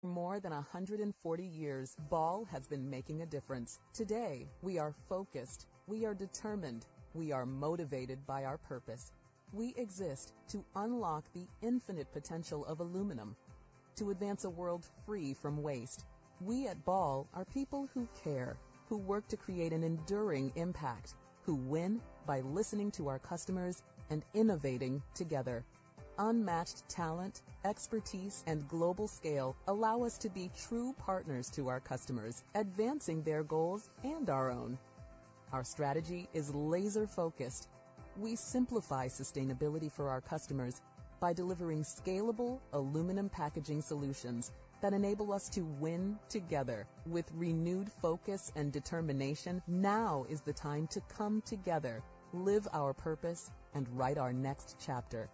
...For more than 140 years, Ball has been making a difference. Today, we are focused, we are determined, we are motivated by our purpose. We exist to unlock the infinite potential of aluminum, to advance a world free from waste. We at Ball are people who care, who work to create an enduring impact, who win by listening to our customers and innovating together. Unmatched talent, expertise, and global scale allow us to be true partners to our customers, advancing their goals and our own. Our strategy is laser-focused. We simplify sustainability for our customers by delivering scalable aluminum packaging solutions that enable us to win together. With renewed focus and determination, now is the time to come together, live our purpose, and write our next chapter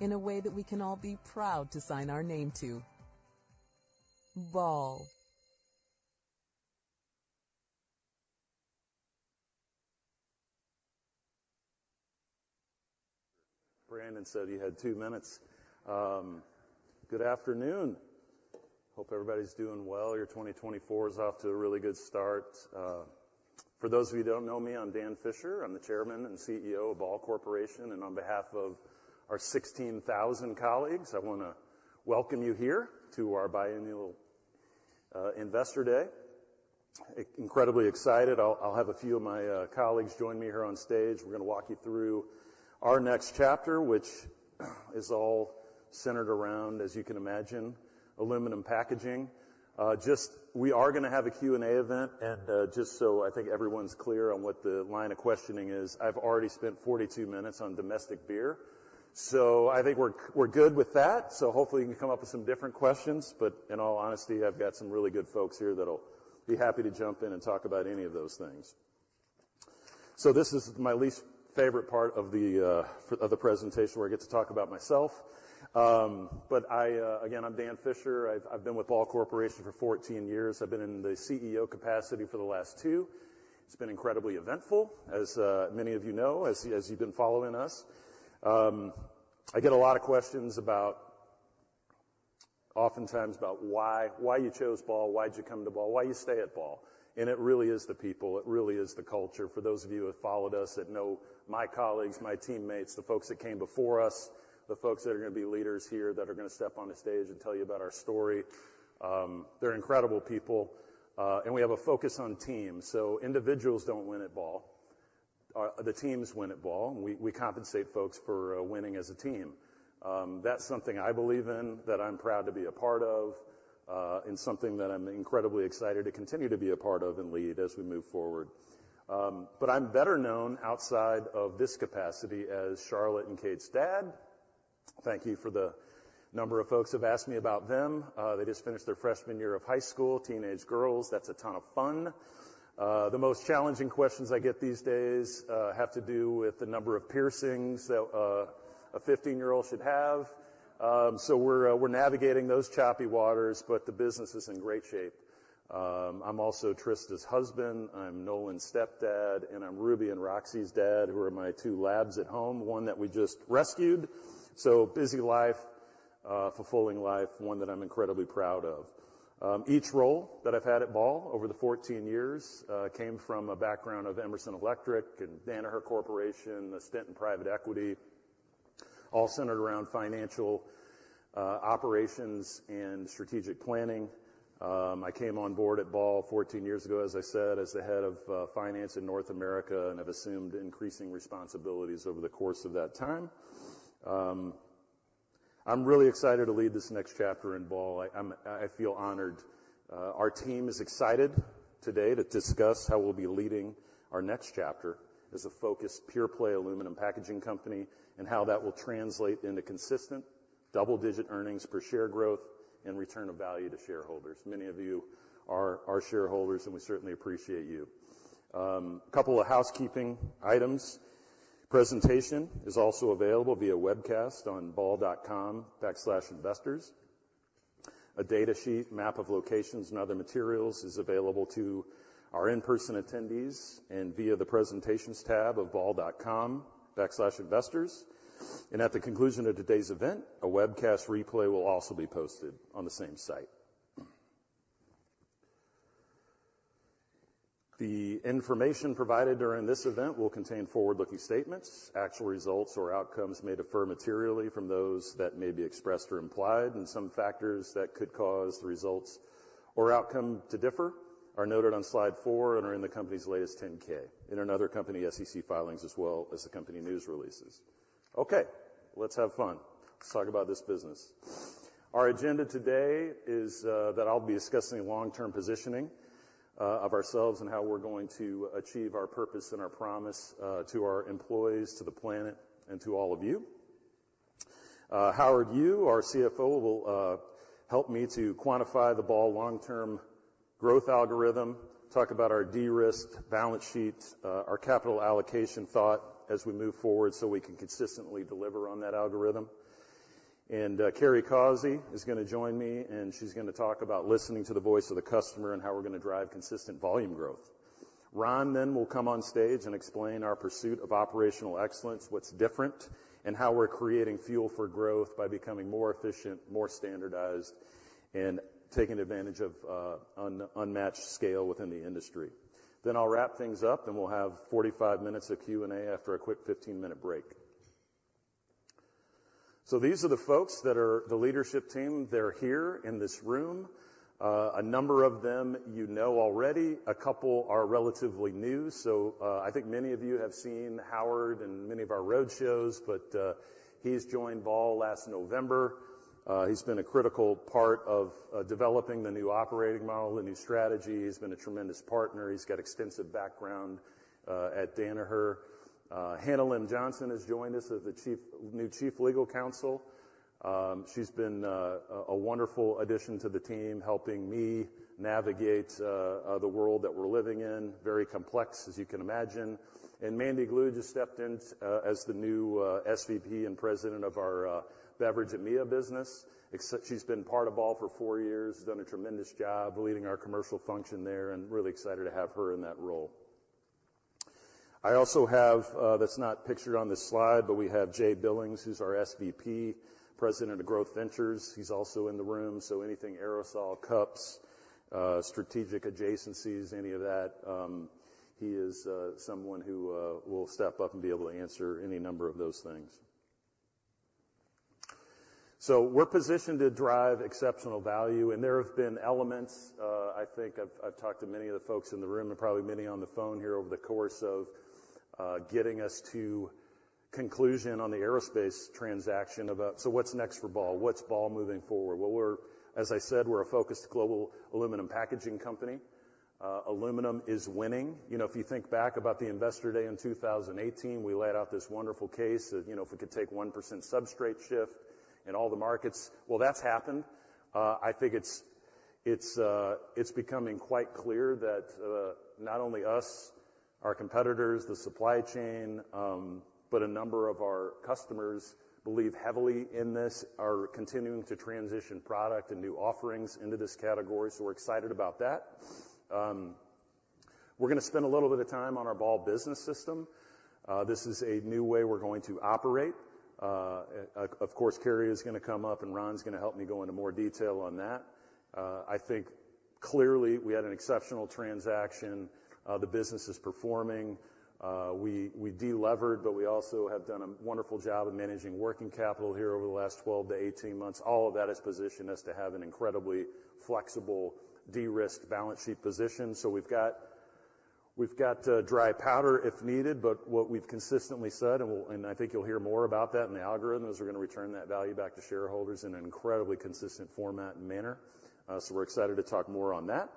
in a way that we can all be proud to sign our name to. Ball. Brandon said you had two minutes. Good afternoon. Hope everybody's doing well. Your 2024 is off to a really good start. For those of you who don't know me, I'm Dan Fisher. I'm the Chairman and CEO of Ball Corporation, and on behalf of our 16,000 colleagues, I wanna welcome you here to our biennial Investor Day. Incredibly excited. I'll have a few of my colleagues join me here on stage. We're gonna walk you through our next chapter, which is all centered around, as you can imagine, aluminum packaging. Just we are gonna have a Q&A event, and just so I think everyone's clear on what the line of questioning is, I've already spent 42 minutes on domestic beer, so I think we're good with that. So hopefully, you can come up with some different questions, but in all honesty, I've got some really good folks here that'll be happy to jump in and talk about any of those things. So this is my least favorite part of the presentation, where I get to talk about myself. But again, I'm Dan Fisher. I've been with Ball Corporation for 14 years. I've been in the CEO capacity for the last 2. It's been incredibly eventful, as many of you know, as you've been following us. I get a lot of questions about oftentimes about why you chose Ball? Why'd you come to Ball? Why you stay at Ball? And it really is the people. It really is the culture. For those of you who have followed us, that know my colleagues, my teammates, the folks that came before us, the folks that are gonna be leaders here, that are gonna step on the stage and tell you about our story, they're incredible people, and we have a focus on teams. So individuals don't win at Ball. The teams win at Ball, and we, we compensate folks for, winning as a team. That's something I believe in, that I'm proud to be a part of, and something that I'm incredibly excited to continue to be a part of and lead as we move forward. But I'm better known outside of this capacity as Charlotte and Kate's dad. Thank you for the number of folks who've asked me about them. They just finished their freshman year of high school, teenage girls. That's a ton of fun. The most challenging questions I get these days have to do with the number of piercings that a 15-year-old should have. So we're navigating those choppy waters, but the business is in great shape. I'm also Trista's husband, I'm Nolan's stepdad, and I'm Ruby and Roxy's dad, who are my two labs at home, one that we just rescued. So busy life, fulfilling life, one that I'm incredibly proud of. Each role that I've had at Ball over the 14 years came from a background of Emerson Electric and Danaher Corporation, a stint in private equity, all centered around financial operations and strategic planning. I came on board at Ball 14 years ago, as I said, as the head of finance in North America, and I've assumed increasing responsibilities over the course of that time. I'm really excited to lead this next chapter in Ball. I feel honored. Our team is excited today to discuss how we'll be leading our next chapter as a focused, pure-play aluminum packaging company and how that will translate into consistent double-digit earnings per share growth and return of value to shareholders. Many of you are our shareholders, and we certainly appreciate you. A couple of housekeeping items. Presentation is also available via webcast on ball.com/investors. A data sheet, map of locations, and other materials is available to our in-person attendees and via the Presentations tab of ball.com/investors. At the conclusion of today's event, a webcast replay will also be posted on the same site. The information provided during this event will contain forward-looking statements. Actual results or outcomes may differ materially from those that may be expressed or implied, and some factors that could cause the results or outcome to differ are noted on slide four and are in the company's latest 10-K and in other company SEC filings, as well as the company news releases. Okay, let's have fun. Let's talk about this business. Our agenda today is that I'll be discussing long-term positioning of ourselves and how we're going to achieve our purpose and our promise to our employees, to the planet, and to all of you. Howard Yu, our CFO, will help me to quantify the Ball long-term growth algorithm, talk about our de-risked balance sheet, our capital allocation thought as we move forward so we can consistently deliver on that algorithm. And, Carey Causey is gonna join me, and she's gonna talk about listening to the voice of the customer and how we're gonna drive consistent volume growth. Ron then will come on stage and explain our pursuit of operational excellence, what's different, and how we're creating fuel for growth by becoming more efficient, more standardized, and taking advantage of unmatched scale within the industry. Then I'll wrap things up, and we'll have 45 minutes of Q&A after a quick 15-minute break. So these are the folks that are the leadership team. They're here in this room. A number of them you know already, a couple are relatively new. So, I think many of you have seen Howard in many of our road shows, but he's joined Ball last November. He's been a critical part of developing the new operating model, the new strategy. He's been a tremendous partner. He's got extensive background at Danaher. Hannah Lim-Johnson has joined us as the new Chief Legal Counsel. She's been a wonderful addition to the team, helping me navigate the world that we're living in. Very complex, as you can imagine. And Mandy Glew just stepped in as the new SVP and President of our Beverage EMEA business. She's been part of Ball for four years, done a tremendous job leading our commercial function there, and really excited to have her in that role. I also have, that's not pictured on this slide, but we have Jay Billings, who's our SVP, President of Growth Ventures. He's also in the room. So anything aerosol, cups, strategic adjacencies, any of that, he is, someone who, will step up and be able to answer any number of those things. So we're positioned to drive exceptional value, and there have been elements, I think I've, I've talked to many of the folks in the room, and probably many on the phone here over the course of, getting us to conclusion on the aerospace transaction about, so what's next for Ball? What's Ball moving forward? Well, we're... As I said, we're a focused global aluminum packaging company. Aluminum is winning. You know, if you think back about the Investor Day in 2018, we laid out this wonderful case that, you know, if we could take 1% substrate shift in all the markets, well, that's happened. I think it's, it's, it's becoming quite clear that, not only us, our competitors, the supply chain, but a number of our customers believe heavily in this, are continuing to transition product and new offerings into this category. So we're excited about that. We're gonna spend a little bit of time on our Ball Business System. This is a new way we're going to operate. Of course, Carey is gonna come up, and Ron's gonna help me go into more detail on that. I think clearly, we had an exceptional transaction. The business is performing. We delevered, but we also have done a wonderful job of managing working capital here over the last 12-18 months. All of that has positioned us to have an incredibly flexible, de-risked balance sheet position. So we've got dry powder if needed, but what we've consistently said, and we'll, and I think you'll hear more about that in the algorithm, is we're gonna return that value back to shareholders in an incredibly consistent format and manner. So we're excited to talk more on that.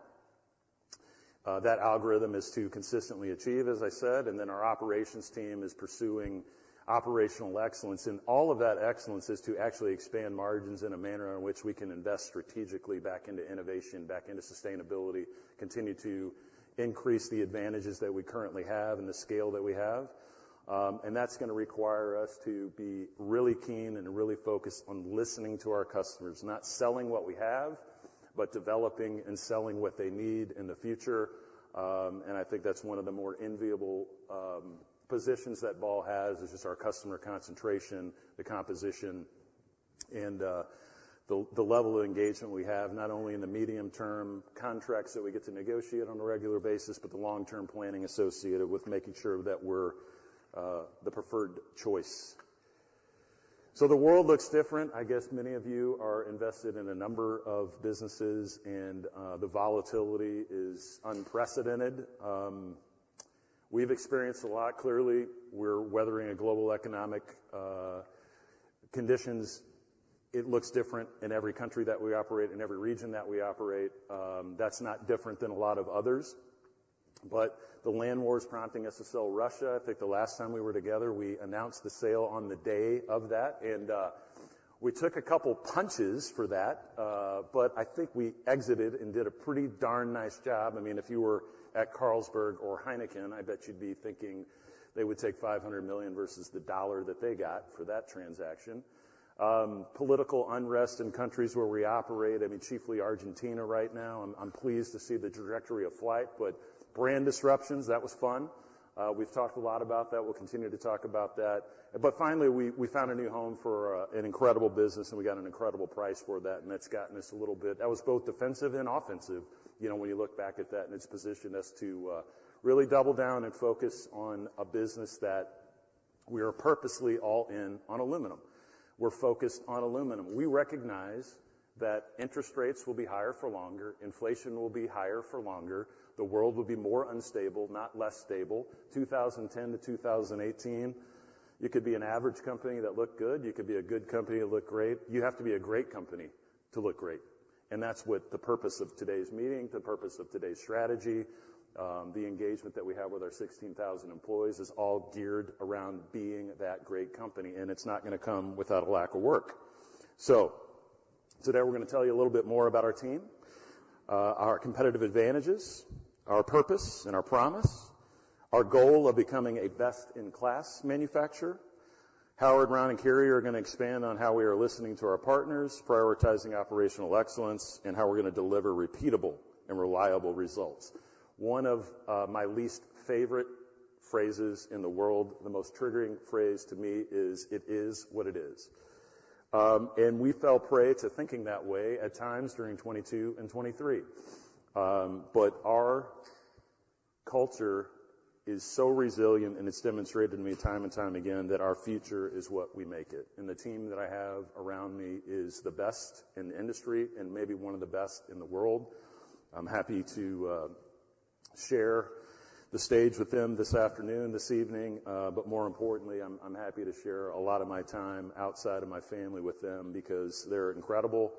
That algorithm is to consistently achieve, as I said, and then our operations team is pursuing operational excellence, and all of that excellence is to actually expand margins in a manner in which we can invest strategically back into innovation, back into sustainability, continue to increase the advantages that we currently have and the scale that we have. That's gonna require us to be really keen and really focused on listening to our customers. Not selling what we have, but developing and selling what they need in the future. And I think that's one of the more enviable positions that Ball has, is just our customer concentration, the composition, and the level of engagement we have, not only in the medium-term contracts that we get to negotiate on a regular basis, but the long-term planning associated with making sure that we're the preferred choice. So the world looks different. I guess many of you are invested in a number of businesses, and the volatility is unprecedented. We've experienced a lot. Clearly, we're weathering a global economic conditions. It looks different in every country that we operate, in every region that we operate. That's not different than a lot of others, but the land war is prompting us to sell Russia. I think the last time we were together, we announced the sale on the day of that, and we took a couple punches for that, but I think we exited and did a pretty darn nice job. I mean, if you were at Carlsberg or Heineken, I bet you'd be thinking they would take $500 million versus the dollar that they got for that transaction. Political unrest in countries where we operate, I mean, chiefly Argentina right now, I'm pleased to see the trajectory of flight, but brand disruptions, that was fun. We've talked a lot about that. We'll continue to talk about that. But finally, we found a new home for an incredible business, and we got an incredible price for that, and that's gotten us a little bit... That was both defensive and offensive, you know, when you look back at that, and it's positioned us to really double down and focus on a business that we are purposely all in on aluminum. We're focused on aluminum. We recognize that interest rates will be higher for longer, inflation will be higher for longer. The world will be more unstable, not less stable. 2010 to 2018, you could be an average company that looked good. You could be a good company that looked great. You have to be a great company to look great. And that's the purpose of today's meeting, the purpose of today's strategy, the engagement that we have with our 16,000 employees, is all geared around being that great company, and it's not gonna come without a lack of work. So today we're gonna tell you a little bit more about our team, our competitive advantages, our purpose, and our promise. Our goal of becoming a best-in-class manufacturer, Howard, Ron, and Carey are going to expand on how we are listening to our partners, prioritizing operational excellence, and how we're going to deliver repeatable and reliable results. One of my least favorite phrases in the world, the most triggering phrase to me is, "It is what it is." And we fell prey to thinking that way at times during 2022 and 2023. But our culture is so resilient, and it's demonstrated to me time and time again that our future is what we make it. And the team that I have around me is the best in the industry and maybe one of the best in the world. I'm happy to share the stage with them this afternoon, this evening. But more importantly, I'm happy to share a lot of my time outside of my family with them because they're incredible.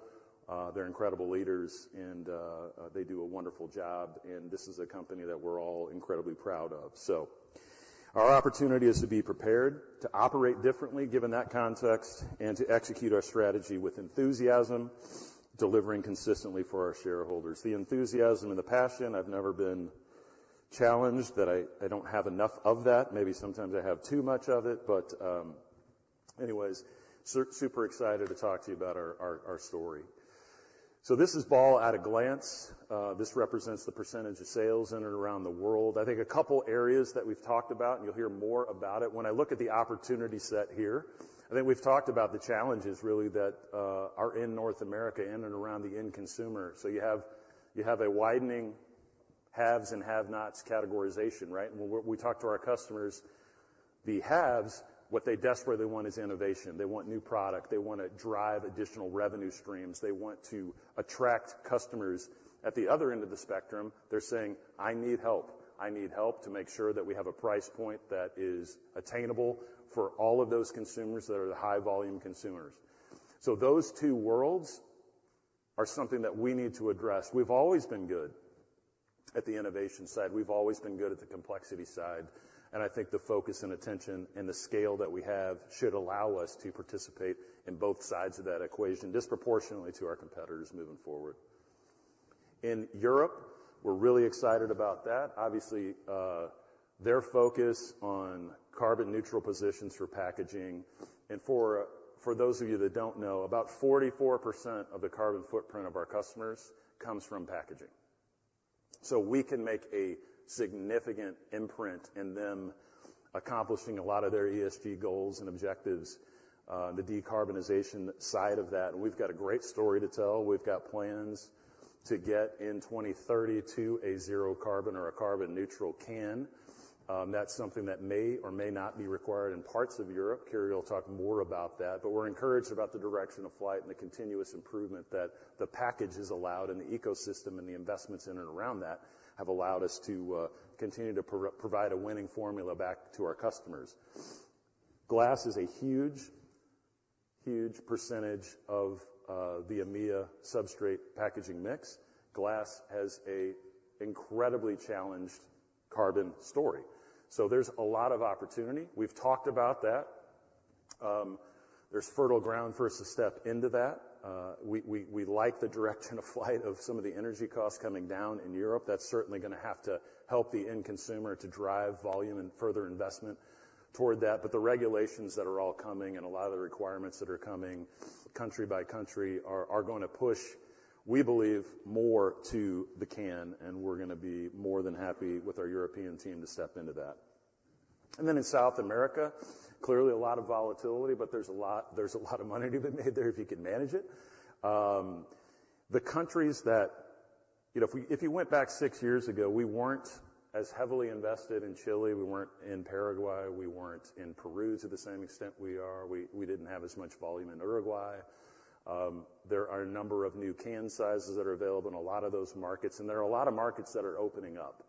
They're incredible leaders, and they do a wonderful job, and this is a company that we're all incredibly proud of. So our opportunity is to be prepared to operate differently, given that context, and to execute our strategy with enthusiasm, delivering consistently for our shareholders. The enthusiasm and the passion, I've never been challenged, that I don't have enough of that. Maybe sometimes I have too much of it, but anyways, super excited to talk to you about our story. So this is Ball at a glance. This represents the percentage of sales in and around the world. I think a couple areas that we've talked about, and you'll hear more about it. When I look at the opportunity set here, I think we've talked about the challenges really that are in North America, in and around the end consumer. So you have, you have a widening haves and have-nots categorization, right? When we talk to our customers, the haves, what they desperately want is innovation. They want new product. They want to drive additional revenue streams. They want to attract customers. At the other end of the spectrum, they're saying, "I need help. I need help to make sure that we have a price point that is attainable for all of those consumers that are the high-volume consumers." So those two worlds are something that we need to address. We've always been good at the innovation side. We've always been good at the complexity side, and I think the focus and attention and the scale that we have should allow us to participate in both sides of that equation, disproportionately to our competitors moving forward. In Europe, we're really excited about that. Obviously, their focus on carbon neutral positions for packaging, and for, for those of you that don't know, about 44% of the carbon footprint of our customers comes from packaging. So we can make a significant imprint in them accomplishing a lot of their ESG goals and objectives, the decarbonization side of that. We've got a great story to tell. We've got plans to get in 2030 to a zero carbon or a carbon neutral can. That's something that may or may not be required in parts of Europe. Carey will talk more about that, but we're encouraged about the direction of flight and the continuous improvement that the package has allowed and the ecosystem and the investments in and around that have allowed us to continue to provide a winning formula back to our customers. Glass is a huge, huge percentage of the EMEA substrate packaging mix. Glass has an incredibly challenged carbon story, so there's a lot of opportunity. We've talked about that. There's fertile ground for us to step into that. We like the direction of flight of some of the energy costs coming down in Europe. That's certainly gonna have to help the end consumer to drive volume and further investment toward that. But the regulations that are all coming and a lot of the requirements that are coming country by country are gonna push, we believe, more to the can, and we're gonna be more than happy with our European team to step into that. And then in South America, clearly a lot of volatility, but there's a lot of money to be made there if you can manage it. The countries that... You know, if you went back six years ago, we weren't as heavily invested in Chile, we weren't in Paraguay, we weren't in Peru to the same extent we are. We didn't have as much volume in Uruguay. There are a number of new can sizes that are available in a lot of those markets, and there are a lot of markets that are opening up.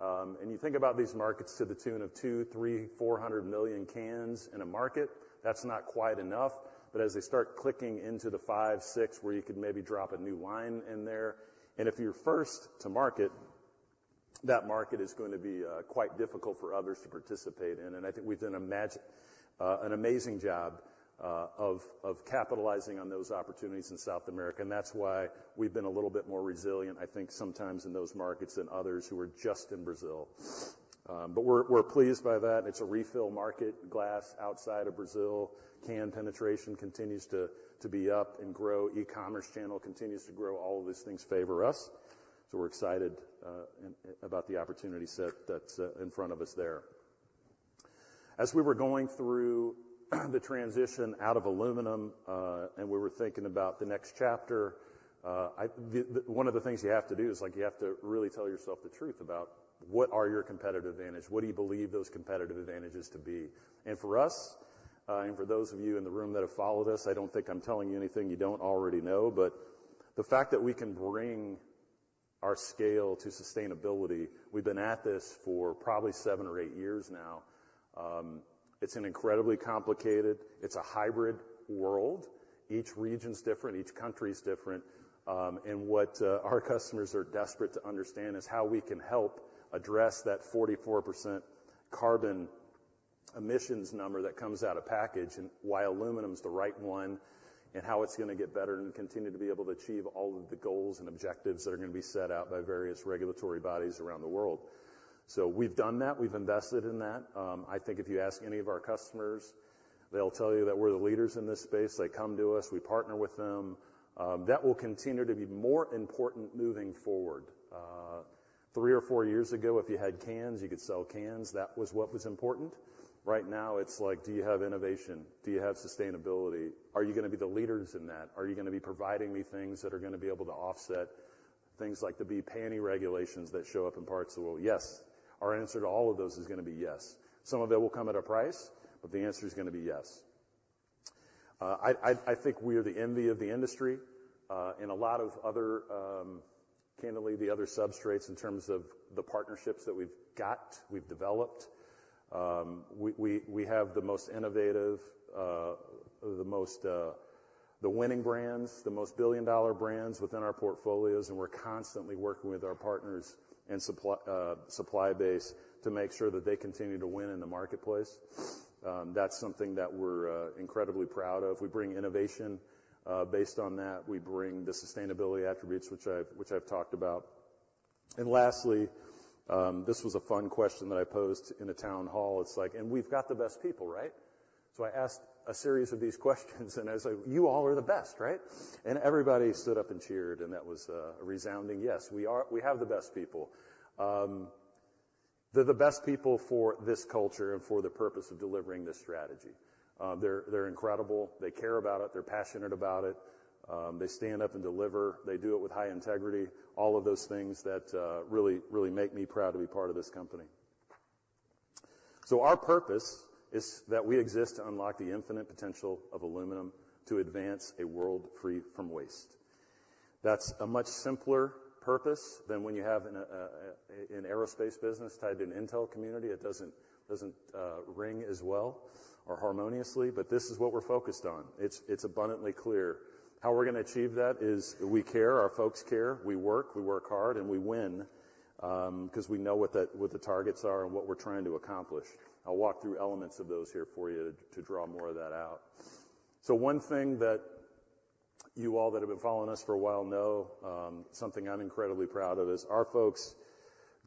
And you think about these markets to the tune of 200/300/400 million cans in a market, that's not quite enough. But as they start clicking into the 5,/6, where you could maybe drop a new line in there, and if you're first to market, that market is going to be quite difficult for others to participate in. And I think we've done an amazing job of capitalizing on those opportunities in South America, and that's why we've been a little bit more resilient, I think, sometimes in those markets than others who are just in Brazil. But we're pleased by that. It's a refill market, glass outside of Brazil. Can penetration continues to be up and grow. E-commerce channel continues to grow. All of these things favor us, so we're excited about the opportunity set that's in front of us there. As we were going through the transition out of aluminum, and we were thinking about the next chapter, I, one of the things you have to do is, like, you have to really tell yourself the truth about what are your competitive advantage, what do you believe those competitive advantages to be? And for us, and for those of you in the room that have followed us, I don't think I'm telling you anything you don't already know, but the fact that we can bring our scale to sustainability, we've been at this for probably seven or eight years now. It's an incredibly complicated... It's a hybrid world. Each region's different, each country's different, and what our customers are desperate to understand is how we can help address that 44% carbon emissions number that comes out of package, and why aluminum is the right one, and how it's going to get better and continue to be able to achieve all of the goals and objectives that are going to be set out by various regulatory bodies around the world. So we've done that. We've invested in that. I think if you ask any of our customers, they'll tell you that we're the leaders in this space. They come to us, we partner with them. That will continue to be more important moving forward. Three or four years ago, if you had cans, you could sell cans. That was what was important. Right now, it's like: Do you have innovation? Do you have sustainability? Are you gonna be the leaders in that? Are you gonna be providing me things that are gonna be able to offset things like the BPA-NI regulations that show up in parts of the world? Yes. Our answer to all of those is gonna be yes. Some of it will come at a price, but the answer is gonna be yes. I think we are the envy of the industry in a lot of other, candidly, the other substrates in terms of the partnerships that we've got, we've developed. We have the most innovative, the most winning brands, the most billion-dollar brands within our portfolios, and we're constantly working with our partners and supply base to make sure that they continue to win in the marketplace. That's something that we're incredibly proud of. We bring innovation. Based on that, we bring the sustainability attributes, which I've talked about. And lastly, this was a fun question that I posed in a town hall. It's like, "And we've got the best people, right?" So I asked a series of these questions and I was like, "You all are the best, right?" And everybody stood up and cheered, and that was a resounding yes. We have the best people. They're the best people for this culture and for the purpose of delivering this strategy. They're incredible. They care about it. They're passionate about it. They stand up and deliver. They do it with high integrity, all of those things that really, really make me proud to be part of this company. So our purpose is that we exist to unlock the infinite potential of aluminum to advance a world free from waste. That's a much simpler purpose than when you have an aerospace business tied to an intel community. It doesn't ring as well or harmoniously, but this is what we're focused on. It's abundantly clear. How we're gonna achieve that is we care, our folks care, we work, we work hard, and we win 'cause we know what the targets are and what we're trying to accomplish. I'll walk through elements of those here for you to draw more of that out. So one thing that you all that have been following us for a while know, something I'm incredibly proud of, is our folks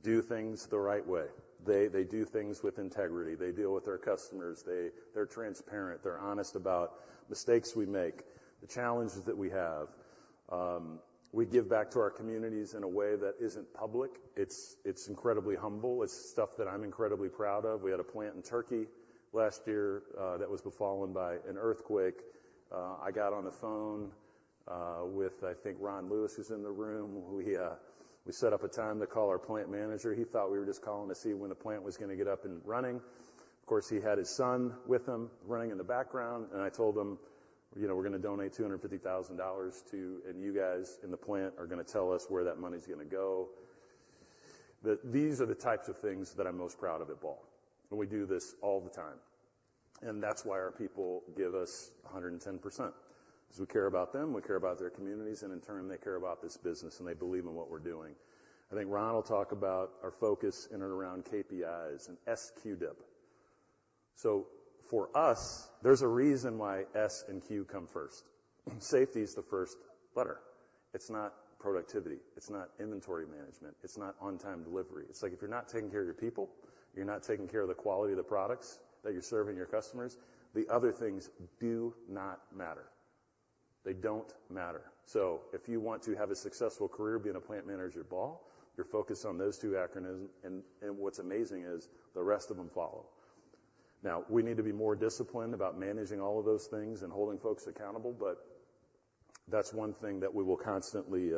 do things the right way. They do things with integrity. They deal with their customers. They're transparent. They're honest about mistakes we make, the challenges that we have. We give back to our communities in a way that isn't public. It's, it's incredibly humble. It's stuff that I'm incredibly proud of. We had a plant in Turkey last year that was befallen by an earthquake. I got on the phone with... I think Ron Lewis, who's in the room. We set up a time to call our plant manager. He thought we were just calling to see when the plant was gonna get up and running. Of course, he had his son with him, running in the background, and I told him, "You know, we're gonna donate $250,000 to you, and you guys in the plant are gonna tell us where that money's gonna go." But these are the types of things that I'm most proud of at Ball, and we do this all the time. And that's why our people give us 110%. 'Cause we care about them, we care about their communities, and in turn, they care about this business, and they believe in what we're doing. I think Ron will talk about our focus in and around KPIs and SQDIP. So for us, there's a reason why S and Q come first. Safety is the first letter. It's not productivity, it's not inventory management, it's not on-time delivery. It's like, if you're not taking care of your people, you're not taking care of the quality of the products that you're serving your customers, the other things do not matter. They don't matter. So if you want to have a successful career being a plant manager at Ball, you're focused on those two acronyms, and what's amazing is the rest of them follow. Now, we need to be more disciplined about managing all of those things and holding folks accountable, but that's one thing that we will constantly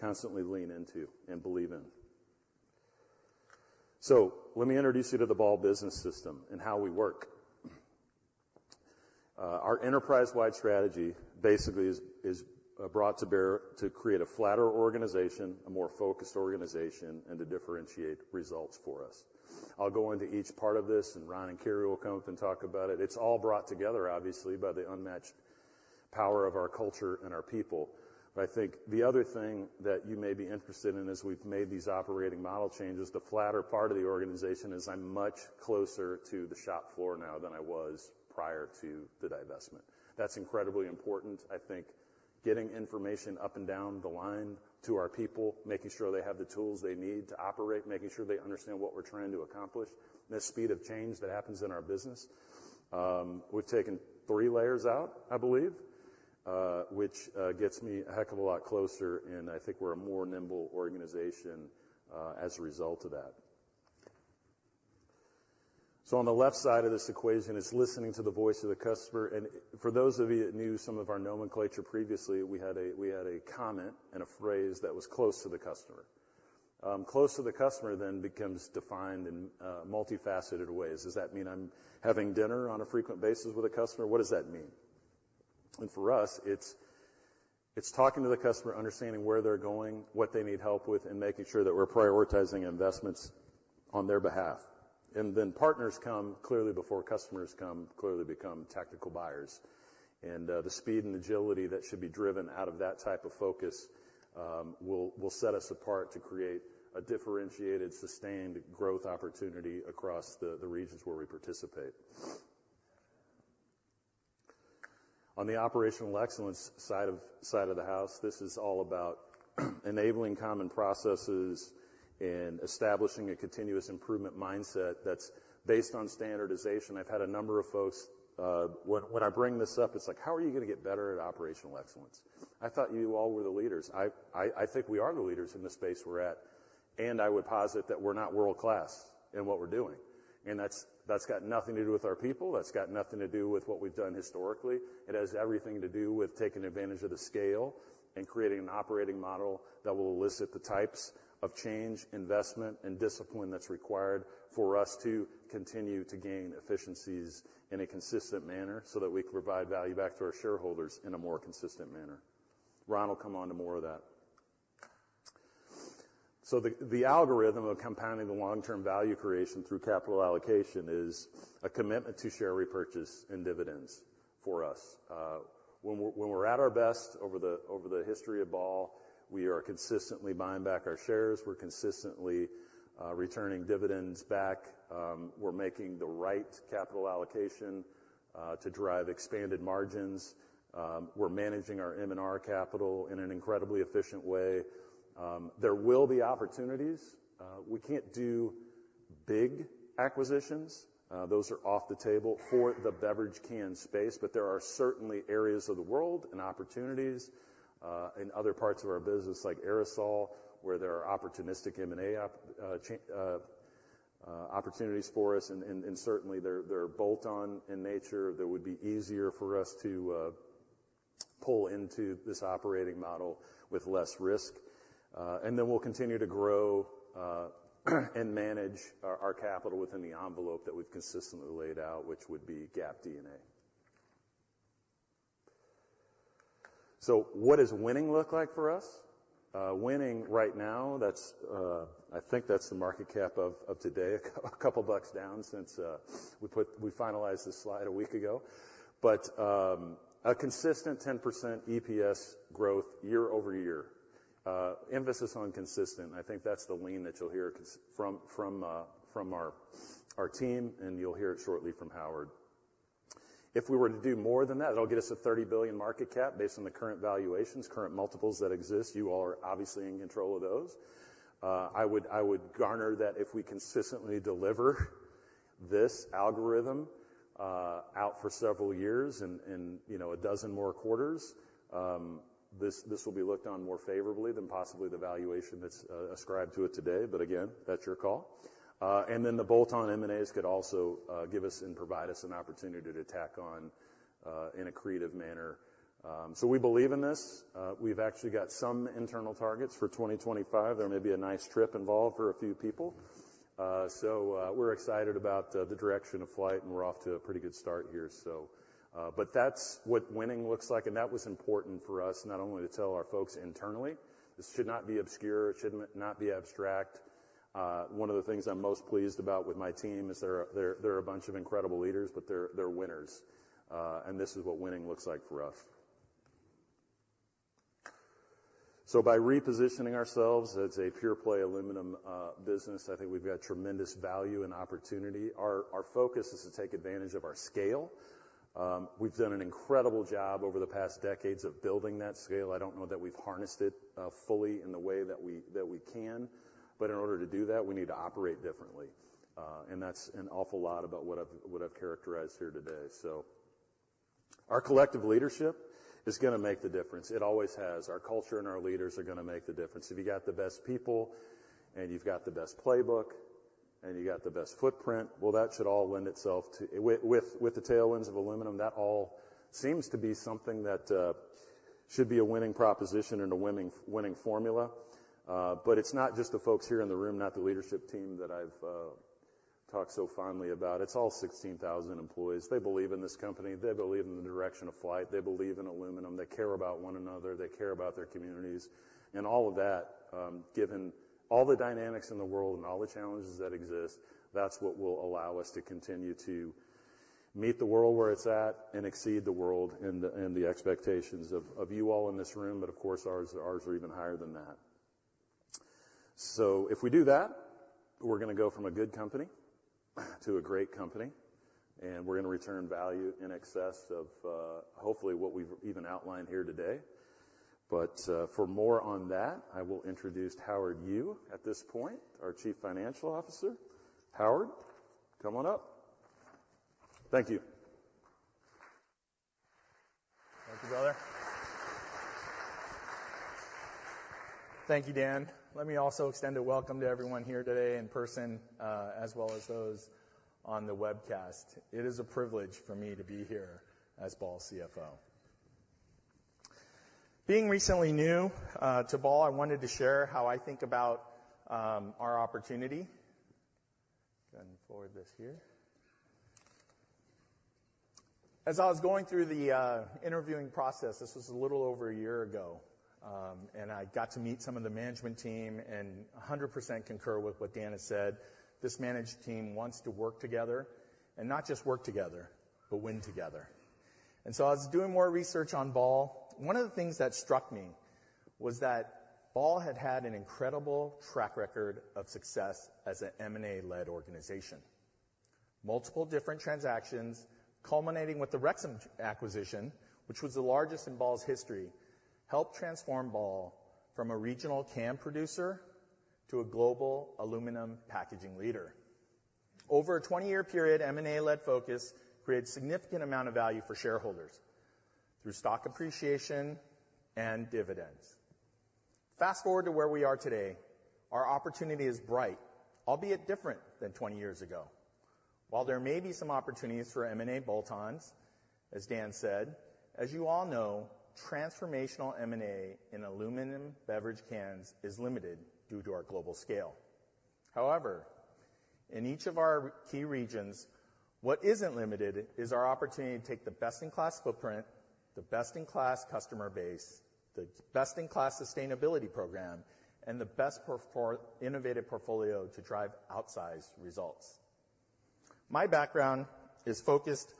constantly lean into and believe in. So let me introduce you to the Ball Business System and how we work. Our enterprise-wide strategy basically is brought to bear to create a flatter organization, a more focused organization, and to differentiate results for us. I'll go into each part of this, and Ron and Carey will come up and talk about it. It's all brought together, obviously, by the unmatched power of our culture and our people. But I think the other thing that you may be interested in as we've made these operating model changes, the flatter part of the organization, is I'm much closer to the shop floor now than I was prior to the divestment. That's incredibly important. I think getting information up and down the line to our people, making sure they have the tools they need to operate, making sure they understand what we're trying to accomplish, and the speed of change that happens in our business. We've taken three layers out, I believe, which gets me a heck of a lot closer, and I think we're a more nimble organization as a result of that. So on the left side of this equation is listening to the voice of the customer, and for those of you that knew some of our nomenclature previously, we had a comment and a phrase that was, "Close to the customer." Close to the customer then becomes defined in multifaceted ways. Does that mean I'm having dinner on a frequent basis with a customer? What does that mean? And for us, it's talking to the customer, understanding where they're going, what they need help with, and making sure that we're prioritizing investments on their behalf. And then partners come clearly before customers come, clearly become tactical buyers. The speed and agility that should be driven out of that type of focus, will, will set us apart to create a differentiated, sustained growth opportunity across the, the regions where we participate. On the operational excellence side of, side of the house, this is all about enabling common processes and establishing a continuous improvement mindset that's based on standardization. I've had a number of folks... When, when I bring this up, it's like: "How are you gonna get better at operational excellence? I thought you all were the leaders." I, I, I think we are the leaders in the space we're at, and I would posit that we're not world-class in what we're doing. That's, that's got nothing to do with our people, that's got nothing to do with what we've done historically. It has everything to do with taking advantage of the scale and creating an operating model that will elicit the types of change, investment, and discipline that's required for us to continue to gain efficiencies in a consistent manner, so that we can provide value back to our shareholders in a more consistent manner. Ron will come on to more of that. So the algorithm of compounding the long-term value creation through capital allocation is a commitment to share repurchase and dividends for us. When we're at our best over the history of Ball, we are consistently buying back our shares, we're consistently returning dividends back, we're making the right capital allocation to drive expanded margins, we're managing our M&R capital in an incredibly efficient way. There will be opportunities. We can't do big acquisitions. Those are off the table for the beverage can space, but there are certainly areas of the world and opportunities in other parts of our business, like aerosol, where there are opportunistic M&A opportunities for us, and certainly they're bolt-on in nature, that would be easier for us to pull into this operating model with less risk. And then we'll continue to grow and manage our capital within the envelope that we've consistently laid out, which would be GAAP D&A. So what does winning look like for us? Winning right now, that's, I think that's the market cap of today, a couple bucks down since we finalized this slide a week ago. But a consistent 10% EPS growth year-over-year. Emphasis on consistent. I think that's the lean that you'll hear from our team, and you'll hear it shortly from Howard. If we were to do more than that, it'll get us a $30 billion market cap based on the current valuations, current multiples that exist. You all are obviously in control of those. I would garner that if we consistently deliver this algorithm out for several years and, you know, a dozen more quarters, this will be looked on more favorably than possibly the valuation that's ascribed to it today. But again, that's your call. And then the bolt-on M&As could also give us and provide us an opportunity to tack on in a creative manner. So we believe in this. We've actually got some internal targets for 2025. There may be a nice trip involved for a few people. We're excited about the direction of flight, and we're off to a pretty good start here. But that's what winning looks like, and that was important for us, not only to tell our folks internally. This should not be obscure, it should not be abstract. One of the things I'm most pleased about with my team is they're a bunch of incredible leaders, but they're winners, and this is what winning looks like for us. So by repositioning ourselves as a pure play aluminum business, I think we've got tremendous value and opportunity. Our focus is to take advantage of our scale. We've done an incredible job over the past decades of building that scale. I don't know that we've harnessed it fully in the way that we can, but in order to do that, we need to operate differently. And that's an awful lot about what I've characterized here today. So our collective leadership is gonna make the difference. It always has. Our culture and our leaders are gonna make the difference. If you've got the best people, and you've got the best playbook, and you've got the best footprint, well, that should all lend itself to... With the tailwinds of aluminum, that all seems to be something that should be a winning proposition and a winning formula. But it's not just the folks here in the room, not the leadership team that I've talked so fondly about. It's all 16,000 employees. They believe in this company. They believe in the direction of flight. They believe in aluminum. They care about one another. They care about their communities. And all of that, given all the dynamics in the world and all the challenges that exist, that's what will allow us to continue to meet the world where it's at and exceed the world and the, and the expectations of, of you all in this room. But of course, ours, ours are even higher than that. So if we do that, we're gonna go from a good company to a great company, and we're gonna return value in excess of, hopefully what we've even outlined here today. But, for more on that, I will introduce Howard Yu at this point, our Chief Financial Officer. Howard, come on up. Thank you. Thank you, brother. Thank you, Dan. Let me also extend a welcome to everyone here today in person, as well as those on the webcast. It is a privilege for me to be here as Ball's CFO. Being recently new to Ball, I wanted to share how I think about our opportunity. Go ahead and forward this here. As I was going through the interviewing process, this was a little over a year ago, and I got to meet some of the management team, and 100% concur with what Dan has said, this management team wants to work together, and not just work together, but win together. So as I was doing more research on Ball, one of the things that struck me was that Ball had had an incredible track record of success as an M&A-led organization. Multiple different transactions, culminating with the Rexam acquisition, which was the largest in Ball's history, helped transform Ball from a regional can producer to a global aluminum packaging leader. Over a 20-year period, M&A-led focus created significant amount of value for shareholders through stock appreciation and dividends. Fast forward to where we are today. Our opportunity is bright, albeit different than 20 years ago. While there may be some opportunities for M&A bolt-ons, as Dan said, as you all know, transformational M&A in aluminum beverage cans is limited due to our global scale. However, in each of our key regions, what isn't limited is our opportunity to take the best-in-class footprint, the best-in-class customer base, the best-in-class sustainability program, and the best-performing innovative portfolio to drive outsized results. My background is focused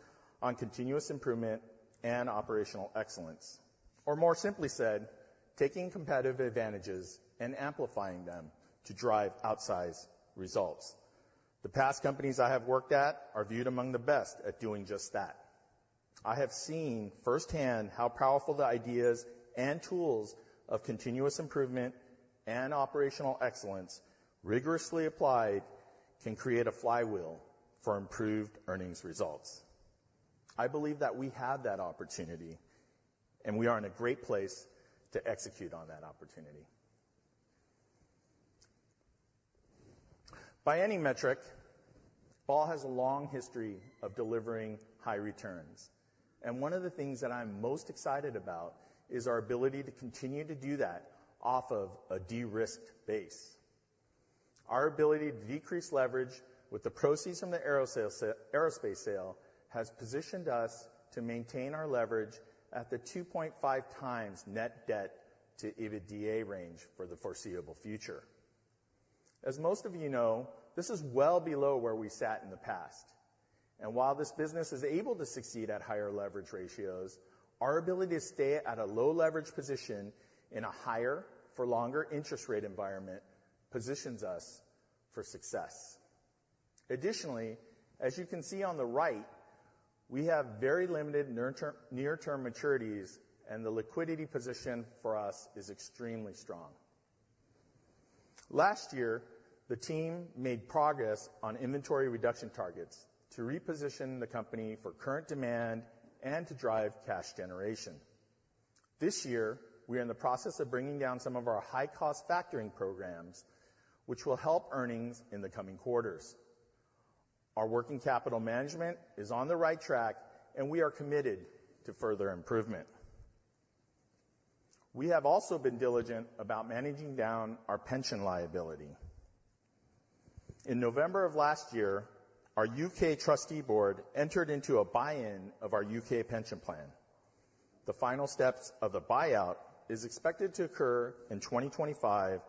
on continuous improvement and operational excellence, or more simply said, taking competitive advantages and amplifying them to drive outsized results. The past companies I have worked at are viewed among the best at doing just that. I have seen firsthand how powerful the ideas and tools of continuous improvement and operational excellence, rigorously applied, can create a flywheel for improved earnings results. I believe that we have that opportunity, and we are in a great place to execute on that opportunity. By any metric, Ball has a long history of delivering high returns, and one of the things that I'm most excited about is our ability to continue to do that off of a de-risked base. Our ability to decrease leverage with the proceeds from the aerospace sale has positioned us to maintain our leverage at the 2.5x net debt to EBITDA range for the foreseeable future. As most of you know, this is well below where we sat in the past, and while this business is able to succeed at higher leverage ratios, our ability to stay at a low leverage position in a higher for longer interest rate environment positions us for success. Additionally, as you can see on the right, we have very limited near-term maturities and the liquidity position for us is extremely strong. Last year, the team made progress on inventory reduction targets to reposition the company for current demand and to drive cash generation. This year, we are in the process of bringing down some of our high-cost factoring programs, which will help earnings in the coming quarters. Our working capital management is on the right track, and we are committed to further improvement. We have also been diligent about managing down our pension liability. In November of last year, our U.K. trustee board entered into a buy-in of our U.K. pension plan. The final steps of the buyout is expected to occur in 2025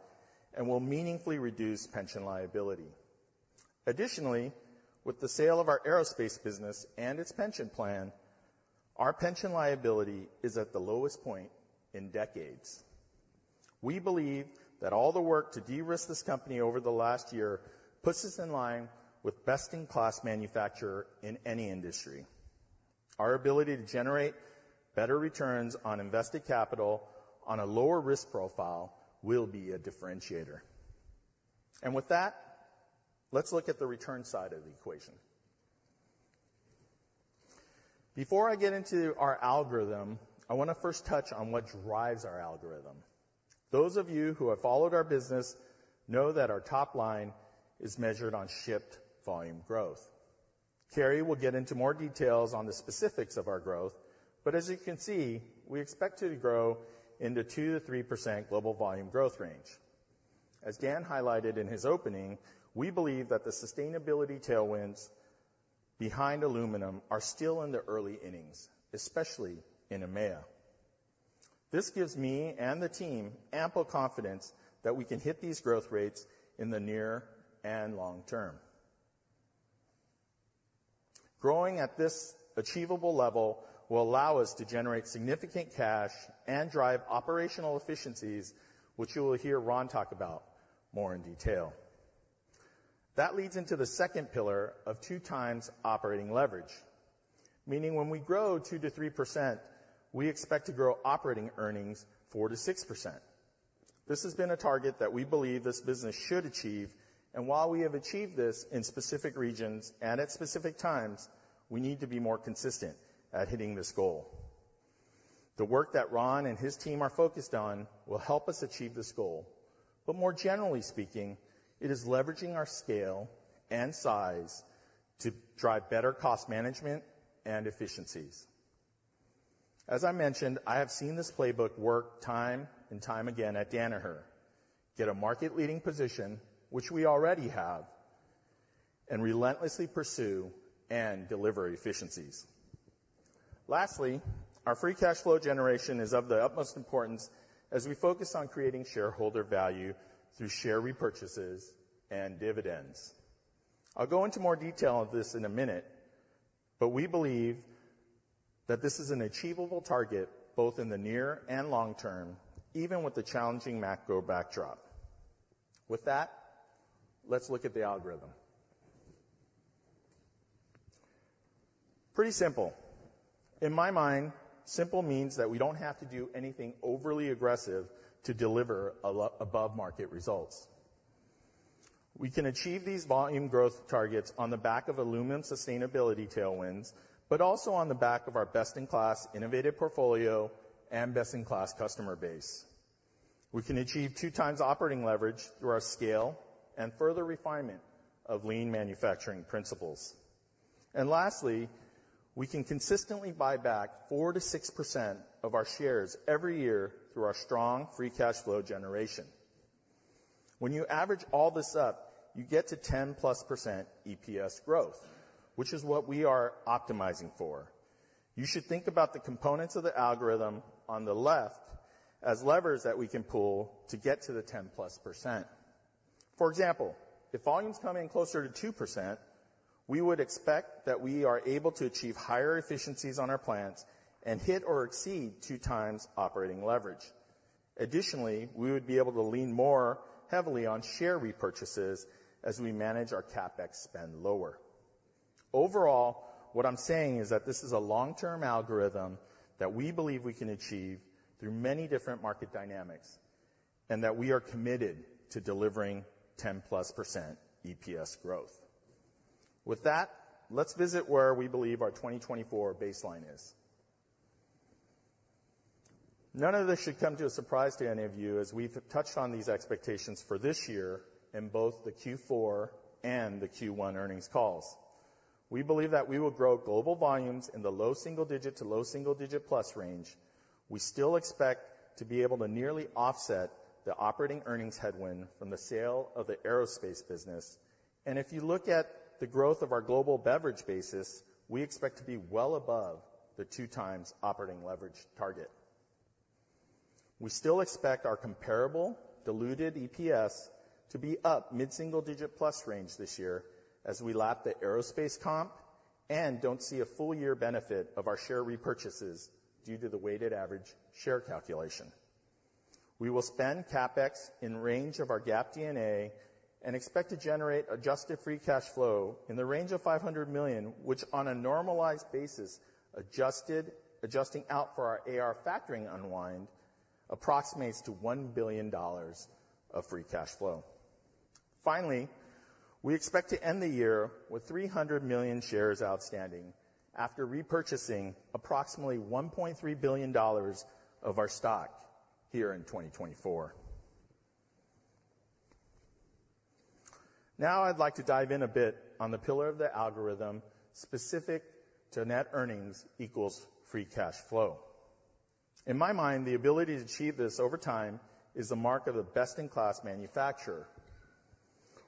and will meaningfully reduce pension liability. Additionally, with the sale of our aerospace business and its pension plan, our pension liability is at the lowest point in decades. We believe that all the work to de-risk this company over the last year puts us in line with best-in-class manufacturer in any industry. Our ability to generate better returns on invested capital on a lower risk profile will be a differentiator. With that, let's look at the return side of the equation. Before I get into our algorithm, I want to first touch on what drives our algorithm. Those of you who have followed our business know that our top line is measured on shipped volume growth. Carey will get into more details on the specifics of our growth, but as you can see, we expect to grow in the 2%-3% global volume growth range. As Dan highlighted in his opening, we believe that the sustainability tailwinds behind aluminum are still in the early innings, especially in EMEA. This gives me and the team ample confidence that we can hit these growth rates in the near and long term. Growing at this achievable level will allow us to generate significant cash and drive operational efficiencies, which you will hear Ron talk about more in detail. That leads into the second pillar of 2x operating leverage, meaning when we grow 2%-3%, we expect to grow operating earnings 4%-6%. This has been a target that we believe this business should achieve, and while we have achieved this in specific regions and at specific times, we need to be more consistent at hitting this goal. The work that Ron and his team are focused on will help us achieve this goal, but more generally speaking, it is leveraging our scale and size to drive better cost management and efficiencies. As I mentioned, I have seen this playbook work time and time again at Danaher. Get a market-leading position, which we already have, and relentlessly pursue and deliver efficiencies. Lastly, our free cash flow generation is of the utmost importance as we focus on creating shareholder value through share repurchases and dividends. I'll go into more detail on this in a minute... But we believe that this is an achievable target, both in the near and long term, even with the challenging macro backdrop. With that, let's look at the algorithm. Pretty simple. In my mind, simple means that we don't have to do anything overly aggressive to deliver above-market results. We can achieve these volume growth targets on the back of aluminum sustainability tailwinds, but also on the back of our best-in-class innovative portfolio and best-in-class customer base. We can achieve 2x operating leverage through our scale and further refinement of lean manufacturing principles. Lastly, we can consistently buy back 4%-6% of our shares every year through our strong free cash flow generation. When you average all this up, you get to 10%+ EPS growth, which is what we are optimizing for. You should think about the components of the algorithm on the left as levers that we can pull to get to the 10%+. For example, if volumes come in closer to 2%, we would expect that we are able to achieve higher efficiencies on our plants and hit or exceed 2x operating leverage. Additionally, we would be able to lean more heavily on share repurchases as we manage our CapEx spend lower. Overall, what I'm saying is that this is a long-term algorithm that we believe we can achieve through many different market dynamics, and that we are committed to delivering 10%+ EPS growth. With that, let's visit where we believe our 2024 baseline is. None of this should come to a surprise to any of you, as we've touched on these expectations for this year in both the Q4 and the Q1 earnings calls. We believe that we will grow global volumes in the low single digit to low single digit plus range. We still expect to be able to nearly offset the operating earnings headwind from the sale of the aerospace business. If you look at the growth of our global beverage basis, we expect to be well above the 2x operating leverage target. We still expect our comparable diluted EPS to be up mid-single digit plus range this year as we lap the aerospace comp and don't see a full year benefit of our share repurchases due to the weighted average share calculation. We will spend CapEx in range of our GAAP D&A and expect to generate adjusted free cash flow in the range of $500 million, which on a normalized basis, adjusting out for our AR factoring unwind, approximates to $1 billion of free cash flow. Finally, we expect to end the year with $300 million shares outstanding after repurchasing approximately $1.3 billion of our stock here in 2024. Now, I'd like to dive in a bit on the pillar of the algorithm specific to net earnings equals free cash flow. In my mind, the ability to achieve this over time is the mark of a best-in-class manufacturer.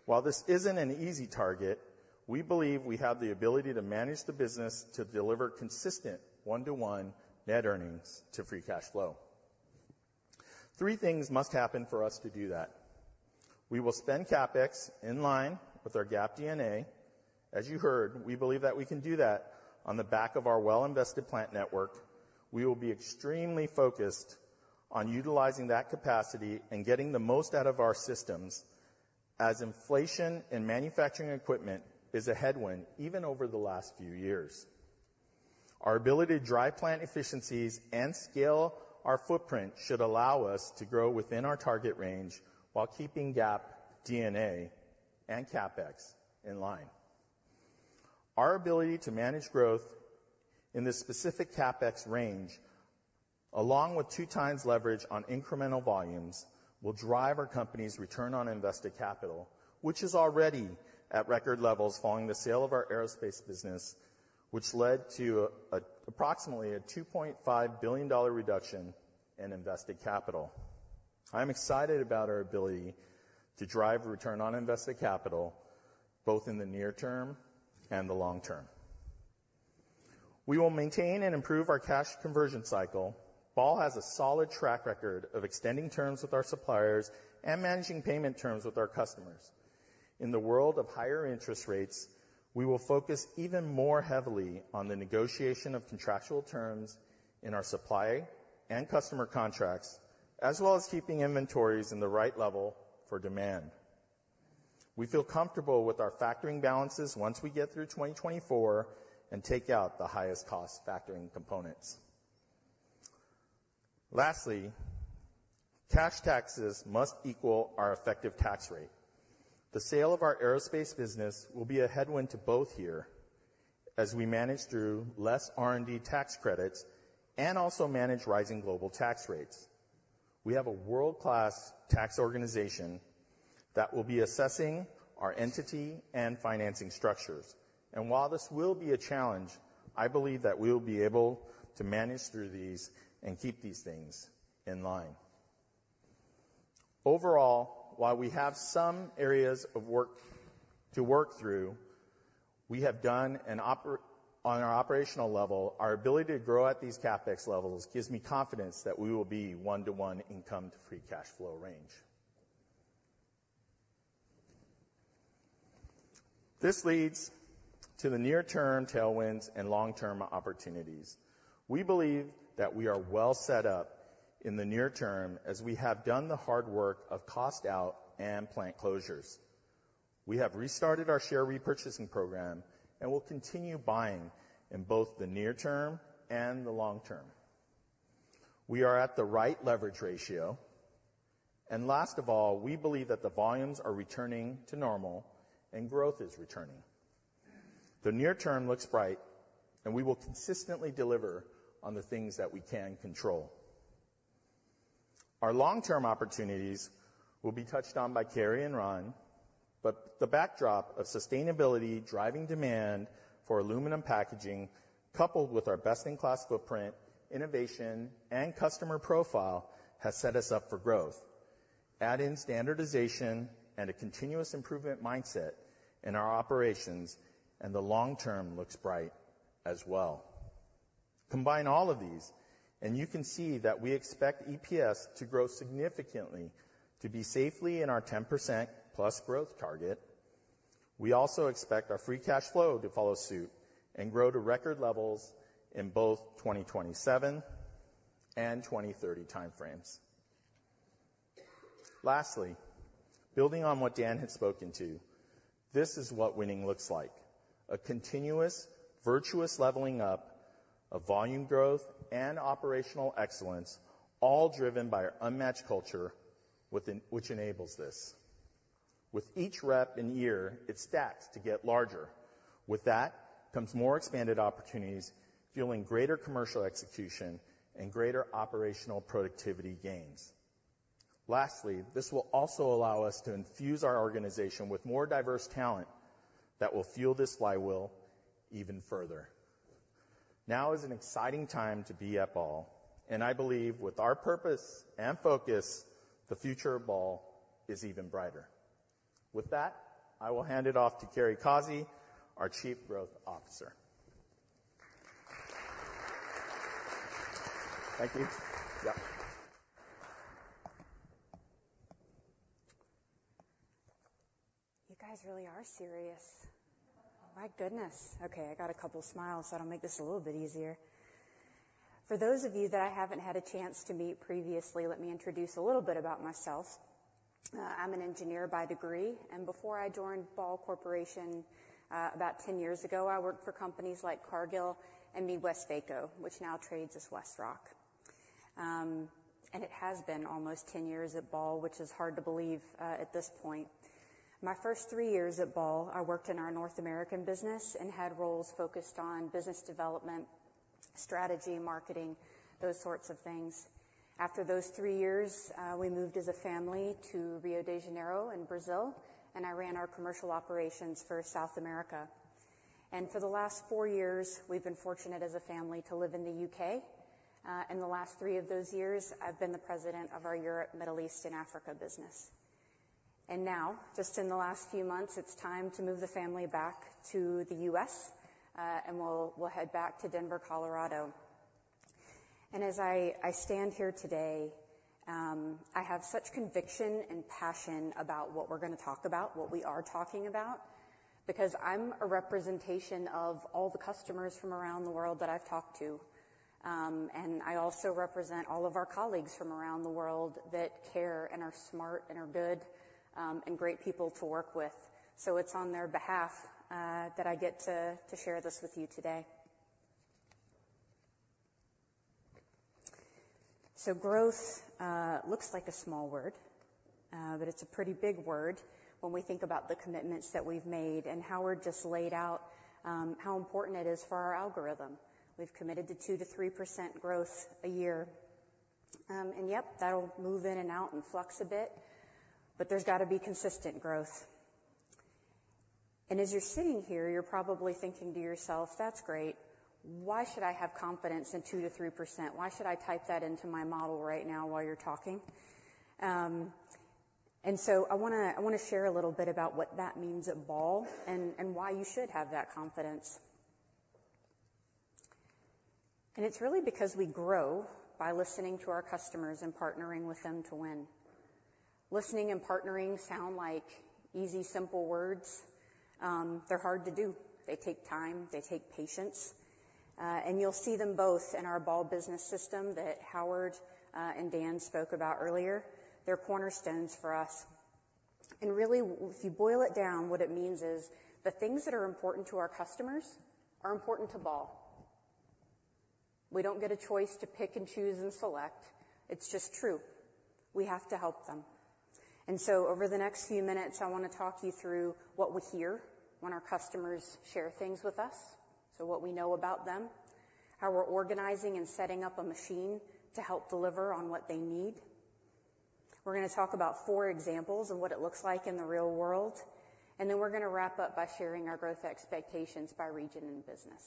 While this isn't an easy target, we believe we have the ability to manage the business to deliver consistent 1-to-1 net earnings to free cash flow. Three things must happen for us to do that. We will spend CapEx in line with our GAAP D&A. As you heard, we believe that we can do that on the back of our well-invested plant network. We will be extremely focused on utilizing that capacity and getting the most out of our systems as inflation in manufacturing equipment is a headwind, even over the last few years. Our ability to drive plant efficiencies and scale our footprint should allow us to grow within our target range while keeping GAAP, D&A, and CapEx in line. Our ability to manage growth in this specific CapEx range, along with 2x leverage on incremental volumes, will drive our company's return on invested capital, which is already at record levels following the sale of our aerospace business, which led to approximately a $2.5 billion reduction in invested capital. I'm excited about our ability to drive return on invested capital, both in the near term and the long term. We will maintain and improve our cash conversion cycle. Ball has a solid track record of extending terms with our suppliers and managing payment terms with our customers. In the world of higher interest rates, we will focus even more heavily on the negotiation of contractual terms in our supply and customer contracts, as well as keeping inventories in the right level for demand. We feel comfortable with our factoring balances once we get through 2024 and take out the highest cost factoring components. Lastly, cash taxes must equal our effective tax rate. The sale of our aerospace business will be a headwind to both here as we manage through less R&D tax credits and also manage rising global tax rates. We have a world-class tax organization that will be assessing our entity and financing structures. And while this will be a challenge, I believe that we will be able to manage through these and keep these things in line. Overall, while we have some areas of work to work through, we have done an oper... On our operational level, our ability to grow at these CapEx levels gives me confidence that we will be 1-to-1 income to free cash flow range.... This leads to the near-term tailwinds and long-term opportunities. We believe that we are well set up in the near term as we have done the hard work of cost out and plant closures. We have restarted our share repurchasing program, and we'll continue buying in both the near term and the long term. We are at the right leverage ratio, and last of all, we believe that the volumes are returning to normal and growth is returning. The near term looks bright, and we will consistently deliver on the things that we can control. Our long-term opportunities will be touched on by Carey and Ron, but the backdrop of sustainability, driving demand for aluminum packaging, coupled with our best-in-class footprint, innovation, and customer profile, has set us up for growth. Add in standardization and a continuous improvement mindset in our operations, and the long term looks bright as well. Combine all of these and you can see that we expect EPS to grow significantly to be safely in our 10%+ growth target. We also expect our free cash flow to follow suit and grow to record levels in both 2027 and 2030 time frames. Lastly, building on what Dan had spoken to, this is what winning looks like: a continuous, virtuous leveling up of volume growth and operational excellence, all driven by our unmatched culture within, which enables this. With each rep and year, it stacks to get larger. With that, comes more expanded opportunities, fueling greater commercial execution and greater operational productivity gains. Lastly, this will also allow us to infuse our organization with more diverse talent that will fuel this flywheel even further. Now is an exciting time to be at Ball, and I believe with our purpose and focus, the future of Ball is even brighter. With that, I will hand it off to Carey Causey, our Chief Growth Officer. Thank you. Yeah. You guys really are serious. Oh, my goodness! Okay, I got a couple smiles, that'll make this a little bit easier. For those of you that I haven't had a chance to meet previously, let me introduce a little bit about myself. I'm an engineer by degree, and before I joined Ball Corporation, about 10 years ago, I worked for companies like Cargill and MeadWestvaco, which now trades as WestRock. And it has been almost 10 years at Ball, which is hard to believe, at this point. My first 3 years at Ball, I worked in our North American business and had roles focused on business development, strategy, marketing, those sorts of things. After those 3 years, we moved as a family to Rio de Janeiro in Brazil, and I ran our commercial operations for South America. For the last four years, we've been fortunate as a family to live in the U.K. And the last three of those years, I've been the President of our Europe, Middle East, and Africa business. And now, just in the last few months, it's time to move the family back to the U.S., and we'll head back to Denver, Colorado. And as I stand here today, I have such conviction and passion about what we're gonna talk about, what we are talking about, because I'm a representation of all the customers from around the world that I've talked to. And I also represent all of our colleagues from around the world that care and are smart and are good, and great people to work with. So it's on their behalf that I get to share this with you today. So growth looks like a small word, but it's a pretty big word when we think about the commitments that we've made and how we're just laid out, how important it is for our algorithm. We've committed to 2%-3% growth a year. Yep, that'll move in and out and flux a bit, but there's got to be consistent growth. As you're sitting here, you're probably thinking to yourself: That's great. Why should I have confidence in 2%-3%? Why should I type that into my model right now while you're talking? So I wanna, I wanna share a little bit about what that means at Ball and why you should have that confidence. It's really because we grow by listening to our customers and partnering with them to win. Listening and partnering sound like easy, simple words. They're hard to do. They take time, they take patience, and you'll see them both in our Ball Business System that Howard and Dan spoke about earlier. They're cornerstones for us. And really, if you boil it down, what it means is the things that are important to our customers are important to Ball. We don't get a choice to pick and choose and select. It's just true. We have to help them. And so over the next few minutes, I wanna talk you through what we hear when our customers share things with us, so what we know about them, how we're organizing and setting up a machine to help deliver on what they need. We're gonna talk about four examples of what it looks like in the real world, and then we're gonna wrap up by sharing our growth expectations by region and business.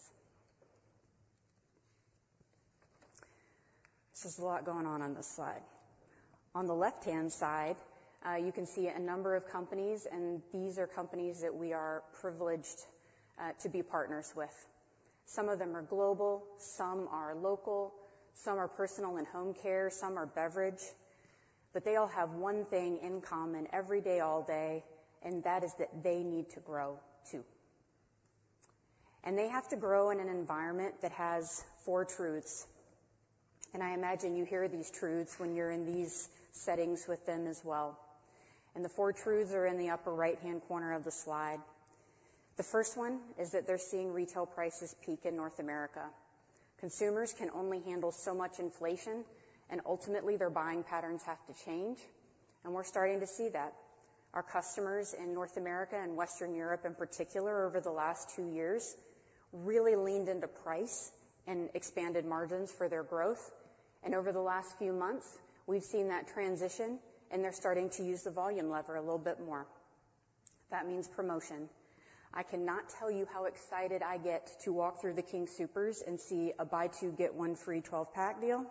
This is a lot going on on this slide. On the left-hand side, you can see a number of companies, and these are companies that we are privileged to be partners with. Some of them are global, some are local, some are personal and home care, some are beverage. But they all have one thing in common every day, all day, and that is that they need to grow, too. And they have to grow in an environment that has four truths, and I imagine you hear these truths when you're in these settings with them as well. And the four truths are in the upper right-hand corner of the slide. The first one is that they're seeing retail prices peak in North America. Consumers can only handle so much inflation, and ultimately their buying patterns have to change, and we're starting to see that. Our customers in North America and Western Europe, in particular, over the last two years, really leaned into price and expanded margins for their growth, and over the last few months, we've seen that transition, and they're starting to use the volume lever a little bit more. That means promotion. I cannot tell you how excited I get to walk through the King Soopers and see a buy two, get one free 12-pack deal.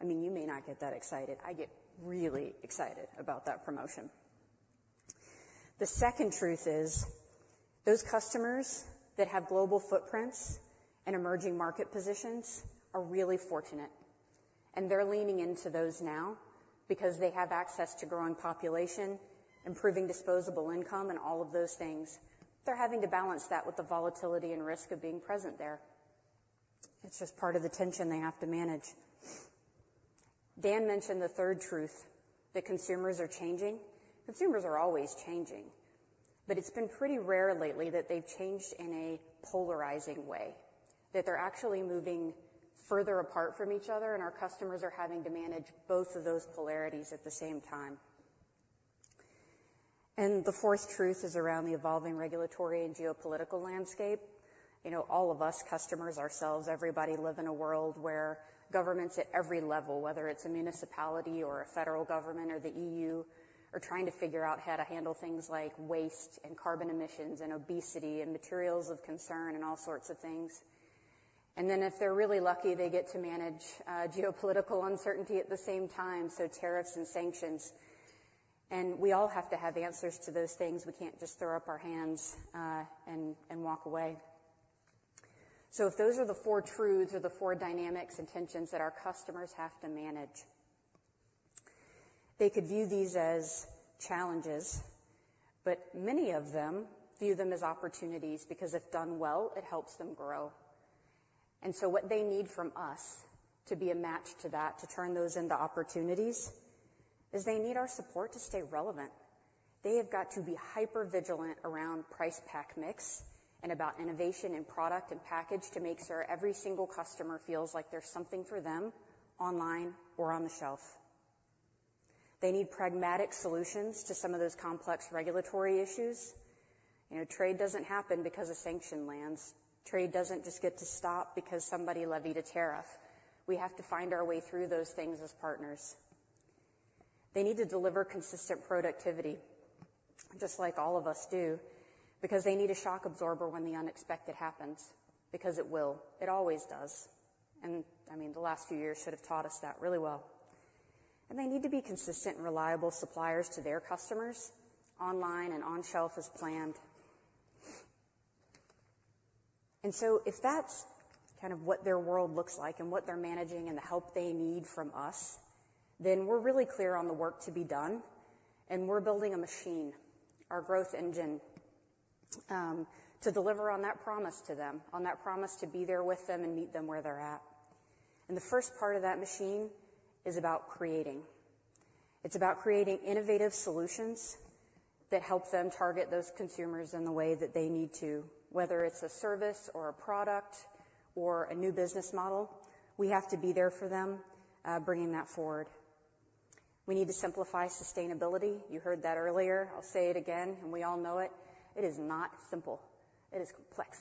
I mean, you may not get that excited. I get really excited about that promotion. The second truth is, those customers that have global footprints and emerging market positions are really fortunate, and they're leaning into those now because they have access to growing population, improving disposable income, and all of those things. They're having to balance that with the volatility and risk of being present there. It's just part of the tension they have to manage. Dan mentioned the third truth, that consumers are changing. Consumers are always changing, but it's been pretty rare lately that they've changed in a polarizing way, that they're actually moving further apart from each other, and our customers are having to manage both of those polarities at the same time. The fourth truth is around the evolving regulatory and geopolitical landscape. You know, all of us, customers, ourselves, everybody, live in a world where governments at every level, whether it's a municipality or a federal government or the EU, are trying to figure out how to handle things like waste and carbon emissions and obesity and materials of concern and all sorts of things. And then if they're really lucky, they get to manage geopolitical uncertainty at the same time, so tariffs and sanctions, and we all have to have answers to those things. We can't just throw up our hands and walk away. So if those are the four truths or the four dynamics and tensions that our customers have to manage, they could view these as challenges, but many of them view them as opportunities, because if done well, it helps them grow. And so what they need from us to be a match to that, to turn those into opportunities, is they need our support to stay relevant. They have got to be hypervigilant around price pack mix and about innovation in product and package to make sure every single customer feels like there's something for them online or on the shelf. They need pragmatic solutions to some of those complex regulatory issues. You know, trade doesn't happen because of sanction lands. Trade doesn't just get to stop because somebody levied a tariff. We have to find our way through those things as partners. They need to deliver consistent productivity, just like all of us do, because they need a shock absorber when the unexpected happens, because it will. It always does. And I mean, the last few years should have taught us that really well. And they need to be consistent and reliable suppliers to their customers, online and on-shelf as planned. And so if that's kind of what their world looks like and what they're managing and the help they need from us, then we're really clear on the work to be done, and we're building a machine, our growth engine, to deliver on that promise to them, on that promise to be there with them and meet them where they're at. And the first part of that machine is about creating. It's about creating innovative solutions that help them target those consumers in the way that they need to, whether it's a service or a product or a new business model, we have to be there for them, bringing that forward. We need to simplify sustainability. You heard that earlier. I'll say it again, and we all know it. It is not simple. It is complex.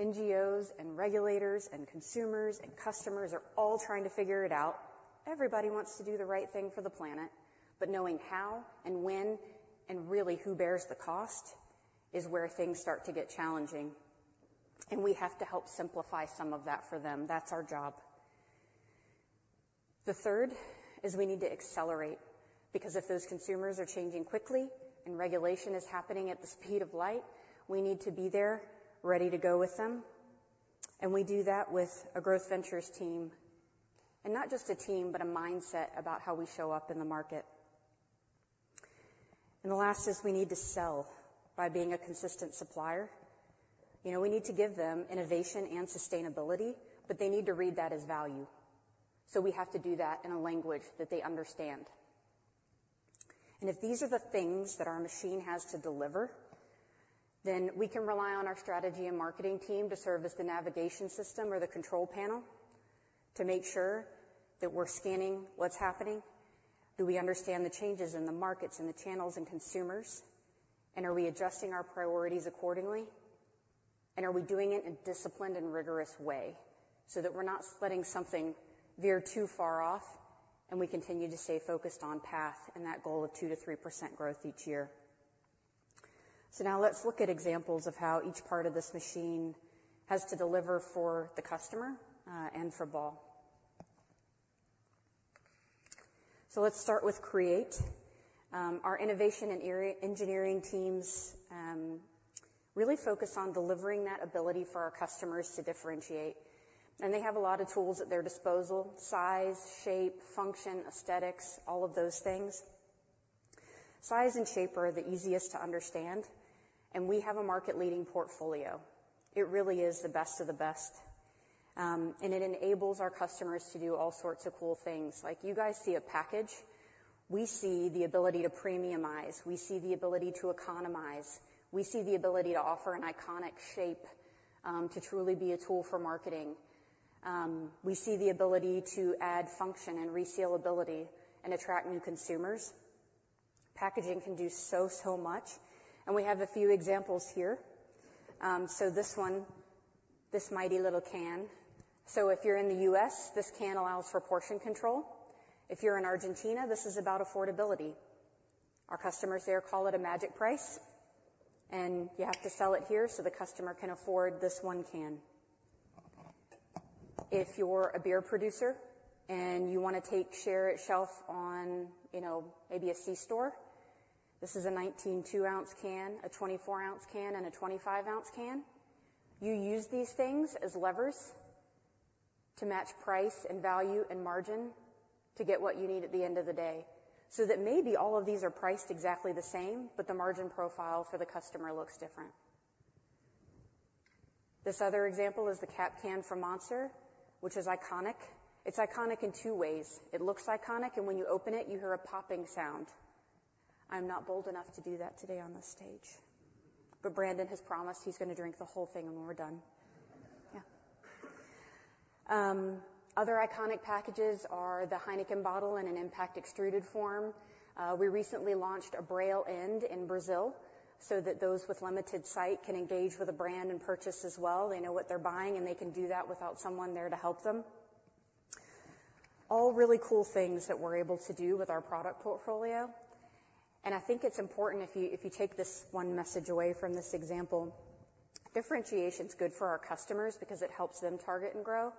NGOs and regulators and consumers and customers are all trying to figure it out. Everybody wants to do the right thing for the planet, but knowing how and when and really who bears the cost is where things start to get challenging, and we have to help simplify some of that for them. That's our job. The third is we need to accelerate, because if those consumers are changing quickly and regulation is happening at the speed of light, we need to be there, ready to go with them. And we do that with our Growth Ventures team, and not just a team, but a mindset about how we show up in the market. And the last is we need to sell by being a consistent supplier. You know, we need to give them innovation and sustainability, but they need to read that as value. So we have to do that in a language that they understand. And if these are the things that our machine has to deliver, then we can rely on our strategy and marketing team to serve as the navigation system or the control panel to make sure that we're scanning what's happening. Do we understand the changes in the markets and the channels and consumers, and are we adjusting our priorities accordingly? And are we doing it in a disciplined and rigorous way so that we're not letting something veer too far off, and we continue to stay focused on path and that goal of 2%-3% growth each year? So now let's look at examples of how each part of this machine has to deliver for the customer and for Ball. So let's start with create. Our innovation and R&D engineering teams really focus on delivering that ability for our customers to differentiate, and they have a lot of tools at their disposal: size, shape, function, aesthetics, all of those things. Size and shape are the easiest to understand, and we have a market-leading portfolio. It really is the best of the best, and it enables our customers to do all sorts of cool things. Like you guys see a package, we see the ability to premiumize, we see the ability to economize, we see the ability to offer an iconic shape to truly be a tool for marketing. We see the ability to add function and resealability and attract new consumers. Packaging can do so, so much, and we have a few examples here. So this one, this mighty little can. So if you're in the U.S., this can allows for portion control. If you're in Argentina, this is about affordability. Our customers there call it a magic price, and you have to sell it here so the customer can afford this one can. If you're a beer producer and you want to take share at shelf, on, you know, maybe a c-store, this is a 19.2-ounce can, a 24-ounce can, and a 25-ounce can. You use these things as levers to match price and value and margin to get what you need at the end of the day. So that maybe all of these are priced exactly the same, but the margin profile for the customer looks different. This other example is the Cap Can from Monster, which is iconic. It's iconic in two ways: It looks iconic, and when you open it, you hear a popping sound. I'm not bold enough to do that today on this stage, but Brandon has promised he's going to drink the whole thing when we're done. Other iconic packages are the Heineken bottle in an impact extruded form. We recently launched a Braille end in Brazil so that those with limited sight can engage with a brand and purchase as well. They know what they're buying, and they can do that without someone there to help them. All really cool things that we're able to do with our product portfolio, and I think it's important if you, if you take this one message away from this example, differentiation is good for our customers because it helps them target and grow,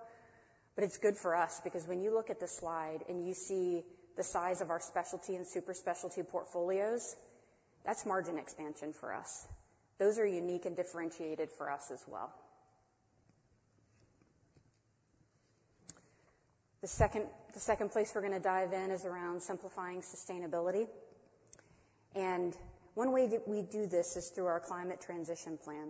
but it's good for us because when you look at this slide and you see the size of our specialty and super specialty portfolios, that's margin expansion for us. Those are unique and differentiated for us as well. The second, the second place we're going to dive in is around simplifying sustainability, and one way that we do this is through our climate transition plan.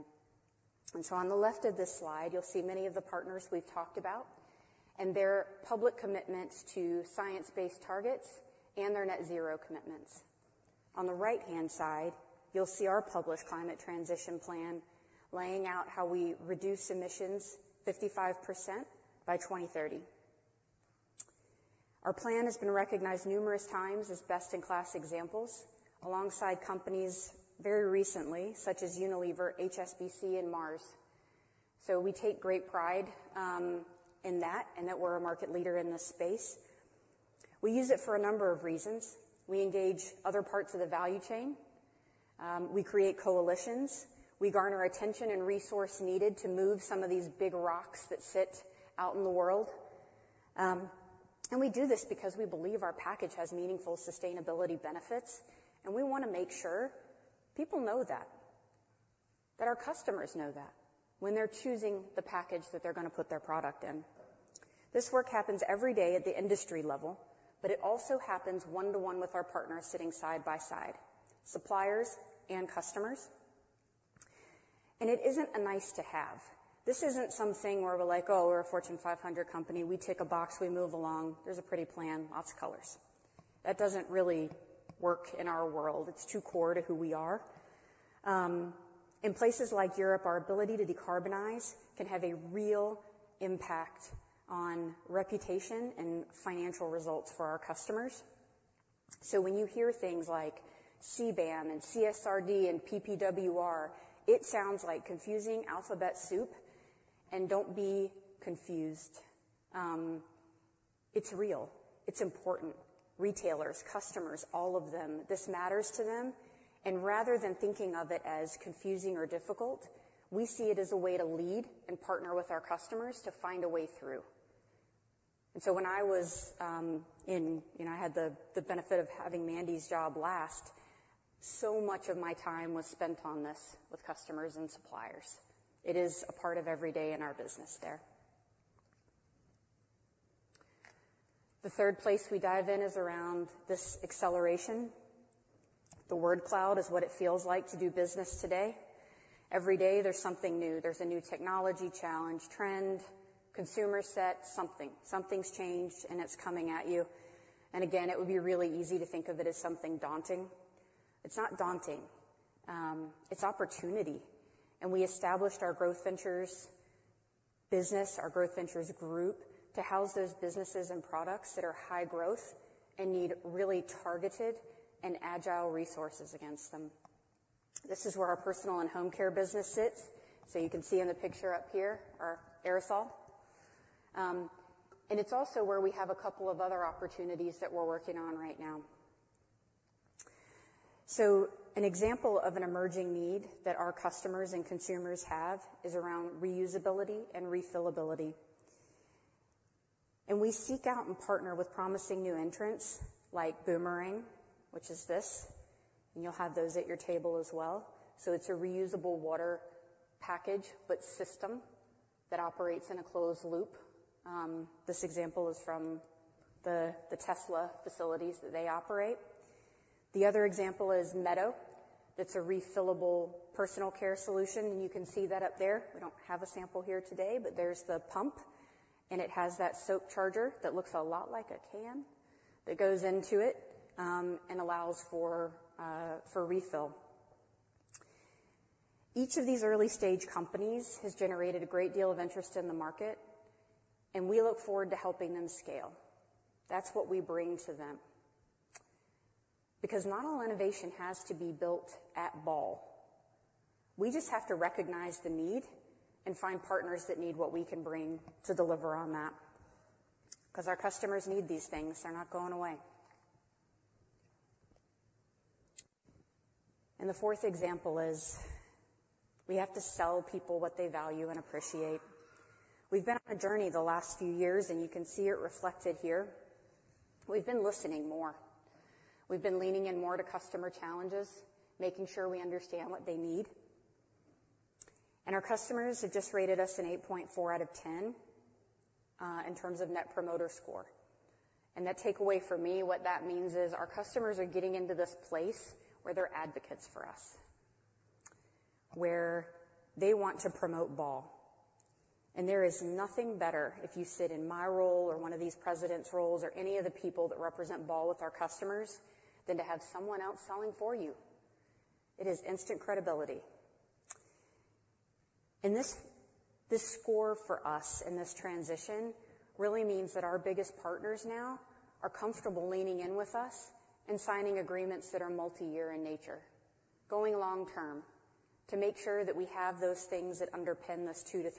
And so on the left of this slide, you'll see many of the partners we've talked about and their public commitments to science-based targets and their net zero commitments. On the right-hand side, you'll see our published climate transition plan, laying out how we reduce emissions 55% by 2030. Our plan has been recognized numerous times as best-in-class examples alongside companies very recently, such as Unilever, HSBC, and Mars. So we take great pride in that and that we're a market leader in this space. We use it for a number of reasons. We engage other parts of the value chain, we create coalitions, we garner attention and resource needed to move some of these big rocks that sit out in the world. And we do this because we believe our package has meaningful sustainability benefits, and we want to make sure people know that, that our customers know that when they're choosing the package that they're going to put their product in. This work happens every day at the industry level, but it also happens one-to-one with our partners sitting side by side, suppliers and customers. It isn't a nice-to-have. This isn't something where we're like, "Oh, we're a Fortune 500 company. We tick a box, we move along. There's a pretty plan, lots of colors." That doesn't really work in our world. It's too core to who we are. In places like Europe, our ability to decarbonize can have a real impact on reputation and financial results for our customers. So when you hear things like CBAM and CSRD and PPWR, it sounds like confusing alphabet soup, and don't be confused. It's real. It's important. Retailers, customers, all of them, this matters to them, and rather than thinking of it as confusing or difficult, we see it as a way to lead and partner with our customers to find a way through. And so when I was, you know, I had the benefit of having Mandy's job last, so much of my time was spent on this with customers and suppliers. It is a part of every day in our business there. The third place we dive in is around this acceleration. The word cloud is what it feels like to do business today. Every day, there's something new. There's a new technology challenge, trend, consumer set, something. Something's changed, and it's coming at you. And again, it would be really easy to think of it as something daunting. It's not daunting, it's opportunity. We established our Growth Ventures business, our Growth Ventures group, to house those businesses and products that are high growth and need really targeted and agile resources against them. This is where our personal and home care business sits. So you can see in the picture up here, our aerosol. And it's also where we have a couple of other opportunities that we're working on right now. So an example of an emerging need that our customers and consumers have is around reusability and refillability. And we seek out and partner with promising new entrants like Boomerang, which is this, and you'll have those at your table as well. So it's a reusable water package, but system that operates in a closed loop. This example is from the Tesla facilities that they operate. The other example is Meadow. That's a refillable personal care solution, and you can see that up there. We don't have a sample here today, but there's the pump, and it has that soap charger that looks a lot like a can, that goes into it, and allows for refill. Each of these early-stage companies has generated a great deal of interest in the market, and we look forward to helping them scale. That's what we bring to them. Because not all innovation has to be built at Ball. We just have to recognize the need and find partners that need what we can bring to deliver on that, 'cause our customers need these things. They're not going away. And the fourth example is we have to sell people what they value and appreciate. We've been on a journey the last few years, and you can see it reflected here. We've been listening more. We've been leaning in more to customer challenges, making sure we understand what they need, and our customers have just rated us an 8.4 out of 10 in terms of Net Promoter Score. And the takeaway for me, what that means is our customers are getting into this place where they're advocates for us, where they want to promote Ball, and there is nothing better if you sit in my role or one of these presidents' roles or any of the people that represent Ball with our customers, than to have someone out selling for you. It is instant credibility. This, this score for us in this transition really means that our biggest partners now are comfortable leaning in with us and signing agreements that are multiyear in nature, going long term, to make sure that we have those things that underpin this 2%-3%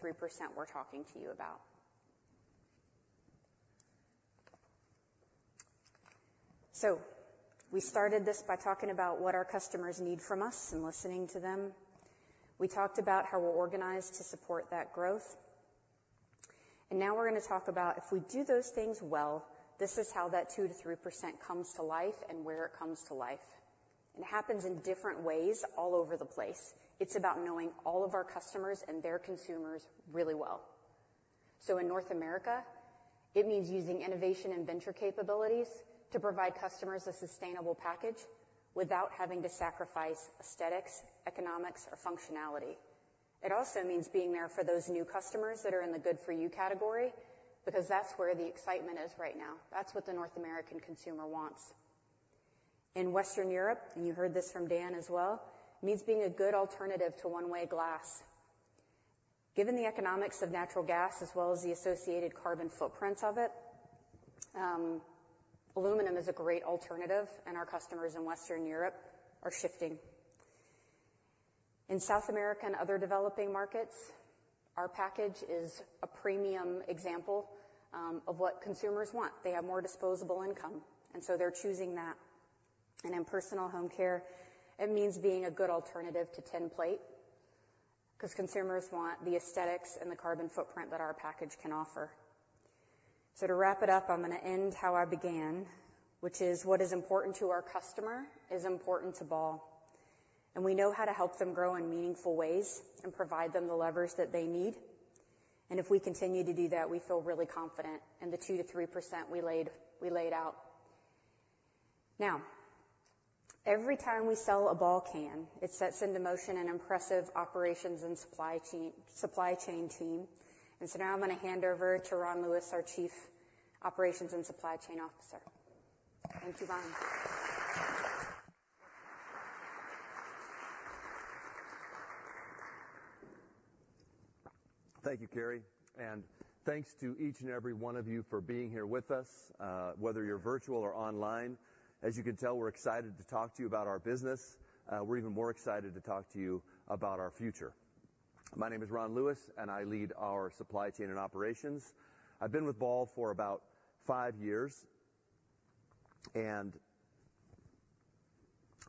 we're talking to you about. We started this by talking about what our customers need from us and listening to them. We talked about how we're organized to support that growth, and now we're gonna talk about if we do those things well, this is how that 2%-3% comes to life and where it comes to life. It happens in different ways all over the place. It's about knowing all of our customers and their consumers really well. So in North America, it means using innovation and venture capabilities to provide customers a sustainable package without having to sacrifice aesthetics, economics, or functionality. It also means being there for those new customers that are in the good-for-you category, because that's where the excitement is right now. That's what the North American consumer wants. In Western Europe, and you heard this from Dan as well, it means being a good alternative to one-way glass. Given the economics of natural gas as well as the associated carbon footprint of it, aluminum is a great alternative, and our customers in Western Europe are shifting. In South America and other developing markets, our package is a premium example, of what consumers want. They have more disposable income, and so they're choosing that. In personal home care, it means being a good alternative to tinplate, 'cause consumers want the aesthetics and the carbon footprint that our package can offer. So to wrap it up, I'm gonna end how I began, which is what is important to our customer is important to Ball, and we know how to help them grow in meaningful ways and provide them the levers that they need. And if we continue to do that, we feel really confident in the 2%-3% we laid, we laid out. Now, every time we sell a Ball can, it sets into motion an impressive operations and supply chain, supply chain team. And so now I'm gonna hand over to Ron Lewis, our Chief Operations and Supply Chain Officer. Thank you, guys. Thank you, Carey, and thanks to each and every one of you for being here with us, whether you're virtual or online. As you can tell, we're excited to talk to you about our business. We're even more excited to talk to you about our future. My name is Ron Lewis, and I lead our supply chain and operations. I've been with Ball for about five years, and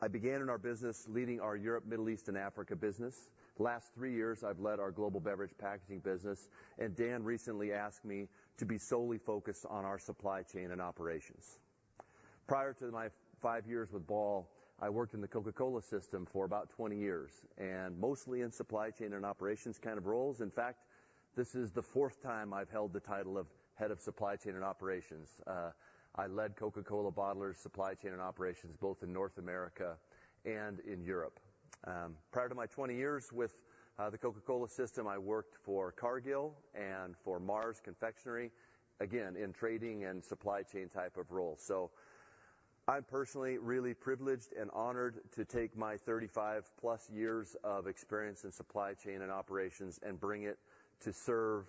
I began in our business leading our Europe, Middle East, and Africa business. The last three years, I've led our global beverage packaging business, and Dan recently asked me to be solely focused on our supply chain and operations. Prior to my five years with Ball, I worked in the Coca-Cola system for about 20 years and mostly in supply chain and operations kind of roles. In fact, this is the fourth time I've held the title of Head of Supply Chain and Operations. I led Coca-Cola bottlers supply chain and operations, both in North America and in Europe. Prior to my 20 years with the Coca-Cola system, I worked for Cargill and for Mars Confectionery, again, in trading and supply chain type of roles. So I'm personally really privileged and honored to take my 35+ years of experience in supply chain and operations and bring it to serve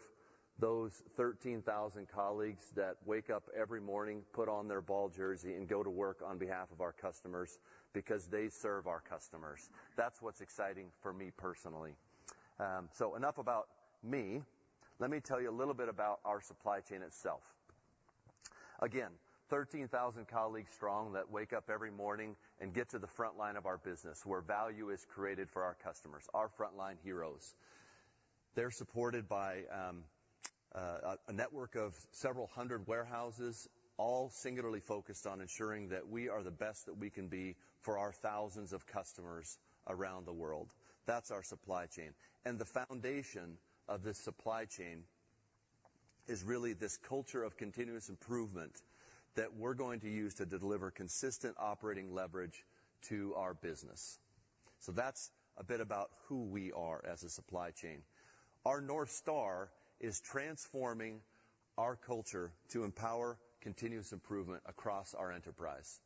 those 13,000 colleagues that wake up every morning, put on their Ball jersey, and go to work on behalf of our customers because they serve our customers. That's what's exciting for me personally. So enough about me. Let me tell you a little bit about our supply chain itself.... Again, 13,000 colleagues strong that wake up every morning and get to the front line of our business, where value is created for our customers, our frontline heroes. They're supported by a network of several hundred warehouses, all singularly focused on ensuring that we are the best that we can be for our thousands of customers around the world. That's our supply chain, and the foundation of this supply chain is really this culture of continuous improvement that we're going to use to deliver consistent operating leverage to our business. So that's a bit about who we are as a supply chain. Our North Star is transforming our culture to empower continuous improvement across our enterprise.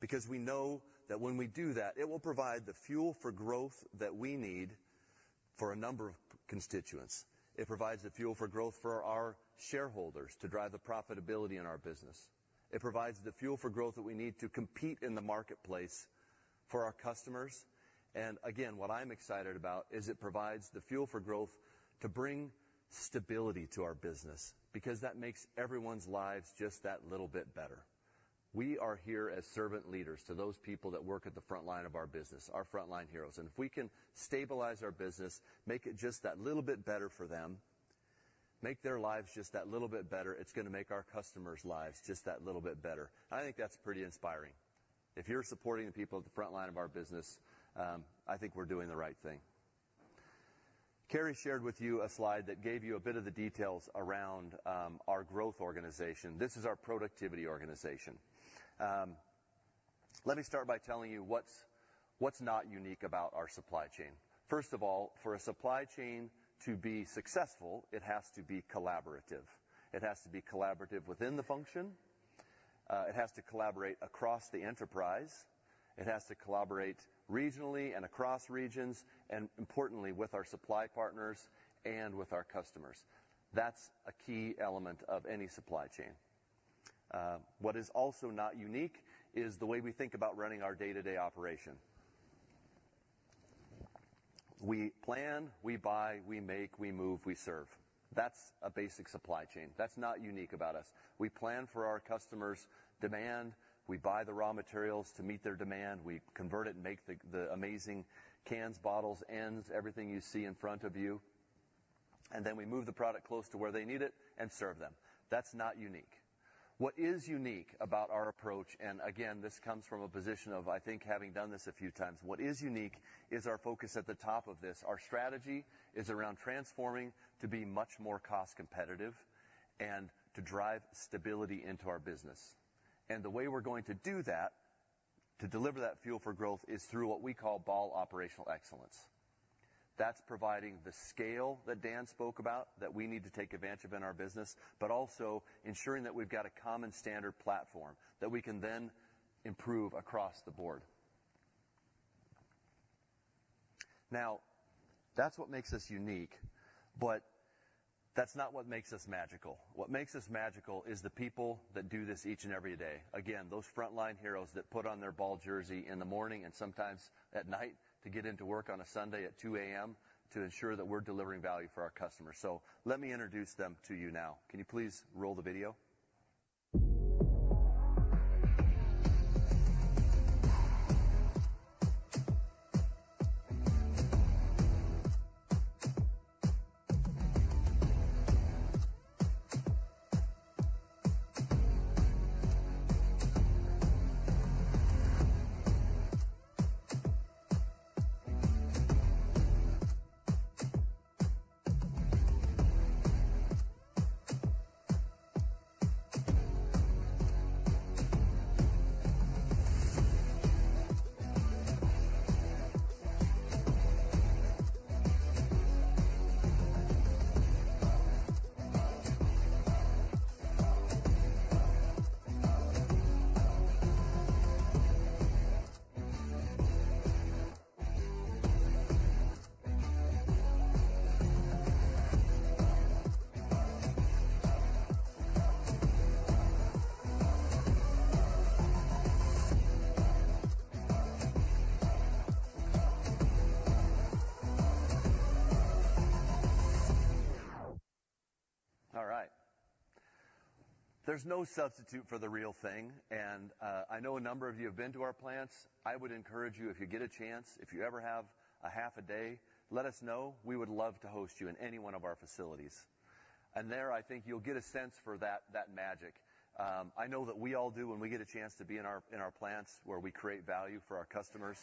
Because we know that when we do that, it will provide the fuel for growth that we need for a number of constituents. It provides the fuel for growth for our shareholders to drive the profitability in our business. It provides the fuel for growth that we need to compete in the marketplace for our customers. And again, what I'm excited about, is it provides the fuel for growth to bring stability to our business, because that makes everyone's lives just that little bit better. We are here as servant leaders to those people that work at the front line of our business, our frontline heroes, and if we can stabilize our business, make it just that little bit better for them, make their lives just that little bit better, it's gonna make our customers' lives just that little bit better. I think that's pretty inspiring. If you're supporting the people at the front line of our business, I think we're doing the right thing. Carey shared with you a slide that gave you a bit of the details around our growth organization. This is our productivity organization. Let me start by telling you what's not unique about our supply chain. First of all, for a supply chain to be successful, it has to be collaborative. It has to be collaborative within the function, it has to collaborate across the enterprise, it has to collaborate regionally and across regions, and importantly, with our supply partners and with our customers. That's a key element of any supply chain. What is also not unique is the way we think about running our day-to-day operation. We plan, we buy, we make, we move, we serve. That's a basic supply chain. That's not unique about us. We plan for our customers' demand. We buy the raw materials to meet their demand. We convert it and make the amazing cans, bottles, ends, everything you see in front of you, and then we move the product close to where they need it and serve them. That's not unique. What is unique about our approach, and again, this comes from a position of, I think, having done this a few times, what is unique is our focus at the top of this. Our strategy is around transforming to be much more cost competitive and to drive stability into our business. The way we're going to do that, to deliver that Fuel for Growth, is through what we call Ball Operational Excellence. That's providing the scale that Dan spoke about, that we need to take advantage of in our business, but also ensuring that we've got a common standard platform that we can then improve across the board. Now, that's what makes us unique, but that's not what makes us magical. What makes us magical is the people that do this each and every day. Again, those frontline heroes that put on their Ball jersey in the morning and sometimes at night to get into work on a Sunday at 2:00 A.M. to ensure that we're delivering value for our customers. So let me introduce them to you now. Can you please roll the video? All right. There's no substitute for the real thing, and I know a number of you have been to our plants. I would encourage you, if you get a chance, if you ever have a half a day, let us know. We would love to host you in any one of our facilities. And there, I think you'll get a sense for that, that magic. I know that we all do when we get a chance to be in our, in our plants, where we create value for our customers.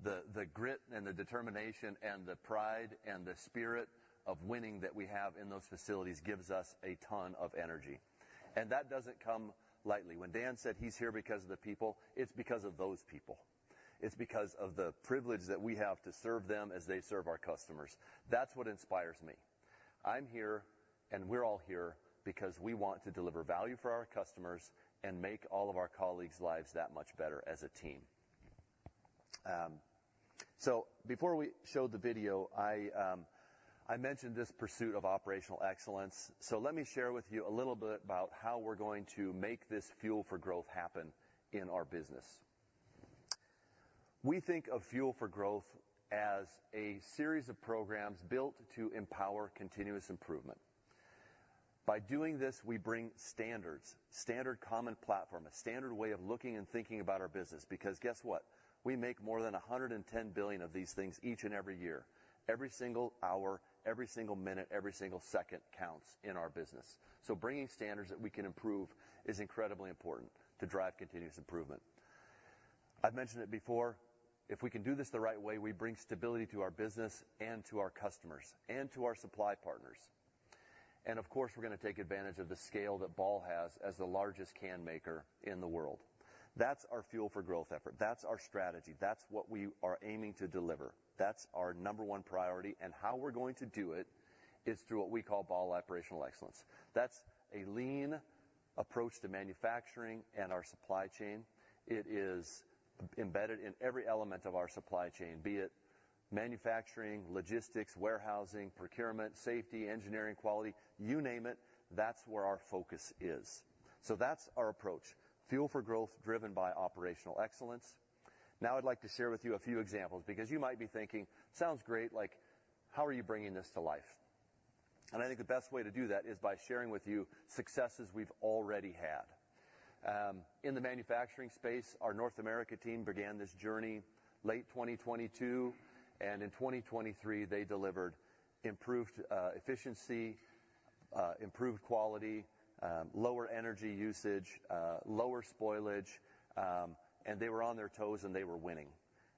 The grit and the determination and the pride and the spirit of winning that we have in those facilities gives us a ton of energy, and that doesn't come lightly. When Dan said he's here because of the people, it's because of those people. It's because of the privilege that we have to serve them as they serve our customers. That's what inspires me. I'm here, and we're all here because we want to deliver value for our customers and make all of our colleagues' lives that much better as a team. So before we showed the video, I mentioned this pursuit of operational excellence. So let me share with you a little bit about how we're going to make this Fuel for Growth happen in our business. We think of Fuel for Growth as a series of programs built to empower continuous improvement. By doing this, we bring standards, standard common platform, a standard way of looking and thinking about our business, because guess what? We make more than 110 billion of these things each and every year. Every single hour, every single minute, every single second counts in our business. So bringing standards that we can improve is incredibly important to drive continuous improvement. I've mentioned it before: if we can do this the right way, we bring stability to our business and to our customers and to our supply partners. Of course, we're going to take advantage of the scale that Ball has as the largest can maker in the world. That's our Fuel for Growth effort. That's our strategy. That's what we are aiming to deliver. That's our number one priority, and how we're going to do it is through what we call Ball Operational Excellence. That's a lean approach to manufacturing and our supply chain. It is embedded in every element of our supply chain, be it manufacturing, logistics, warehousing, procurement, safety, engineering, quality, you name it. That's where our focus is. So that's our approach, Fuel for Growth, driven by operational excellence. Now, I'd like to share with you a few examples, because you might be thinking, "Sounds great, like, how are you bringing this to life?" And I think the best way to do that is by sharing with you successes we've already had. In the manufacturing space, our North America team began this journey late 2022, and in 2023, they delivered improved efficiency, improved quality, lower energy usage, lower spoilage, and they were on their toes, and they were winning.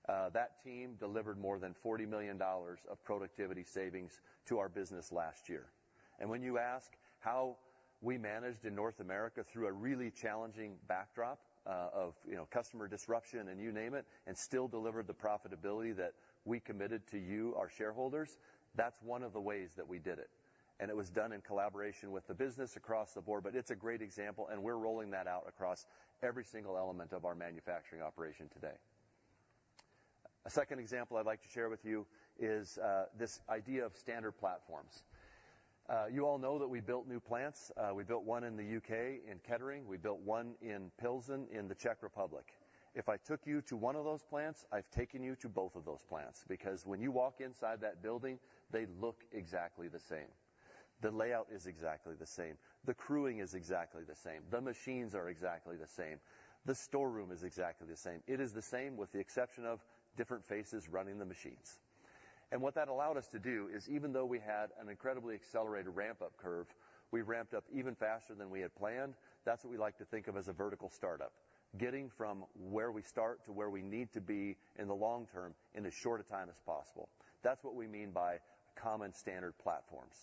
That team delivered more than $40 million of productivity savings to our business last year. And when you ask how we managed in North America through a really challenging backdrop of, you know, customer disruption and you name it, and still delivered the profitability that we committed to you, our shareholders, that's one of the ways that we did it, and it was done in collaboration with the business across the board. But it's a great example, and we're rolling that out across every single element of our manufacturing operation today. A second example I'd like to share with you is this idea of standard platforms. You all know that we built new plants. We built one in the U.K., in Kettering. We built one in Pilsen, in the Czech Republic. If I took you to one of those plants, I've taken you to both of those plants, because when you walk inside that building, they look exactly the same. The layout is exactly the same. The crewing is exactly the same. The machines are exactly the same. The storeroom is exactly the same. It is the same, with the exception of different faces running the machines. And what that allowed us to do is, even though we had an incredibly accelerated ramp-up curve, we ramped up even faster than we had planned. That's what we like to think of as a vertical startup, getting from where we start to where we need to be in the long term, in as short a time as possible. That's what we mean by common standard platforms.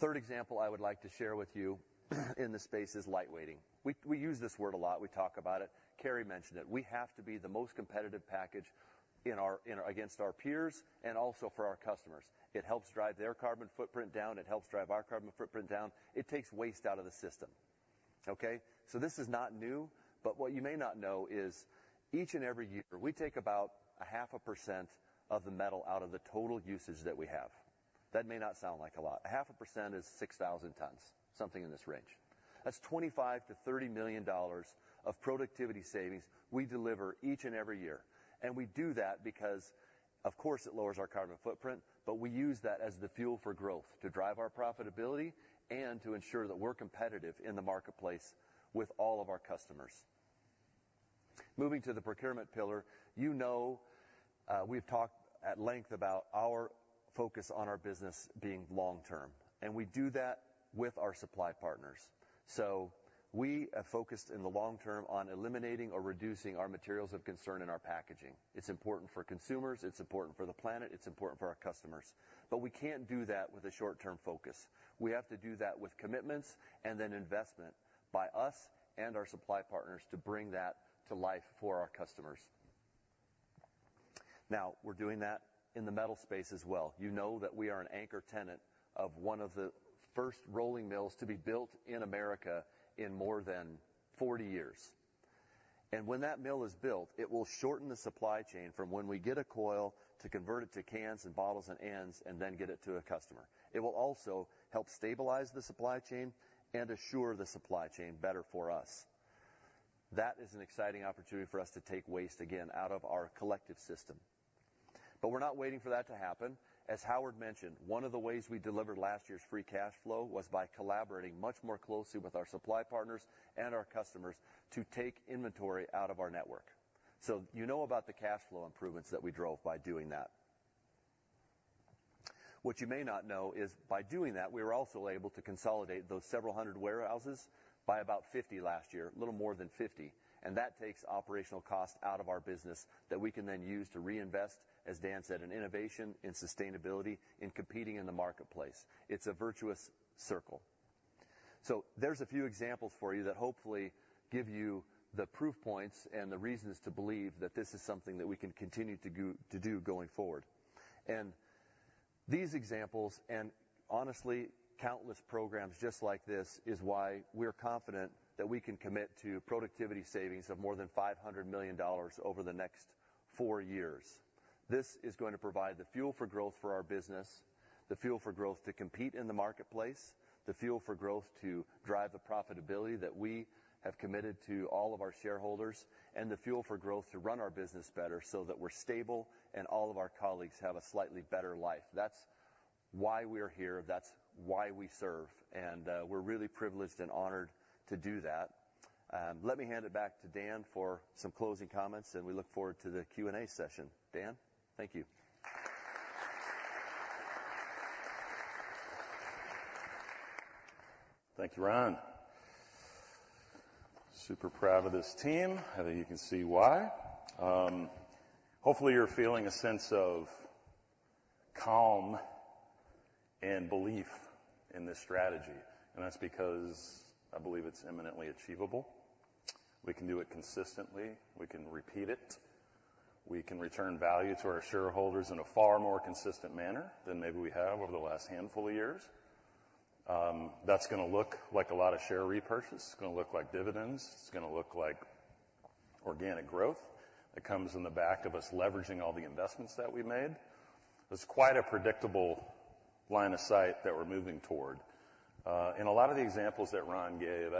Third example I would like to share with you, in this space, is lightweighting. We use this word a lot. We talk about it. Carey mentioned it. We have to be the most competitive package in our, in against our peers and also for our customers. It helps drive their carbon footprint down. It helps drive our carbon footprint down. It takes waste out of the system. Okay, so this is not new, but what you may not know is each and every year, we take about 0.5% of the metal out of the total usage that we have. That may not sound like a lot. 0.5% is 6,000 tons, something in this range. That's $25 million-$30 million of productivity savings we deliver each and every year. And we do that because, of course, it lowers our carbon footprint, but we use that as the fuel for growth, to drive our profitability and to ensure that we're competitive in the marketplace with all of our customers. Moving to the procurement pillar, you know, we've talked at length about our focus on our business being long term, and we do that with our supply partners. So we are focused in the long term on eliminating or reducing our materials of concern in our packaging. It's important for consumers, it's important for the planet, it's important for our customers. But we can't do that with a short-term focus. We have to do that with commitments and then investment by us and our supply partners to bring that to life for our customers. Now, we're doing that in the metal space as well. You know that we are an anchor tenant of one of the first rolling mills to be built in America in more than 40 years. And when that mill is built, it will shorten the supply chain from when we get a coil to convert it to cans and bottles and ends, and then get it to a customer. It will also help stabilize the supply chain and assure the supply chain better for us. That is an exciting opportunity for us to take waste again out of our collective system. But we're not waiting for that to happen. As Howard mentioned, one of the ways we delivered last year's free cash flow was by collaborating much more closely with our supply partners and our customers to take inventory out of our network. So you know about the cash flow improvements that we drove by doing that. What you may not know is, by doing that, we were also able to consolidate those several hundred warehouses by about 50 last year, a little more than 50, and that takes operational cost out of our business that we can then use to reinvest, as Dan said, in innovation, in sustainability, in competing in the marketplace. It's a virtuous circle. So there's a few examples for you that hopefully give you the proof points and the reasons to believe that this is something that we can continue to do, to do going forward. These examples, and honestly, countless programs just like this, is why we're confident that we can commit to productivity savings of more than $500 million over the next four years. This is going to provide the fuel for growth for our business, the fuel for growth to compete in the marketplace, the fuel for growth to drive the profitability that we have committed to all of our shareholders, and the fuel for growth to run our business better so that we're stable and all of our colleagues have a slightly better life. That's why we're here, that's why we serve, and we're really privileged and honored to do that. Let me hand it back to Dan for some closing comments, and we look forward to the Q&A session. Dan, thank you. Thank you, Ron. Super proud of this team, I think you can see why. Hopefully, you're feeling a sense of calm and belief in this strategy, and that's because I believe it's imminently achievable. We can do it consistently. We can repeat it. We can return value to our shareholders in a far more consistent manner than maybe we have over the last handful of years. That's gonna look like a lot of share repurchases. It's gonna look like dividends. It's gonna look like organic growth that comes in the back of us leveraging all the investments that we made. There's quite a predictable line of sight that we're moving toward. In a lot of the examples that Ron gave,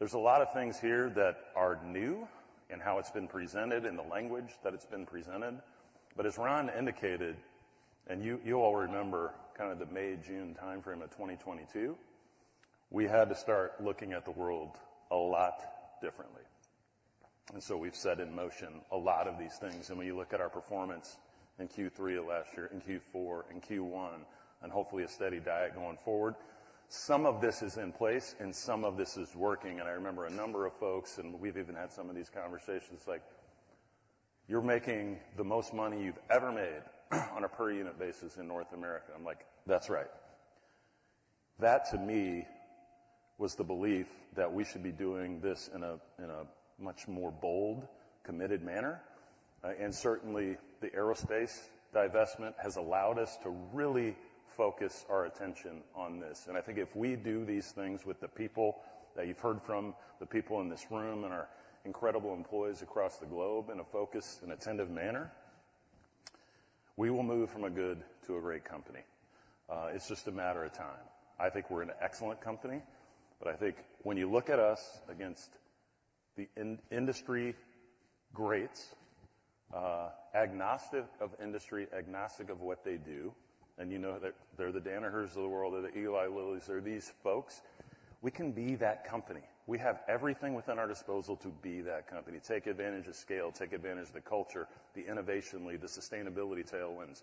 there's a lot of things here that are new in how it's been presented and the language that it's been presented. But as Ron indicated, and you all remember kind of the May, June timeframe of 2022, we had to start looking at the world a lot differently. And so we've set in motion a lot of these things, and when you look at our performance in Q3 of last year, in Q4, in Q1, and hopefully a steady diet going forward, some of this is in place, and some of this is working. And I remember a number of folks, and we've even had some of these conversations, like, "You're making the most money you've ever made on a per unit basis in North America." I'm like, "That's right." That, to me, was the belief that we should be doing this in a much more bold, committed manner. And certainly, the aerospace divestment has allowed us to really focus our attention on this. I think if we do these things with the people that you've heard from, the people in this room, and our incredible employees across the globe in a focused and attentive manner, we will move from a good to a great company. It's just a matter of time. I think we're an excellent company, but I think when you look at us against the industry greats, agnostic of industry, agnostic of what they do, and you know that they're the Danahers of the world, or the Eli Lillys, or these folks, we can be that company. We have everything within our disposal to be that company, take advantage of scale, take advantage of the culture, the innovation lead, the sustainability tailwinds.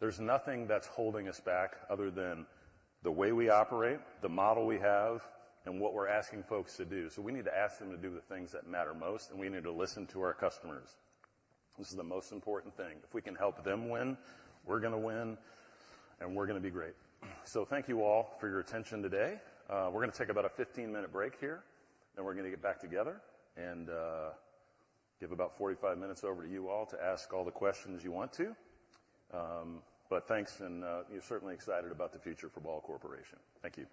There's nothing that's holding us back other than the way we operate, the model we have, and what we're asking folks to do. So we need to ask them to do the things that matter most, and we need to listen to our customers. This is the most important thing. If we can help them win, we're gonna win, and we're gonna be great. So thank you all for your attention today. We're gonna take about a 15-minute break here, then we're gonna get back together and give about 45 minutes over to you all to ask all the questions you want to. But thanks, and you're certainly excited about the future for Ball Corporation. Thank you. ...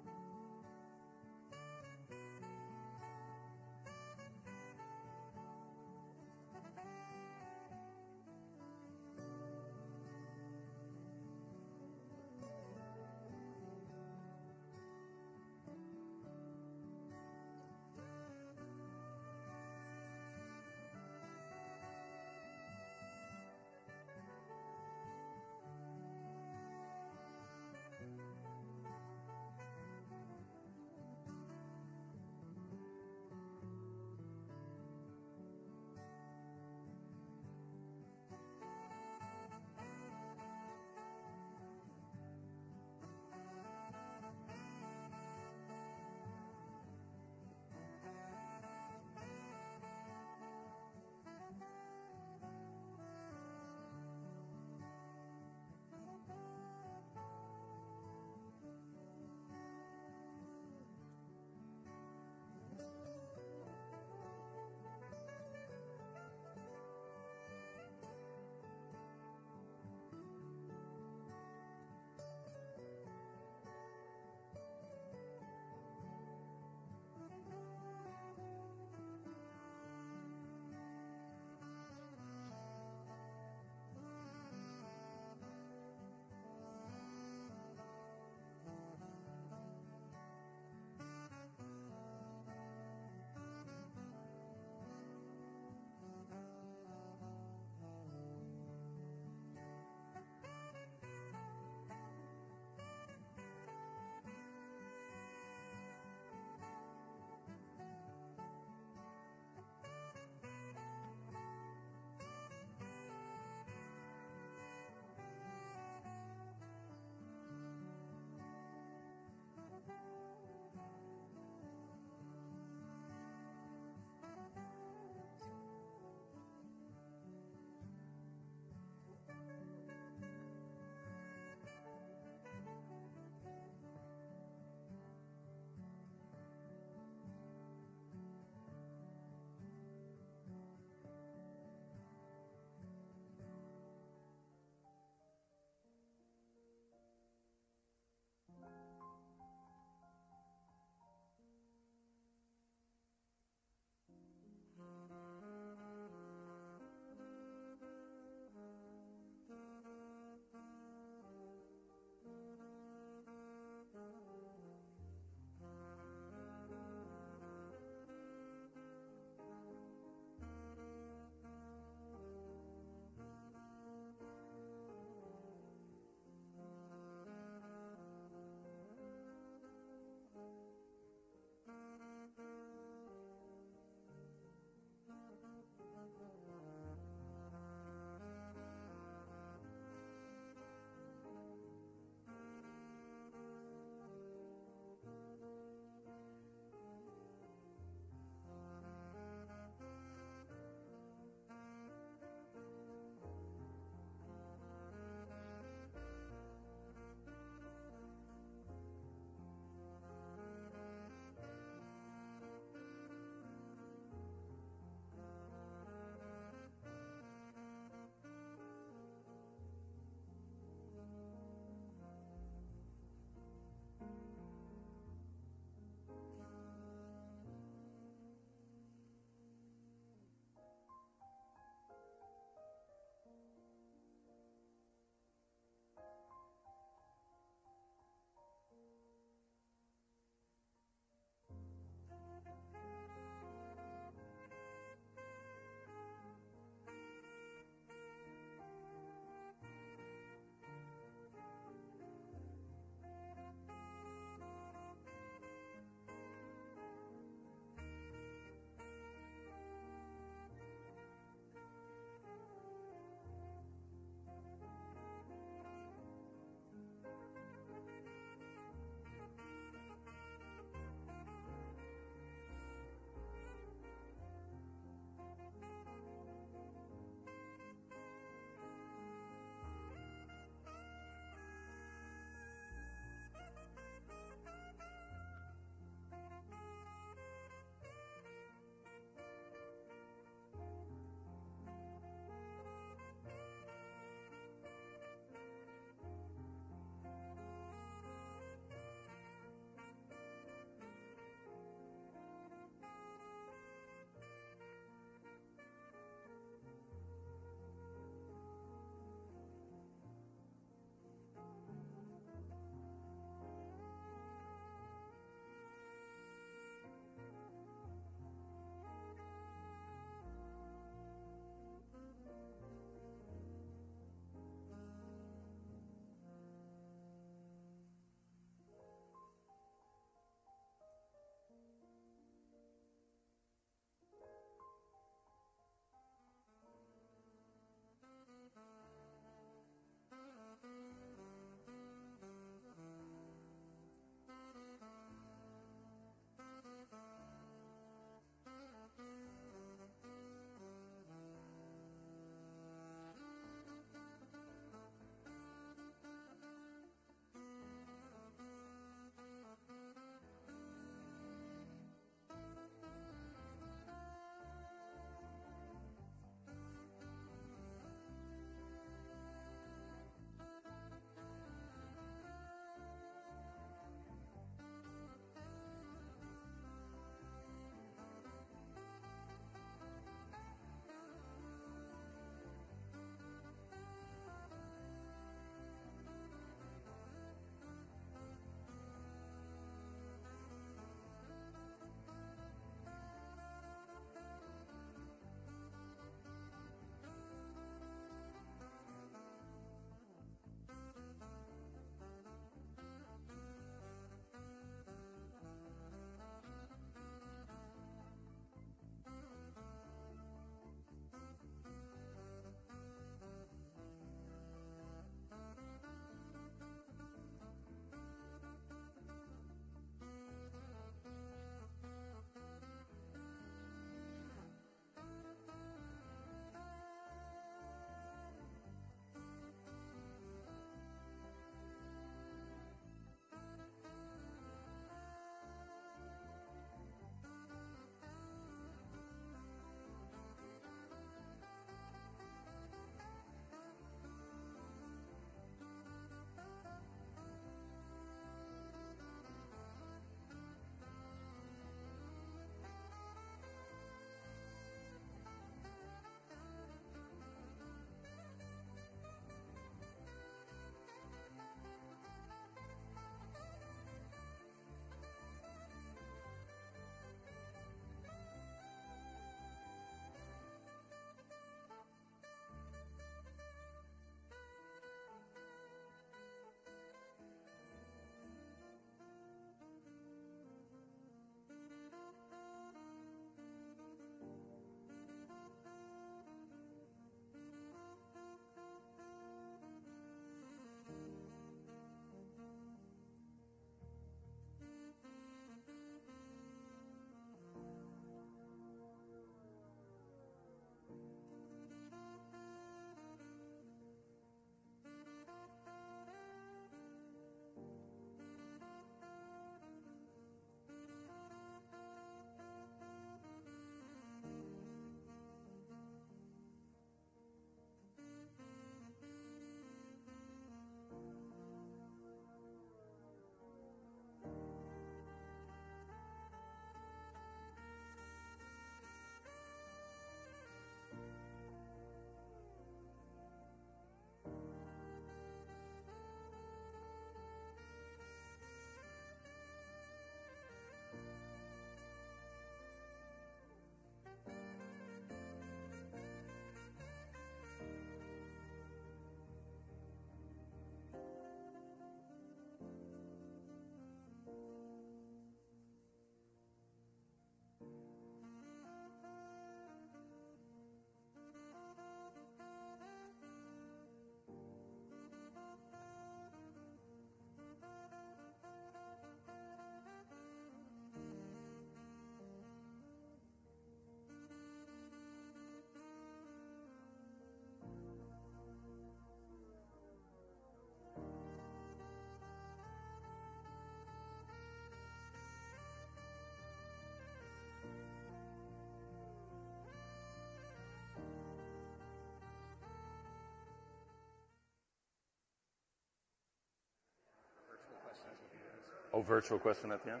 Virtual questions at the end.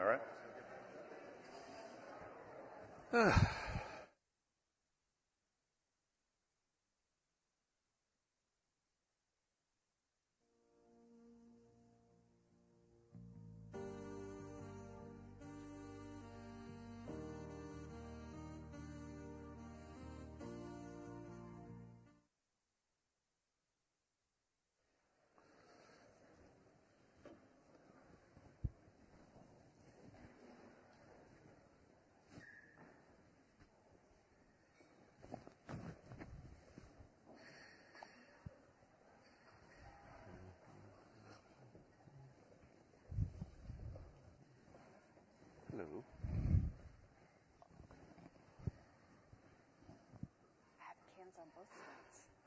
Oh, virtual question at the end? Yeah. All right. Hello. I have cans on both sides.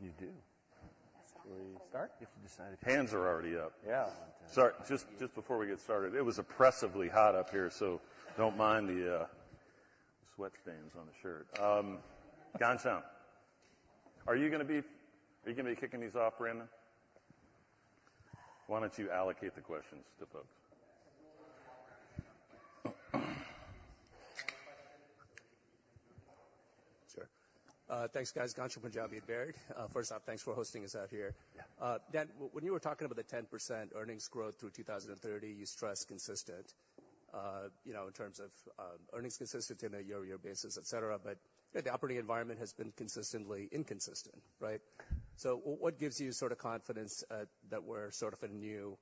You do. So where do you start? If you decide hands are already up. Yeah. Sorry, just before we get started, it was oppressively hot up here, so don't mind the sweat stains on the shirt. Ghansham, are you gonna be kicking these off Brandon? Why don't you allocate the questions to folks? Sure. Thanks, guys. Ghansham Panjabi, Baird. First off, thanks for hosting us out here. Yeah. Dan, when you were talking about the 10% earnings growth through 2030, you stressed consistent, you know, in terms of, earnings consistent in a year-on-year basis, et cetera. But the operating environment has been consistently inconsistent, right? So what gives you sort of confidence, that we're sort of a new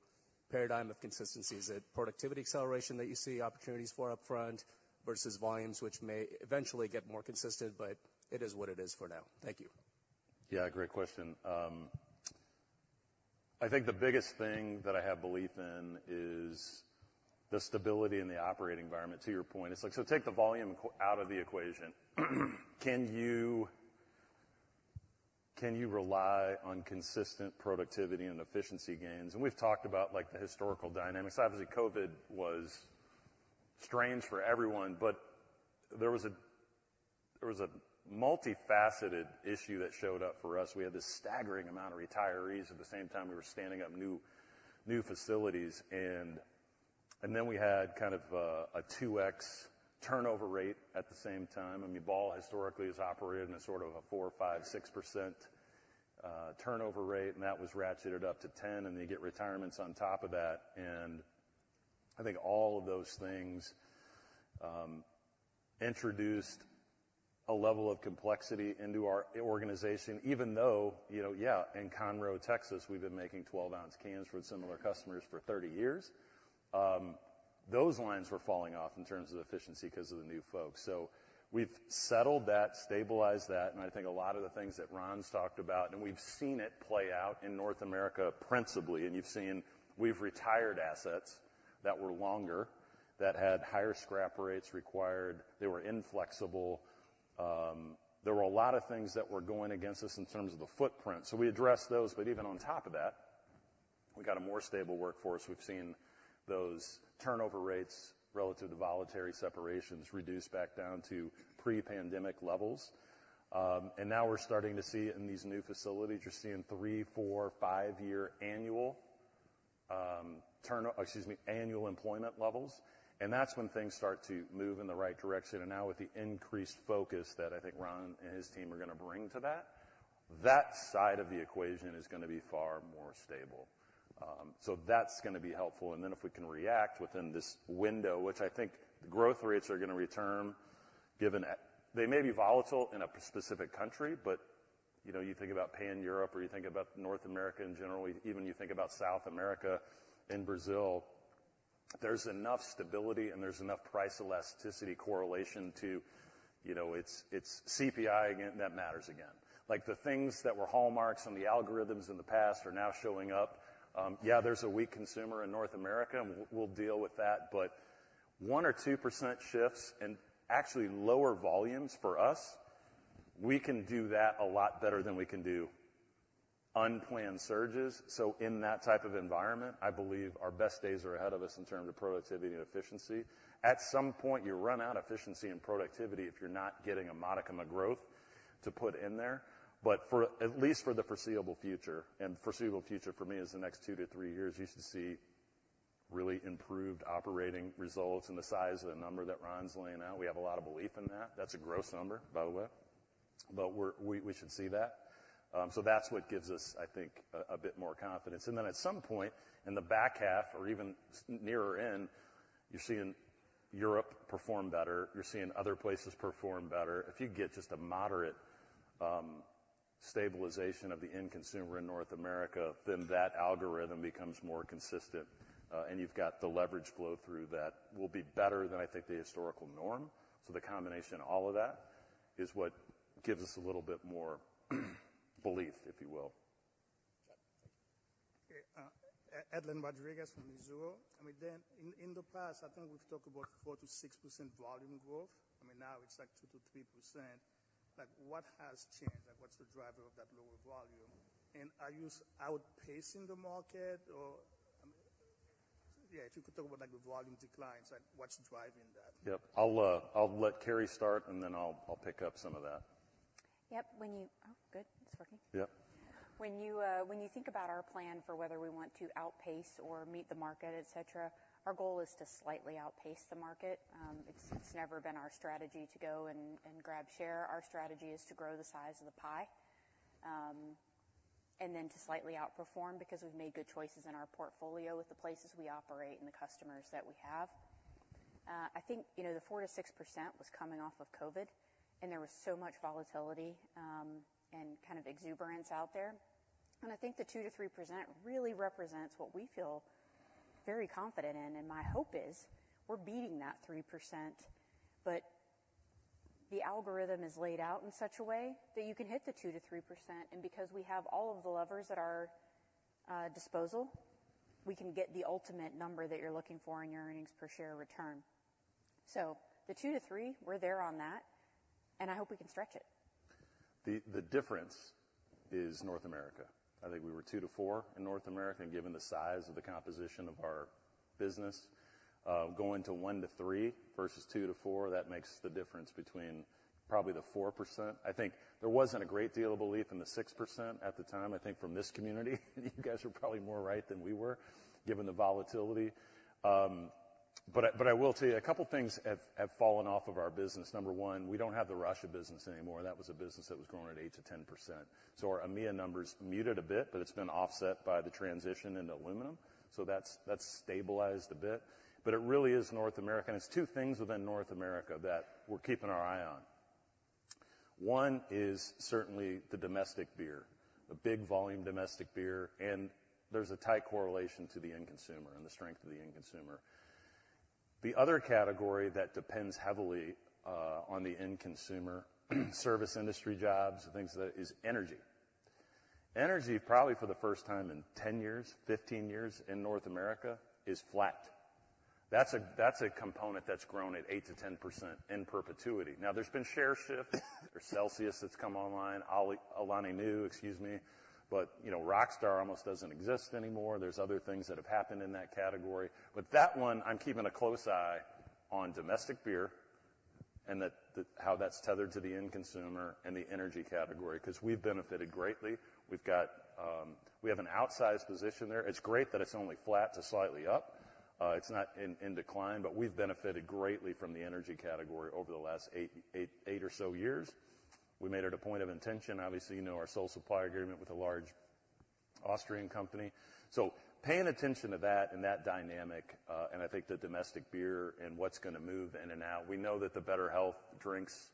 paradigm of consistency? Is it productivity acceleration that you see opportunities for upfront versus volumes, which may eventually get more consistent, but it is what it is for now. Thank you. Yeah, great question. I think the biggest thing that I have belief in is the stability in the operating environment, to your point. It's like, so take the volume out of the equation. Can you rely on consistent productivity and efficiency gains? And we've talked about, like, the historical dynamics. Obviously, COVID was strange for everyone, but there was a multifaceted issue that showed up for us. We had this staggering amount of retirees at the same time we were standing up new facilities, and then we had kind of a 2x turnover rate at the same time. I mean, Ball historically has operated in a sort of a 4%/5%/6% turnover rate, and that was ratcheted up to 10%, and they get retirements on top of that. I think all of those things introduced a level of complexity into our organization, even though, you know, yeah, in Conroe, Texas, we've been making 12-ounce cans for similar customers for 30 years. Those lines were falling off in terms of efficiency because of the new folks. So we've settled that, stabilized that, and I think a lot of the things that Ron's talked about, and we've seen it play out in North America principally, and you've seen we've retired assets that were longer, that had higher scrap rates required. They were inflexible. There were a lot of things that were going against us in terms of the footprint, so we addressed those, but even on top of that, we got a more stable workforce. We've seen those turnover rates relative to voluntary separations reduce back down to pre-pandemic levels. And now we're starting to see in these new facilities, you're seeing 3/4/5 year annual employment levels, and that's when things start to move in the right direction. And now, with the increased focus that I think Ron and his team are gonna bring to that, that side of the equation is gonna be far more stable. So that's gonna be helpful, and then if we can react within this window, which I think the growth rates are gonna return, given. They may be volatile in a specific country, but you know, you think about pan Europe, or you think about North America in general, even you think about South America and Brazil, there's enough stability, and there's enough price elasticity correlation to, you know, it's, it's CPI again, that matters again. Like, the things that were hallmarks on the algorithms in the past are now showing up. Yeah, there's a weak consumer in North America, and we'll deal with that, but 1%-2% shifts and actually lower volumes for us, we can do that a lot better than we can do unplanned surges. So in that type of environment, I believe our best days are ahead of us in terms of productivity and efficiency. At some point, you run out of efficiency and productivity if you're not getting a modicum of growth to put in there. But for, at least for the foreseeable future, and foreseeable future for me is the next 2-3 years, you should see really improved operating results and the size of the number that Ron's laying out. We have a lot of belief in that. That's a gross number, by the way, but we're, we, we should see that. So that's what gives us, I think, a bit more confidence. Then at some point, in the back half or even nearer in, you're seeing Europe perform better, you're seeing other places perform better. If you get just a moderate stabilization of the end consumer in North America, then that algorithm becomes more consistent, and you've got the leverage flow through that will be better than, I think, the historical norm. So the combination of all of that is what gives us a little bit more belief, if you will. Okay, Edlain Rodriguez from Mizuho. I mean, then in, in the past, I think we've talked about 4%-6% volume growth. I mean, now it's like 2%-3%. Like, what has changed? Like, what's the driver of that lower volume? And are you outpacing the market or... I mean, yeah, if you could talk about, like, the volume declines, like, what's driving that? Yep. I'll, I'll let Carey start, and then I'll, I'll pick up some of that. Yep, when you... Oh, good, it's working. Yep. When you, when you think about our plan for whether we want to outpace or meet the market, et cetera, our goal is to slightly outpace the market. It's, it's never been our strategy to go and grab share. Our strategy is to grow the size of the pie, and then to slightly outperform because we've made good choices in our portfolio with the places we operate and the customers that we have. I think, you know, the 4%-6% was coming off of COVID, and there was so much volatility, and kind of exuberance out there. And I think the 2%-3% really represents what we feel very confident in, and my hope is we're beating that 3%. But the algorithm is laid out in such a way that you can hit the 2%-3%, and because we have all of the levers at our disposal, we can get the ultimate number that you're looking for in your earnings per share return. So the 2%-3%, we're there on that, and I hope we can stretch it. The difference is North America. I think we were 2-4 in North America, and given the size of the composition of our business, going to 1%-3% versus 2%-4%, that makes the difference between probably the 4%. I think there wasn't a great deal of belief in the 6% at the time, I think, from this community. You guys were probably more right than we were, given the volatility. But I will tell you, a couple things have fallen off of our business. Number one, we don't have the Russia business anymore. That was a business that was growing at 8%-10%. So our EMEA number's muted a bit, but it's been offset by the transition into aluminum. So that's stabilized a bit. But it really is North America, and it's two things within North America that we're keeping our eye on. One is certainly the domestic beer, the big volume domestic beer, and there's a tight correlation to the end consumer and the strength of the end consumer. The other category that depends heavily on the end consumer, service industry jobs, and things of that, is energy. Energy, probably for the first time in 10 years, 15 years, in North America, is flat. That's a component that's grown at 8%-10% in perpetuity. Now, there's been share shift, or Celsius that's come online, Alani Nu, excuse me, but, you know, Rockstar almost doesn't exist anymore. There's other things that have happened in that category, but that one, I'm keeping a close eye on domestic beer-... and that, the, how that's tethered to the end consumer and the energy category, 'cause we've benefited greatly. We've got, we have an outsized position there. It's great that it's only flat to slightly up. It's not in, in decline, but we've benefited greatly from the energy category over the last 8 or so years. We made it a point of intention. Obviously, you know, our sole supply agreement with a large Austrian company. So paying attention to that and that dynamic, and I think the domestic beer and what's gonna move in and out. We know that the better health drinks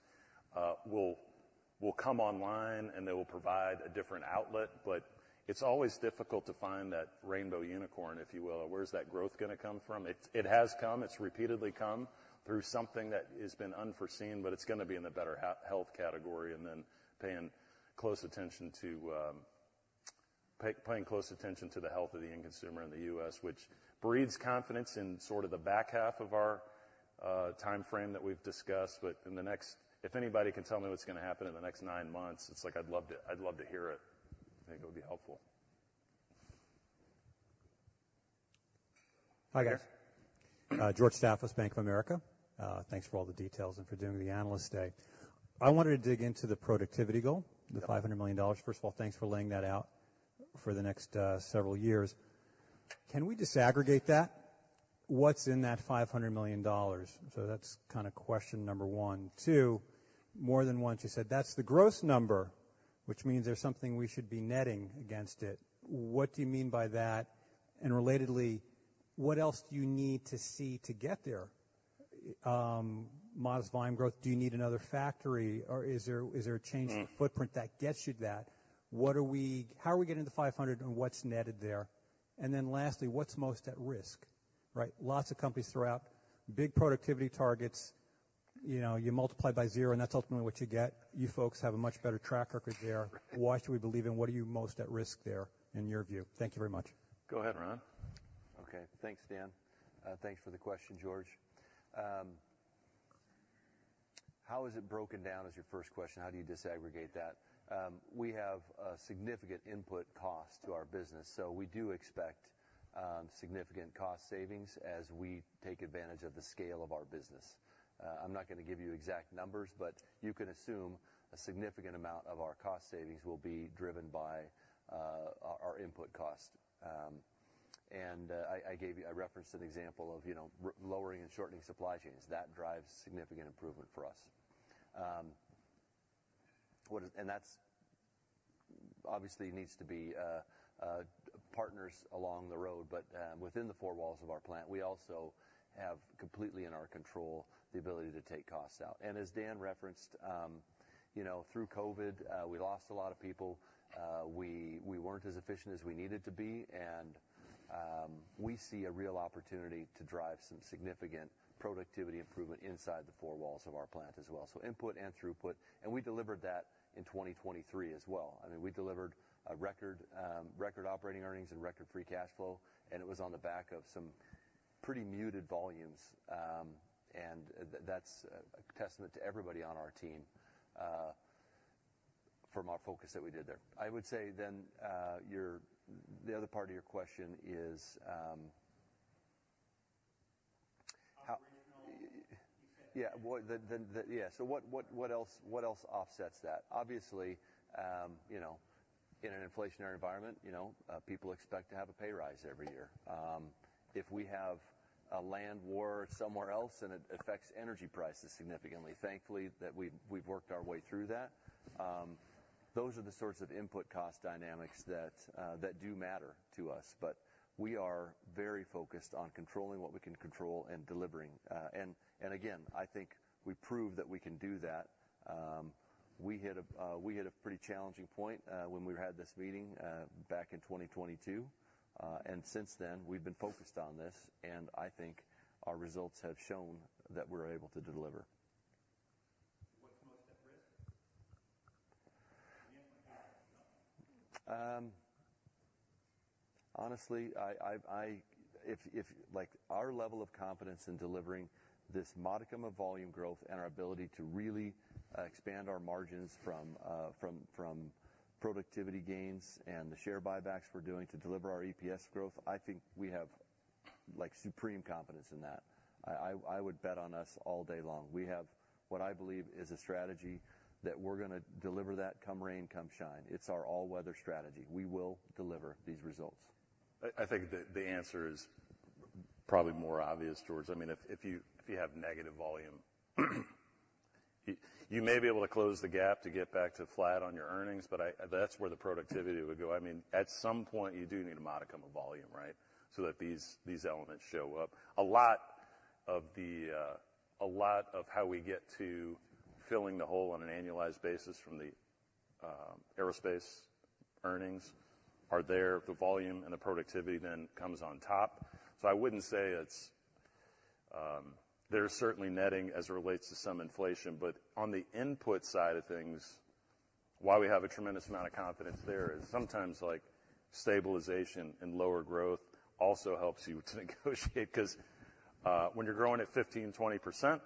will come online, and they will provide a different outlet, but it's always difficult to find that rainbow unicorn, if you will. Where's that growth gonna come from? It has come, it's repeatedly come through something that has been unforeseen, but it's gonna be in the better health category, and then paying close attention to the health of the end consumer in the U.S., which breeds confidence in sort of the back half of our timeframe that we've discussed. But in the next. If anybody can tell me what's gonna happen in the next nine months, it's like I'd love to, I'd love to hear it. I think it would be helpful. Hi, guys. Yes. George Staphos, Bank of America. Thanks for all the details and for doing the Analyst Day. I wanted to dig into the productivity goal. Yeah. the $500 million. First of all, thanks for laying that out for the next several years. Can we disaggregate that? What's in that $500 million? So that's kinda question number one. Two, more than once, you said, "That's the gross number," which means there's something we should be netting against it. What do you mean by that? And relatedly, what else do you need to see to get there? Modest volume growth, do you need another factory, or is there a change- Mm... to footprint that gets you that? What are we - How are we getting to $500 million, and what's netted there? And then lastly, what's most at risk, right? Lots of companies throughout, big productivity targets, you know, you multiply by zero, and that's ultimately what you get. You folks have a much better track record there. Why should we believe, and what are you most at risk there, in your view? Thank you very much. Go ahead, Ron. Okay. Thanks, Dan. Thanks for the question, George. How is it broken down, is your first question. How do you disaggregate that? We have a significant input cost to our business, so we do expect significant cost savings as we take advantage of the scale of our business. I'm not gonna give you exact numbers, but you can assume a significant amount of our cost savings will be driven by our input cost. And I gave you... I referenced an example of, you know, lowering and shortening supply chains. That drives significant improvement for us. And that's, obviously, needs to be partners along the road, but within the four walls of our plant, we also have completely in our control the ability to take costs out. As Dan referenced, you know, through COVID, we lost a lot of people. We weren't as efficient as we needed to be, and we see a real opportunity to drive some significant productivity improvement inside the four walls of our plant as well, so input and throughput, and we delivered that in 2023 as well. I mean, we delivered a record record operating earnings and record free cash flow, and it was on the back of some pretty muted volumes. And that's a testament to everybody on our team from our focus that we did there. I would say then, the other part of your question is, how- Yeah, well, then. So what else offsets that? Obviously, you know, in an inflationary environment, you know, people expect to have a pay raise every year. If we have a land war somewhere else and it affects energy prices significantly, thankfully, we've worked our way through that. Those are the sorts of input cost dynamics that do matter to us, but we are very focused on controlling what we can control and delivering. And again, I think we proved that we can do that. We hit a pretty challenging point when we had this meeting back in 2022. And since then, we've been focused on this, and I think our results have shown that we're able to deliver. What's most at risk? Honestly, like, our level of confidence in delivering this modicum of volume growth and our ability to really expand our margins from productivity gains and the share buybacks we're doing to deliver our EPS growth, I think we have, like, supreme confidence in that. I would bet on us all day long. We have, what I believe is a strategy that we're gonna deliver that, come rain, come shine. It's our all-weather strategy. We will deliver these results. I think the answer is probably more obvious, George. I mean, if you have negative volume, you may be able to close the gap to get back to flat on your earnings, but that's where the productivity would go. I mean, at some point, you do need a modicum of volume, right? So that these elements show up. A lot of how we get to filling the hole on an annualized basis from the aerospace earnings are there. The volume and the productivity then comes on top. So I wouldn't say it's... There's certainly netting as it relates to some inflation, but on the input side of things, why we have a tremendous amount of confidence there, is sometimes, like, stabilization and lower growth also helps you to negotiate. Because when you're growing at 15%-20%,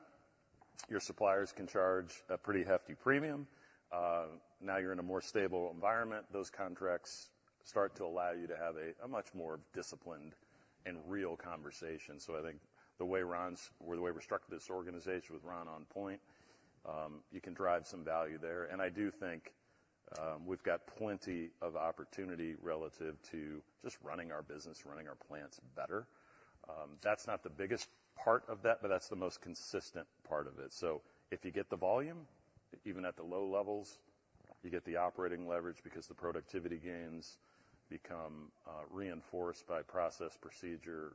your suppliers can charge a pretty hefty premium. Now you're in a more stable environment. Those contracts start to allow you to have a much more disciplined and real conversation. So I think the way we structured this organization with Ron on point, you can drive some value there. And I do think we've got plenty of opportunity relative to just running our business, running our plants better. That's not the biggest part of that, but that's the most consistent part of it. So if you get the volume, even at the low levels, you get the operating leverage because the productivity gains become reinforced by process, procedure,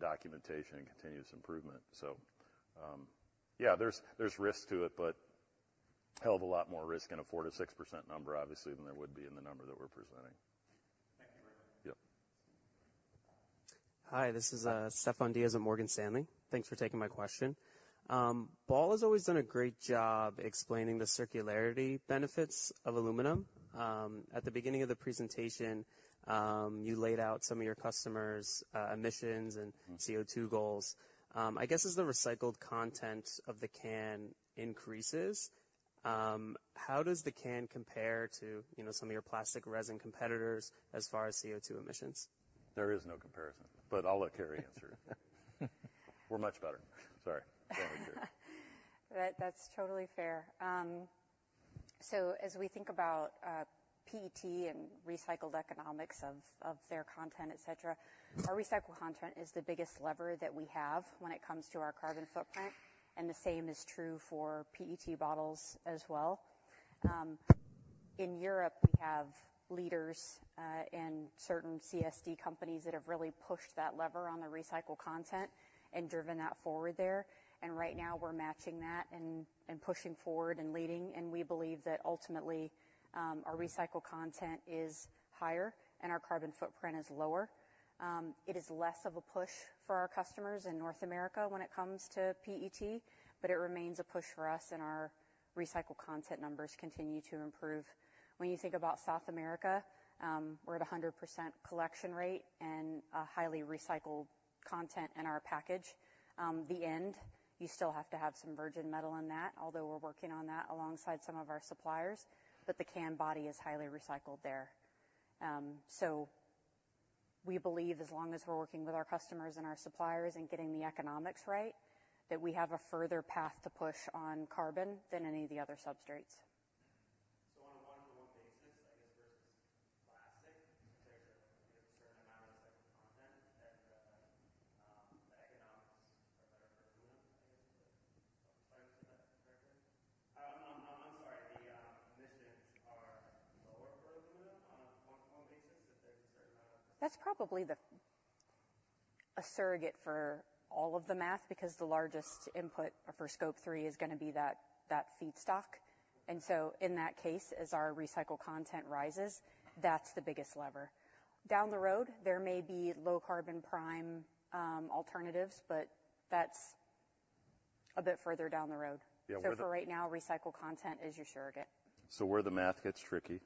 documentation, and continuous improvement. Yeah, there's risk to it, but a hell of a lot more risk in a 4%-6% number, obviously, than there would be in the number that we're presenting. Thank you very much. Yep. Hi, this is Stefan Diaz at Morgan Stanley. Thanks for taking my question. Ball has always done a great job explaining the circularity benefits of aluminum. At the beginning of the presentation, you laid out some of your customers' emissions and CO2 goals. I guess, as the recycled content of the can increases, how does the can compare to, you know, some of your plastic resin competitors as far as CO2 emissions? There is no comparison, but I'll let Carey answer. We're much better. Sorry. Go ahead, Carey. That, that's totally fair. So as we think about PET and recycled economics of their content, et cetera, our recycled content is the biggest lever that we have when it comes to our carbon footprint, and the same is true for PET bottles as well. In Europe, we have leaders and certain CSD companies that have really pushed that lever on the recycled content and driven that forward there. And right now we're matching that and pushing forward and leading, and we believe that ultimately our recycled content is higher and our carbon footprint is lower. It is less of a push for our customers in North America when it comes to PET, but it remains a push for us, and our recycled content numbers continue to improve. When you think about South America, we're at a 100% collection rate and a highly recycled content in our package. The end, you still have to have some virgin metal in that, although we're working on that alongside some of our suppliers, but the can body is highly recycled there. So we believe, as long as we're working with our customers and our suppliers and getting the economics right, that we have a further path to push on carbon than any of the other substrates. So on a one-to-one basis, I guess, versus plastic, there's a certain amount of recycled content, and, the economics are better for aluminum, I guess. Did I understand that correctly? I'm sorry, the emissions are lower for aluminum on a one-to-one basis if there's a certain amount of- That's probably a surrogate for all of the math, because the largest input for Scope 3 is gonna be that, that feedstock. And so in that case, as our recycled content rises, that's the biggest lever. Down the road, there may be low-carbon prime, alternatives, but that's a bit further down the road. Yeah, where the- For right now, recycled content is your surrogate. Where the math gets tricky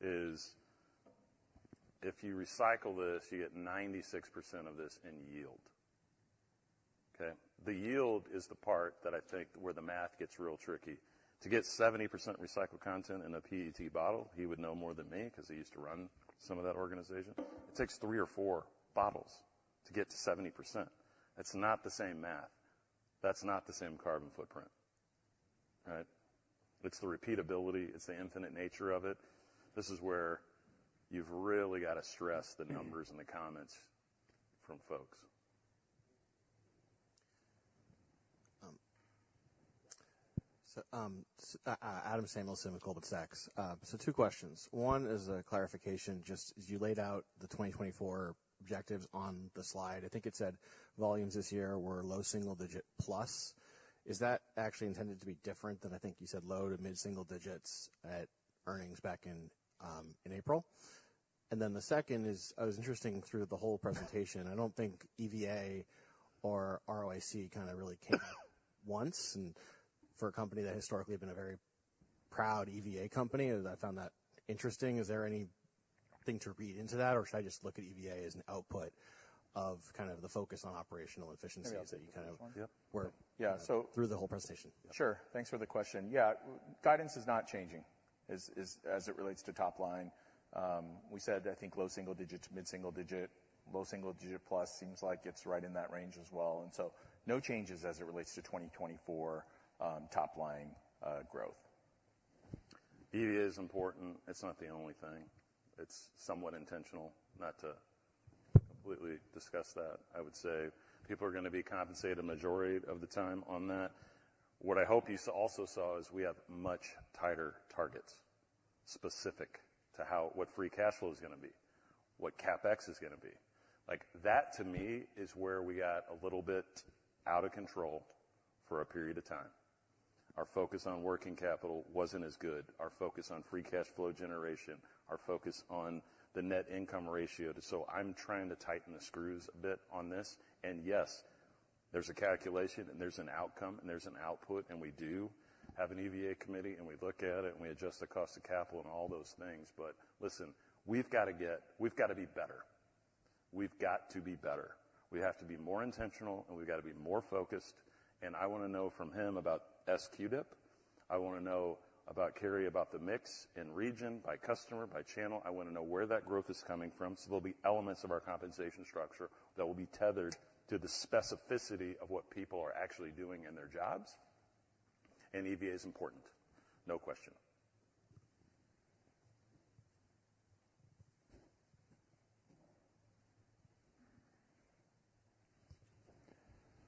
is if you recycle this, you get 96% of this in yield, okay? The yield is the part that I think where the math gets real tricky. To get 70% recycled content in a PET bottle, he would know more than me 'cause he used to run some of that organization, it takes three or four bottles to get to 70%. It's not the same math. That's not the same carbon footprint, right? It's the repeatability, it's the infinite nature of it. This is where you've really got to stress the numbers and the comments from folks. Adam Samuelson with Goldman Sachs. So two questions. One is a clarification. Just as you laid out the 2024 objectives on the slide, I think it said volumes this year were low single-digit +. Is that actually intended to be different than I think you said, low- to mid-single digits at earnings back in April? And then the second is, I was interested through the whole presentation. I don't think EVA or ROIC kind of really came out once. And for a company that historically been a very proud EVA company, I found that interesting. Is there anything to read into that, or should I just look at EVA as an output of kind of the focus on operational efficiencies- Yeah. that you kind of were Yep. Yeah, so- through the whole presentation? Sure. Thanks for the question. Yeah, guidance is not changing as it relates to top line. We said, I think, low single digits, mid single digit, low single digit plus seems like it's right in that range as well, and so no changes as it relates to 2024 top line growth. EVA is important. It's not the only thing. It's somewhat intentional not to completely discuss that. I would say people are gonna be compensated a majority of the time on that. What I hope you also saw is we have much tighter targets specific to what free cash flow is gonna be, what CapEx is gonna be. Like, that, to me, is where we got a little bit out of control for a period of time. Our focus on working capital wasn't as good, our focus on free cash flow generation, our focus on the net income ratio. So I'm trying to tighten the screws a bit on this, and yes, there's a calculation, and there's an outcome, and there's an output, and we do have an EVA committee, and we look at it, and we adjust the cost of capital and all those things. But listen, we've got to get, we've got to be better. We've got to be better. We have to be more intentional, and we've got to be more focused, and I want to know from him about SQDIP. I want to know about Carey, about the mix... in region, by customer, by channel. I want to know where that growth is coming from. There'll be elements of our compensation structure that will be tethered to the specificity of what people are actually doing in their jobs, and EVA is important, no question.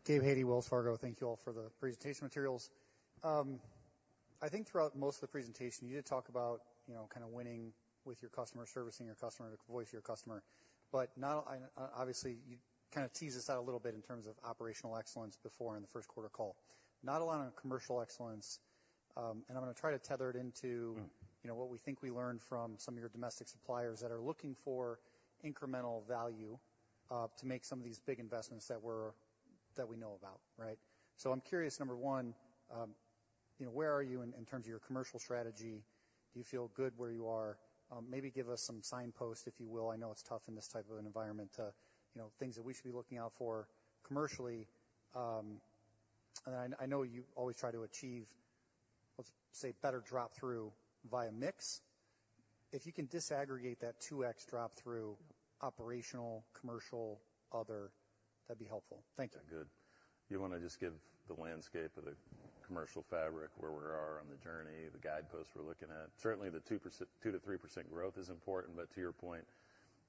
Gabe Hajde, Wells Fargo. Thank you all for the presentation materials. I think throughout most of the presentation, you did talk about, you know, kind of winning with your customer, servicing your customer, the voice of your customer, but not—I, obviously, you kind of teased this out a little bit in terms of operational excellence before in the first quarter call. Not a lot on commercial excellence, and I'm gonna try to tether it into- Mm-hmm. You know, what we think we learned from some of your domestic suppliers that are looking for incremental value to make some of these big investments that we're, that we know about, right? So I'm curious, number one, you know, where are you in terms of your commercial strategy? Do you feel good where you are? Maybe give us some signposts, if you will. I know it's tough in this type of an environment to, you know, things that we should be looking out for commercially. And I know you always try to achieve, let's say, better drop-through via mix. If you can disaggregate that 2x drop-through, operational, commercial, other, that'd be helpful. Thank you. Good. You wanna just give the landscape of the commercial fabric, where we are on the journey, the guideposts we're looking at? Certainly, the 2%-3% growth is important, but to your point,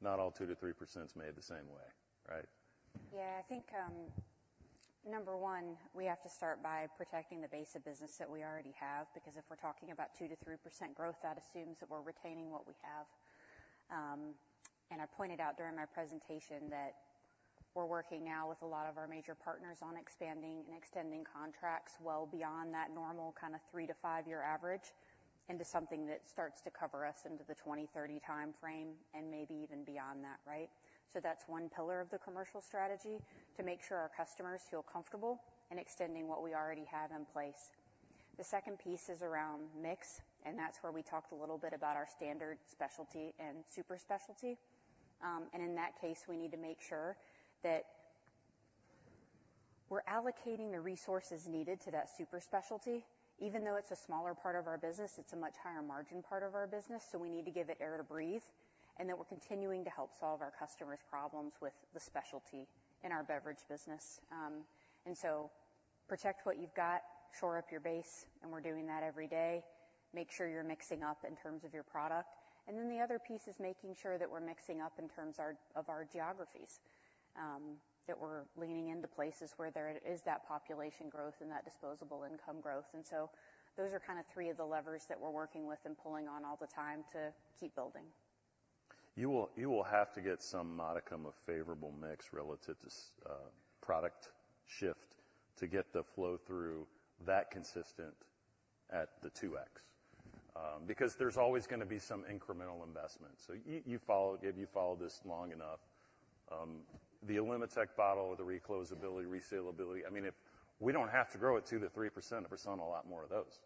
not all 2%-3%'s made the same way, right? Yeah, I think, number one, we have to start by protecting the base of business that we already have, because if we're talking about 2%-3% growth, that assumes that we're retaining what we have. And I pointed out during my presentation that we're working now with a lot of our major partners on expanding and extending contracts well beyond that normal kind of 3-5-year average, into something that starts to cover us into the 2030 time frame, and maybe even beyond that, right? So that's one pillar of the commercial strategy, to make sure our customers feel comfortable in extending what we already have in place. The second piece is around mix, and that's where we talked a little bit about our standard, specialty, and super specialty. In that case, we need to make sure that we're allocating the resources needed to that super specialty. Even though it's a smaller part of our business, it's a much higher margin part of our business, so we need to give it air to breathe, and that we're continuing to help solve our customers' problems with the specialty in our beverage business. So protect what you've got, shore up your base, and we're doing that every day. Make sure you're mixing up in terms of your product. And then the other piece is making sure that we're mixing up in terms of our geographies, that we're leaning into places where there is that population growth and that disposable income growth. So those are kind of three of the levers that we're working with and pulling on all the time to keep building. You will, you will have to get some modicum of favorable mix relative to product shift to get the flow through that consistent at the 2x. Because there's always gonna be some incremental investment. So you, you followed, Dave, you followed this long enough. The Alumi-Tek bottle, the recloseability, resealability, I mean, if we don't have to grow at 2%-3% if we're selling a lot more of those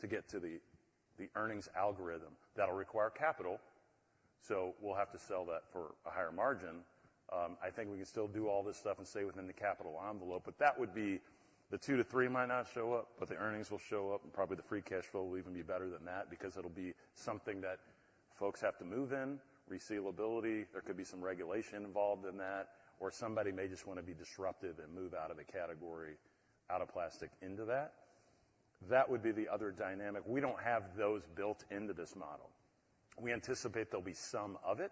to get to the, the earnings algorithm. That'll require capital, so we'll have to sell that for a higher margin. I think we can still do all this stuff and stay within the capital envelope, but that would be... The 2%-3% might not show up, but the earnings will show up, and probably the free cash flow will even be better than that because it'll be something that folks have to move in. Resealability, there could be some regulation involved in that, or somebody may just want to be disruptive and move out of a category, out of plastic into that. That would be the other dynamic. We don't have those built into this model. We anticipate there'll be some of it.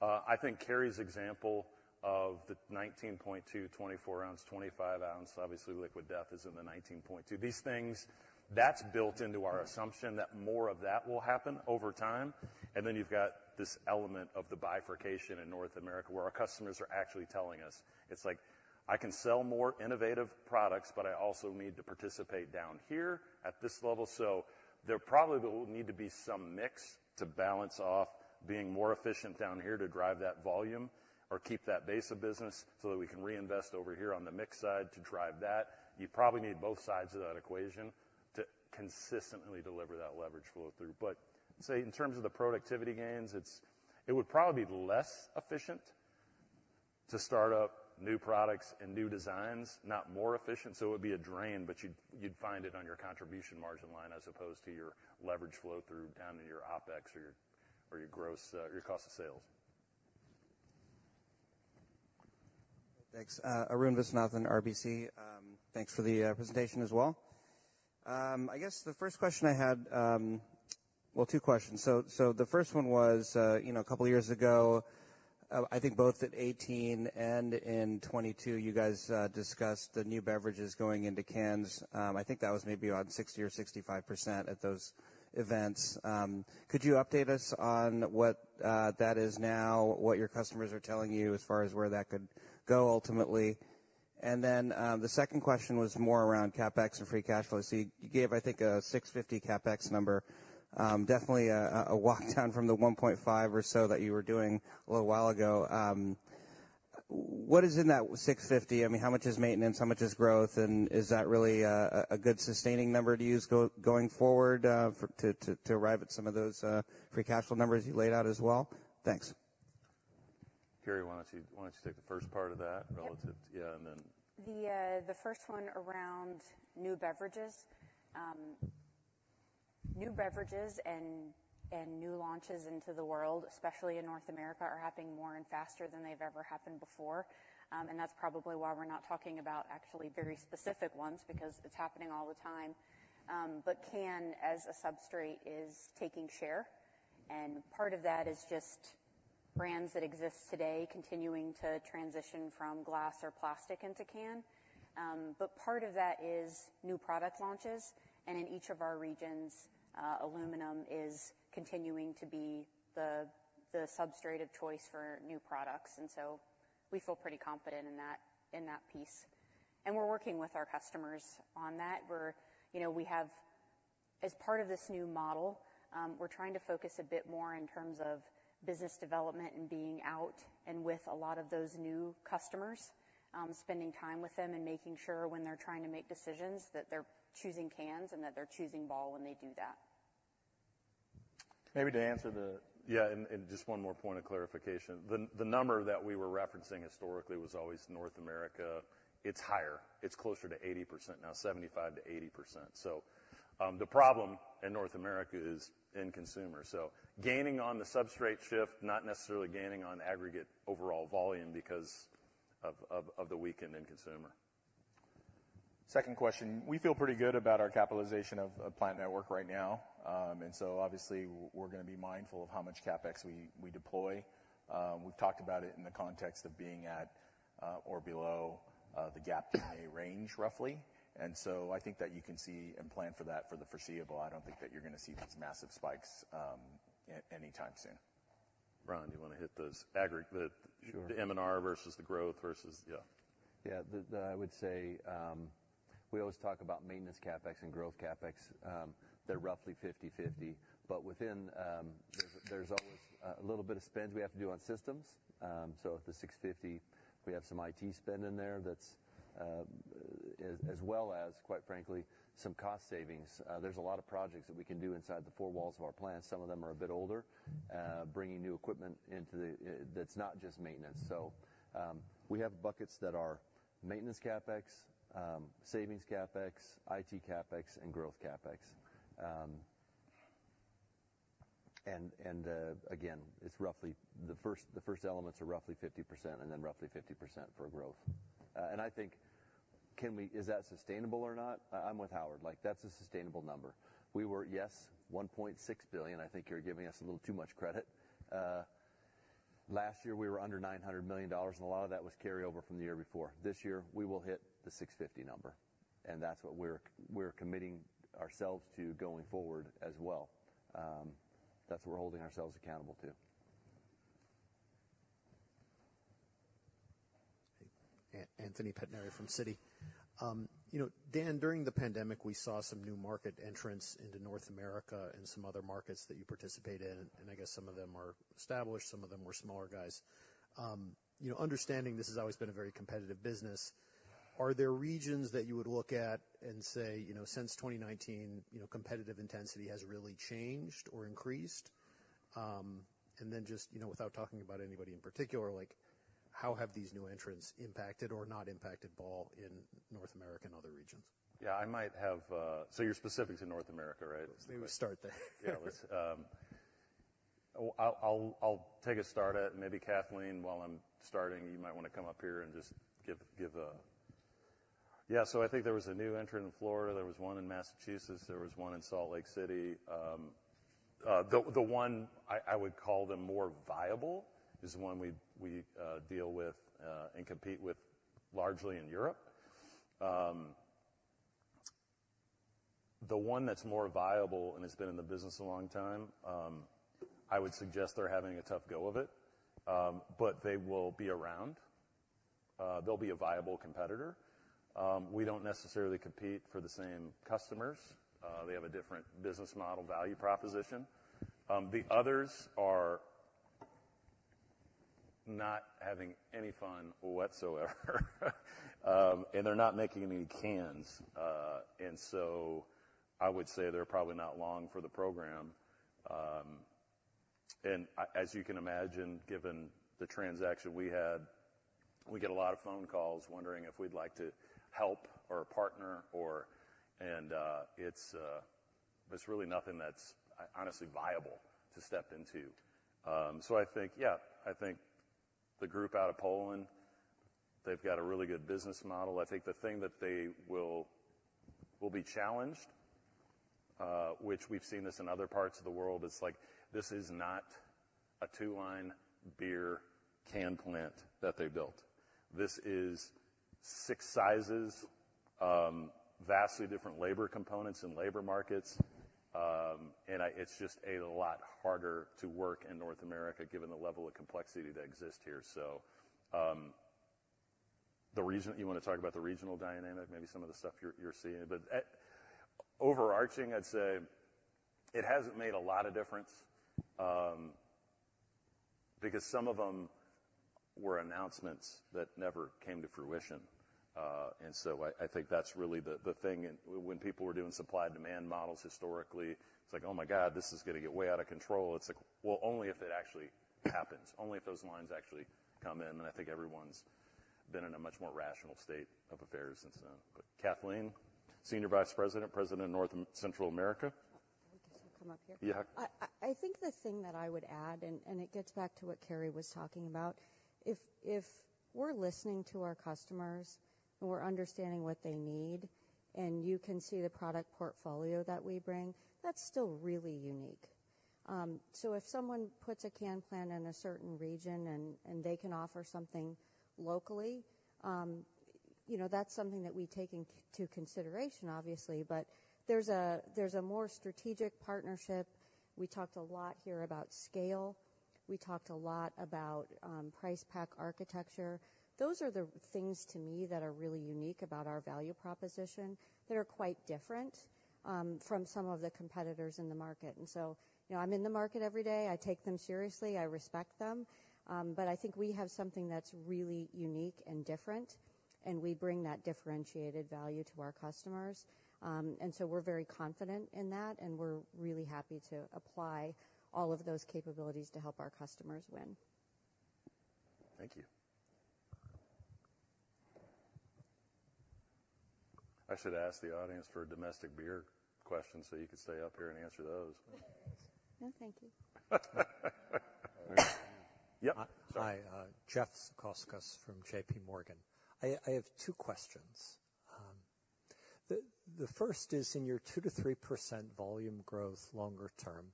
I think Carey's example of the 19.2, 24-ounce, 25-ounce, obviously, Liquid Death is in the 19.2. These things, that's built into our assumption, that more of that will happen over time, and then you've got this element of the bifurcation in North America, where our customers are actually telling us. It's like, "I can sell more innovative products, but I also need to participate down here at this level." So there probably will need to be some mix to balance off being more efficient down here to drive that volume or keep that base of business, so that we can reinvest over here on the mix side to drive that. You probably need both sides of that equation to consistently deliver that leverage flow through. But, say, in terms of the productivity gains, it would probably be less efficient to start up new products and new designs, not more efficient, so it would be a drain, but you'd find it on your contribution margin line as opposed to your leverage flow through, down to your OpEx or your gross, your cost of sales. Thanks. Arun Viswanathan, RBC. Thanks for the presentation as well. I guess the first question I had. Well, two questions. So, the first one was, you know, a couple of years ago, I think both at 2018 and in 2022, you guys discussed the new beverages going into cans. I think that was maybe around 60% or 65% at those events. Could you update us on what that is now, what your customers are telling you as far as where that could go ultimately? And then, the second question was more around CapEx and free cash flow. So you gave, I think, a $650 CapEx number. Definitely a walk down from the $1.5 or so that you were doing a little while ago. What is in that $650? I mean, how much is maintenance? How much is growth, and is that really a good sustaining number to use going forward, for to arrive at some of those free cash flow numbers you laid out as well? Thanks.... Carey, why don't you, why don't you take the first part of that relative to- Yep. Yeah, and then. The first one around new beverages. New beverages and new launches into the world, especially in North America, are happening more and faster than they've ever happened before. And that's probably why we're not talking about actually very specific ones, because it's happening all the time. But can as a substrate is taking share, and part of that is just brands that exist today continuing to transition from glass or plastic into can. But part of that is new product launches, and in each of our regions, aluminum is continuing to be the substrate of choice for new products. And so we feel pretty confident in that, in that piece. And we're working with our customers on that. We're, you know, we have... As part of this new model, we're trying to focus a bit more in terms of business development and being out and with a lot of those new customers, spending time with them and making sure when they're trying to make decisions, that they're choosing cans and that they're choosing Ball when they do that. Maybe to answer the-- Yeah, and just one more point of clarification. The number that we were referencing historically was always North America. It's higher. It's closer to 80%, now 75%-80%. So, the problem in North America is in consumer. So gaining on the substrate shift, not necessarily gaining on aggregate overall volume because of the weakened end consumer. Second question, we feel pretty good about our capitalization of plant network right now. And so obviously, we're gonna be mindful of how much CapEx we deploy. We've talked about it in the context of being at or below the GAAP range, roughly. And so I think that you can see and plan for that for the foreseeable. I don't think that you're gonna see these massive spikes anytime soon. Ron, do you wanna hit those aggregate? Sure. The M&R versus the growth versus... Yeah. Yeah, I would say, we always talk about maintenance CapEx and growth CapEx. They're roughly 50/50, but within, there's always a little bit of spends we have to do on systems. So the $650 million, we have some IT spend in there that's, as well as, quite frankly, some cost savings. There's a lot of projects that we can do inside the four walls of our plant. Some of them are a bit older, bringing new equipment into the, that's not just maintenance. So, we have buckets that are maintenance CapEx, savings CapEx, IT CapEx, and growth CapEx. And, again, it's roughly the first elements are roughly 50% and then roughly 50% for growth. And I think, can we, is that sustainable or not? I'm with Howard. Like, that's a sustainable number. We were, yes, $1.6 billion. I think you're giving us a little too much credit. Last year, we were under $900 million, and a lot of that was carryover from the year before. This year, we will hit the $650 number, and that's what we're committing ourselves to going forward as well. That's what we're holding ourselves accountable to. Anthony Pettinari from Citi. You know, Dan, during the pandemic, we saw some new market entrants into North America and some other markets that you participate in, and I guess some of them are established, some of them were smaller guys. You know, understanding this has always been a very competitive business, are there regions that you would look at and say, you know, since 2019, you know, competitive intensity has really changed or increased? And then just, you know, without talking about anybody in particular, like, how have these new entrants impacted or not impacted Ball in North America and other regions? Yeah, I might have. So you're specific to North America, right? Let me start there. Yeah, let's. I'll take a start at maybe, Kathleen, while I'm starting, you might wanna come up here and just give a. Yeah, so I think there was a new entrant in Florida. There was one in Massachusetts, there was one in Salt Lake City. The one I would call them more viable is the one we deal with and compete with largely in Europe. The one that's more viable and has been in the business a long time, I would suggest they're having a tough go of it. But they will be around. They'll be a viable competitor. We don't necessarily compete for the same customers. They have a different business model value proposition. The others are not having any fun whatsoever, and they're not making any cans. And so I would say they're probably not long for the program. And as you can imagine, given the transaction we had, we get a lot of phone calls wondering if we'd like to help or partner or... And it's, there's really nothing that's honestly viable to step into. So I think, yeah, I think the group out of Poland, they've got a really good business model. I think the thing that they will be challenged, which we've seen this in other parts of the world, it's like, this is not a two-line beer can plant that they built. This is six sizes, vastly different labor components and labor markets. And it's just a lot harder to work in North America, given the level of complexity that exists here. So, the region—you wanna talk about the regional dynamic, maybe some of the stuff you're seeing? But, overarching, I'd say it hasn't made a lot of difference, because some of them were announcements that never came to fruition. And so I think that's really the thing. And when people were doing supply and demand models historically, it's like: Oh, my God, this is gonna get way out of control. It's like, well, only if it actually happens, only if those lines actually come in. And I think everyone's been in a much more rational state of affairs since then. But Kathleen, Senior Vice President, President of North and Central America? Do I still come up here? Yeah. I think the thing that I would add, and it gets back to what Carey was talking about, if we're listening to our customers, and we're understanding what they need, and you can see the product portfolio that we bring, that's still really unique. So if someone puts a can plant in a certain region and they can offer something locally, you know, that's something that we take into consideration, obviously. But there's a more strategic partnership. We talked a lot here about scale. We talked a lot about price pack architecture. Those are the things to me that are really unique about our value proposition, that are quite different from some of the competitors in the market. And so, you know, I'm in the market every day. I take them seriously, I respect them, but I think we have something that's really unique and different, and we bring that differentiated value to our customers. And so we're very confident in that, and we're really happy to apply all of those capabilities to help our customers win. Thank you. I should ask the audience for a domestic beer question, so you could stay up here and answer those. No, thank you. Yep. Hi, Jeffrey Zekauskas from JPMorgan. I have two questions. The first is, in your 2%-3% volume growth longer term,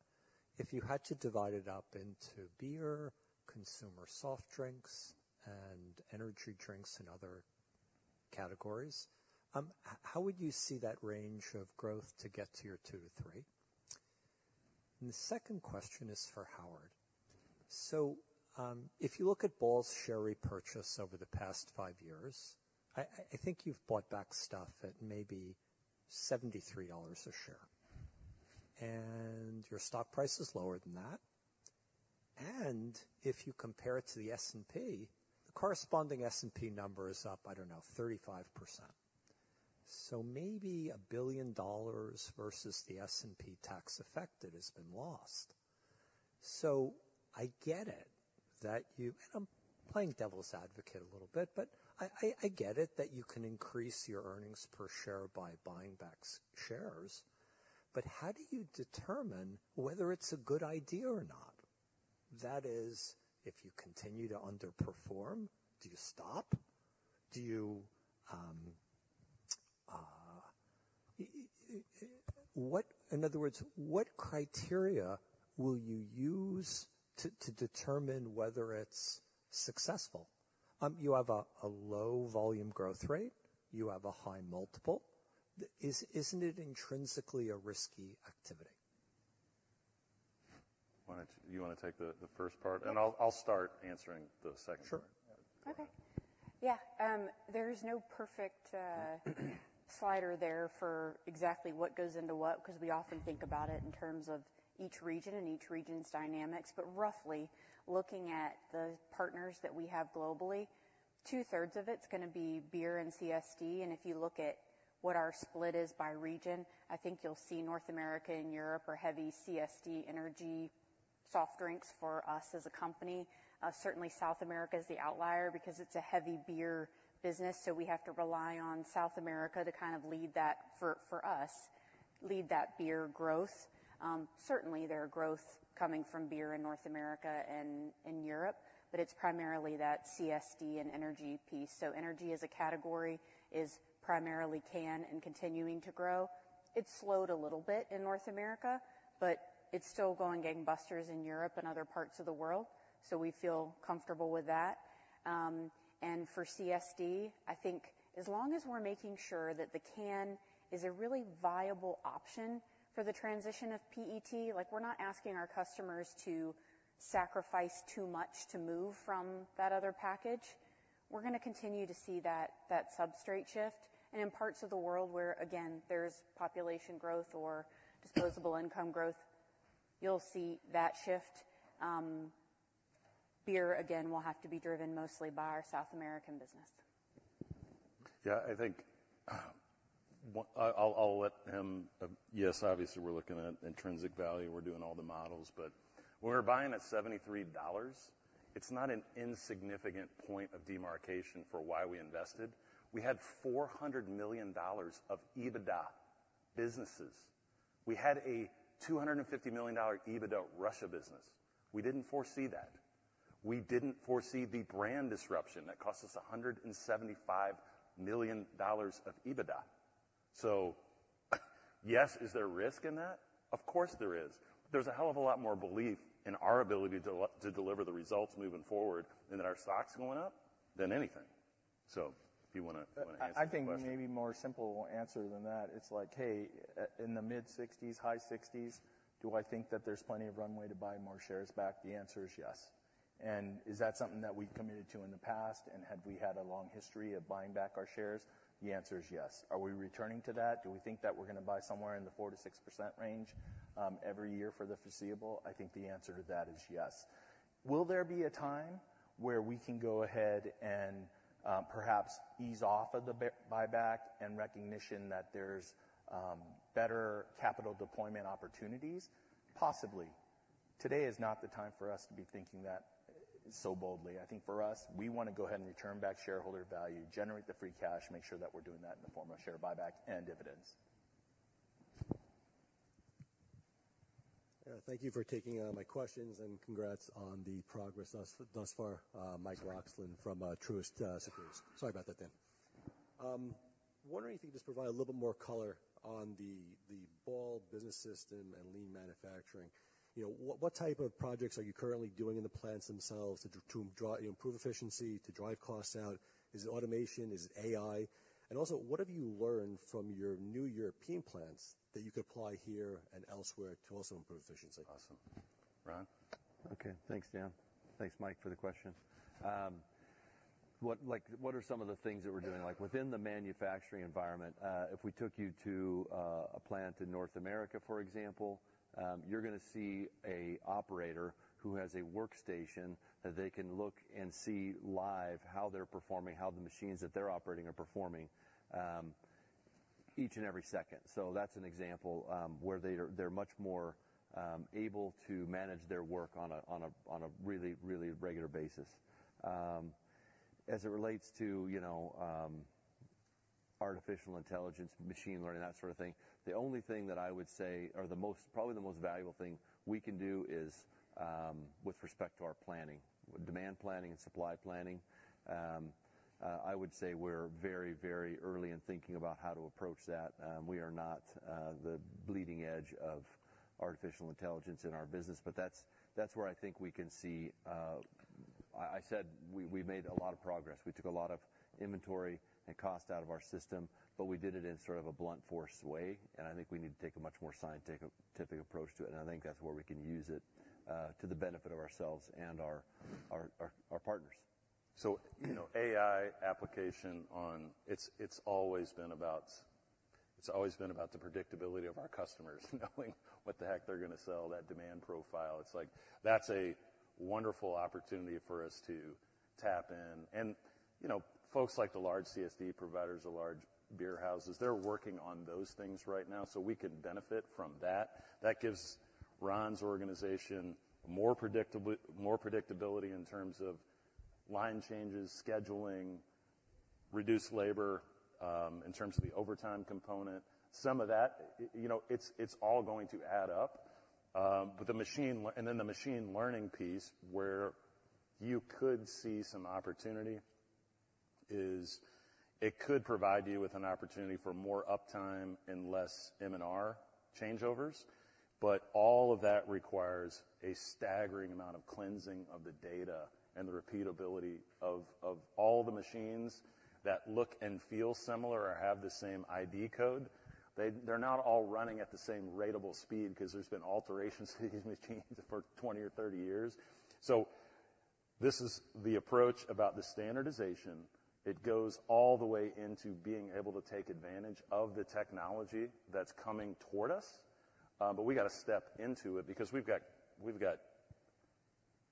if you had to divide it up into beer, consumer soft drinks, and energy drinks and other categories, how would you see that range of growth to get to your 2%-3%? And the second question is for Howard. So, if you look at Ball's share repurchase over the past five years, I think you've bought back stuff at maybe $73 a share, and your stock price is lower than that. And if you compare it to the S&P, the corresponding S&P number is up, I don't know, 35%. So maybe a billion dollar versus the S&P tax effect that has been lost. So I get it, that you... And I'm playing devil's advocate a little bit, but I get it that you can increase your earnings per share by buying back shares, but how do you determine whether it's a good idea or not? That is, if you continue to underperform, do you stop? Do you... What, in other words, what criteria will you use to determine whether it's successful? You have a low volume growth rate. You have a high multiple. Isn't it intrinsically a risky activity? Why don't you... Do you wanna take the first part? I'll start answering the second part. Sure. Okay. Yeah, there's no perfect slider there for exactly what goes into what, 'cause we often think about it in terms of each region and each region's dynamics. But roughly, looking at the partners that we have globally, two-thirds of it's gonna be beer and CSD, and if you look at what our split is by region, I think you'll see North America and Europe are heavy CSD, energy, soft drinks for us as a company. Certainly, South America is the outlier because it's a heavy beer business, so we have to rely on South America to kind of lead that for, for us, lead that beer growth. Certainly, there are growth coming from beer in North America and in Europe, but it's primarily that CSD and energy piece. So energy as a category is primarily can and continuing to grow. It's slowed a little bit in North America, but it's still going gangbusters in Europe and other parts of the world, so we feel comfortable with that. And for CSD, I think as long as we're making sure that the can is a really viable option for the transition of PET, like, we're not asking our customers to sacrifice too much to move from that other package. We're gonna continue to see that, that substrate shift. And in parts of the world where, again, there's population growth or disposable income growth, you'll see that shift. Beer, again, will have to be driven mostly by our South American business. Yeah, I think. Yes, obviously, we're looking at intrinsic value. We're doing all the models, but when we're buying at $73, it's not an insignificant point of demarcation for why we invested. We had $400 million of EBITDA businesses. We had a $250 million EBITDA Russia business. We didn't foresee that. We didn't foresee the brand disruption that cost us $175 million of EBITDA. So, yes, is there risk in that? Of course, there is. There's a hell of a lot more belief in our ability to deliver the results moving forward and that our stock's going up than anything. So if you wanna answer the question. I think maybe more simple answer than that. It's like, hey, in the mid-60s, high 60s, do I think that there's plenty of runway to buy more shares back? The answer is yes. And is that something that we've committed to in the past, and had we had a long history of buying back our shares?... The answer is yes. Are we returning to that? Do we think that we're gonna buy somewhere in the 4%-6% range, every year for the foreseeable? I think the answer to that is yes. Will there be a time where we can go ahead and, perhaps ease off of the buyback and recognition that there's, better capital deployment opportunities? Possibly. Today is not the time for us to be thinking that so boldly. I think, for us, we wanna go ahead and return back shareholder value, generate the free cash, make sure that we're doing that in the form of share buyback and dividends. Thank you for taking my questions, and congrats on the progress thus far. Mike Roxland from Truist Securities. Sorry about that, Dan. Wondering if you could just provide a little bit more color on the Ball Business System and lean manufacturing. You know, what type of projects are you currently doing in the plants themselves to improve efficiency, to drive costs down? Is it automation? Is it AI? And also, what have you learned from your new European plants that you could apply here and elsewhere to also improve efficiency? Awesome. Ron? Okay. Thanks, Dan. Thanks, Mike, for the question. What are some of the things that we're doing? Like, within the manufacturing environment, if we took you to a plant in North America, for example, you're gonna see a operator who has a workstation that they can look and see live, how they're performing, how the machines that they're operating are performing, each and every second. So that's an example, where they're much more able to manage their work on a really, really regular basis. As it relates to, you know, artificial intelligence, machine learning, that sort of thing, the only thing that I would say, or the most, probably the most valuable thing we can do, is with respect to our planning, with demand planning and supply planning. I would say we're very, very early in thinking about how to approach that. We are not the bleeding edge of artificial intelligence in our business, but that's, that's where I think we can see. I said we've made a lot of progress. We took a lot of inventory and cost out of our system, but we did it in sort of a blunt force way, and I think we need to take a much more scientific approach to it, and I think that's where we can use it to the benefit of ourselves and our partners. So, you know, AI application on, it's always been about the predictability of our customers, knowing what the heck they're gonna sell, that demand profile. It's like, that's a wonderful opportunity for us to tap in. And, you know, folks like the large CSD providers or large beer houses, they're working on those things right now, so we can benefit from that. That gives Ron's organization more predictability in terms of line changes, scheduling, reduced labor in terms of the overtime component. Some of that, you know, it's all going to add up. But and then, the machine learning piece, where you could see some opportunity, is, it could provide you with an opportunity for more uptime and less M&R changeovers. But all of that requires a staggering amount of cleansing of the data and the repeatability of all the machines that look and feel similar or have the same ID code. They're not all running at the same ratable speed, 'cause there's been alterations to these machines for 20 or 30 years. So this is the approach about the standardization. It goes all the way into being able to take advantage of the technology that's coming toward us, but we gotta step into it, because we've got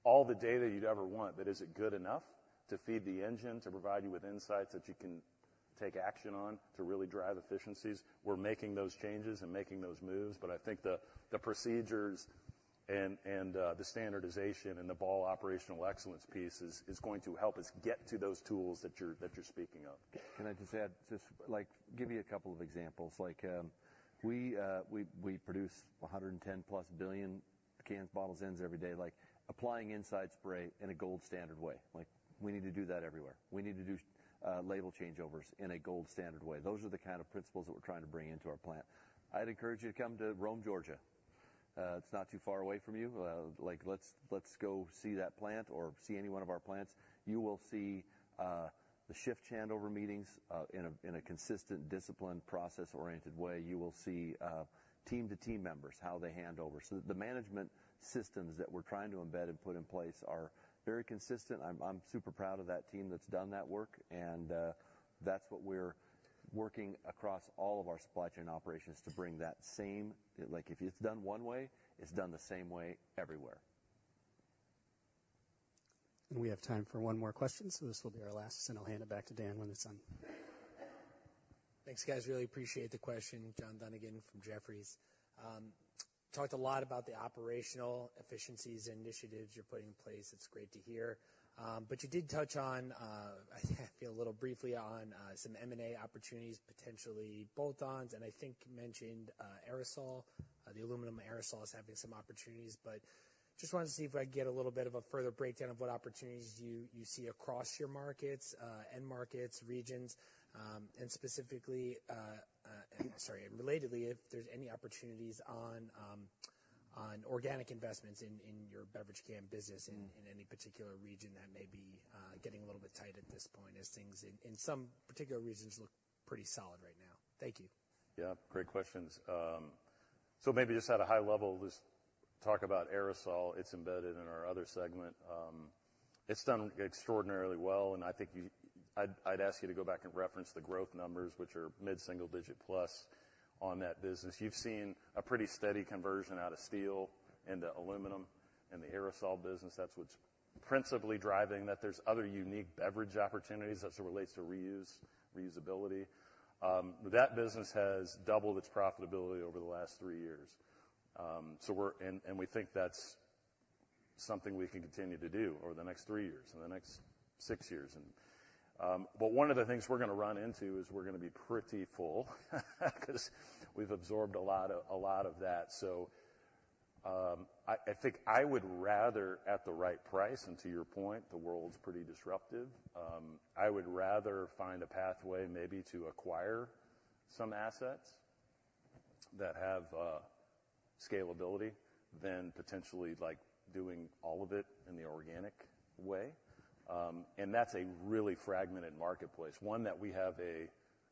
all the data you'd ever want, but is it good enough to feed the engine, to provide you with insights that you can take action on to really drive efficiencies? We're making those changes and making those moves, but I think the procedures and the standardization and the Ball Operational Excellence piece is going to help us get to those tools that you're speaking of. Can I just add just, like, give you a couple of examples. Like, we produce 110+ billion cans, bottles, ends every day. Like, applying inside spray in a gold standard way, like, we need to do that everywhere. We need to do label changeovers in a gold standard way. Those are the kind of principles that we're trying to bring into our plant. I'd encourage you to come to Rome, Georgia. It's not too far away from you. Like, let's go see that plant or see any one of our plants. You will see the shift handover meetings in a consistent, disciplined, process-oriented way. You will see team to team members, how they hand over. So the management systems that we're trying to embed and put in place are very consistent. I'm super proud of that team that's done that work, and that's what we're working across all of our supply chain operations to bring that same... Like, if it's done one way, it's done the same way everywhere. We have time for one more question, so this will be our last, and I'll hand it back to Dan when it's done. Thanks, guys. Really appreciate the question. John Dunigan from Jefferies. Talked a lot about the operational efficiencies and initiatives you're putting in place. It's great to hear. But you did touch on, I feel a little briefly on, some M&A opportunities, potentially bolt-ons, and I think you mentioned, aerosol. The aluminum aerosol is having some opportunities, but just wanted to see if I could get a little bit of a further breakdown of what opportunities you, you see across your markets, end markets, regions, and specifically, sorry, and relatedly, if there's any opportunities on, on organic investments in, in your beverage can business- Mm. in any particular region that may be getting a little bit tight at this point as things in some particular regions look pretty solid right now?... Thank you. Yeah, great questions. So maybe just at a high level, let's talk about aerosol. It's embedded in our other segment. It's done extraordinarily well, and I think I'd ask you to go back and reference the growth numbers, which are mid-single digit plus on that business. You've seen a pretty steady conversion out of steel into aluminum in the aerosol business. That's what's principally driving that. There's other unique beverage opportunities as it relates to reuse, reusability. That business has doubled its profitability over the last three years. So we're and we think that's something we can continue to do over the next three years and the next six years. But one of the things we're gonna run into is we're gonna be pretty full, 'cause we've absorbed a lot of that. So, I think I would rather, at the right price, and to your point, the world's pretty disruptive. I would rather find a pathway maybe to acquire some assets that have scalability than potentially, like, doing all of it in the organic way. And that's a really fragmented marketplace, one that we have a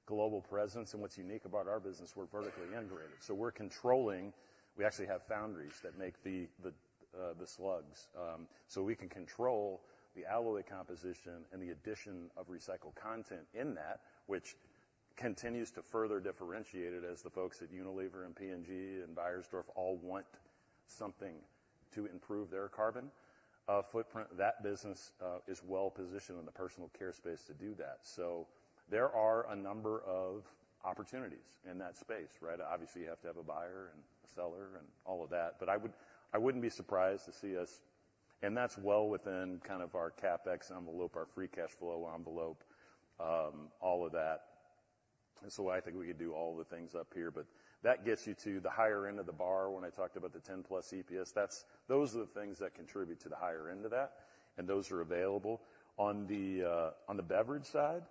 global presence, and what's unique about our business, we're vertically integrated, so we're controlling. We actually have foundries that make the slugs. So we can control the alloy composition and the addition of recycled content in that, which continues to further differentiate it as the folks at Unilever and P&G and Beiersdorf all want something to improve their carbon footprint. That business is well positioned in the personal care space to do that. So there are a number of opportunities in that space, right? Obviously, you have to have a buyer and a seller and all of that, but I would—I wouldn't be surprised to see us. And that's well within kind of our CapEx envelope, our free cash flow envelope, all of that. And so I think we could do all the things up here, but that gets you to the higher end of the bar when I talked about the 10+ EPS. That's—those are the things that contribute to the higher end of that, and those are available. On the beverage side,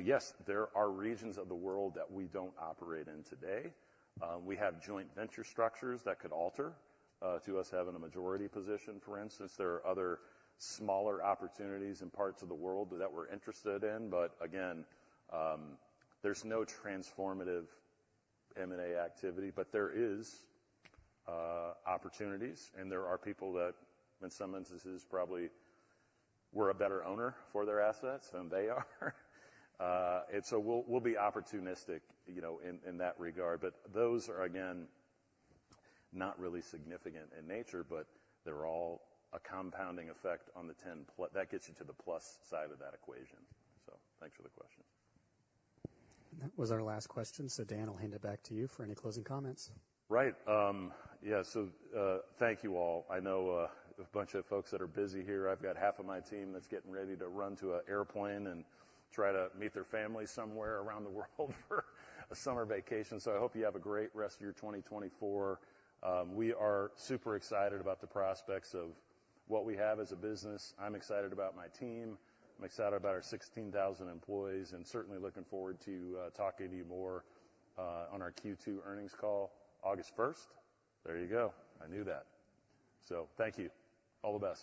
yes, there are regions of the world that we don't operate in today. We have joint venture structures that could alter to us having a majority position, for instance. There are other smaller opportunities in parts of the world that we're interested in, but again, there's no transformative M&A activity. But there is opportunities, and there are people that, in some instances, probably we're a better owner for their assets than they are. And so we'll, we'll be opportunistic, you know, in, in that regard. But those are, again, not really significant in nature, but they're all a compounding effect on the ten plus-- That gets you to the plus side of that equation. So thanks for the question. That was our last question. So Dan, I'll hand it back to you for any closing comments. Right. Yeah, so, thank you all. I know, a bunch of folks that are busy here. I've got half of my team that's getting ready to run to an airplane and try to meet their family somewhere around the world for a summer vacation. So I hope you have a great rest of your 2024. We are super excited about the prospects of what we have as a business. I'm excited about my team. I'm excited about our 16,000 employees, and certainly looking forward to, talking to you more, on our Q2 earnings call, August 1st. There you go. I knew that. So thank you. All the best.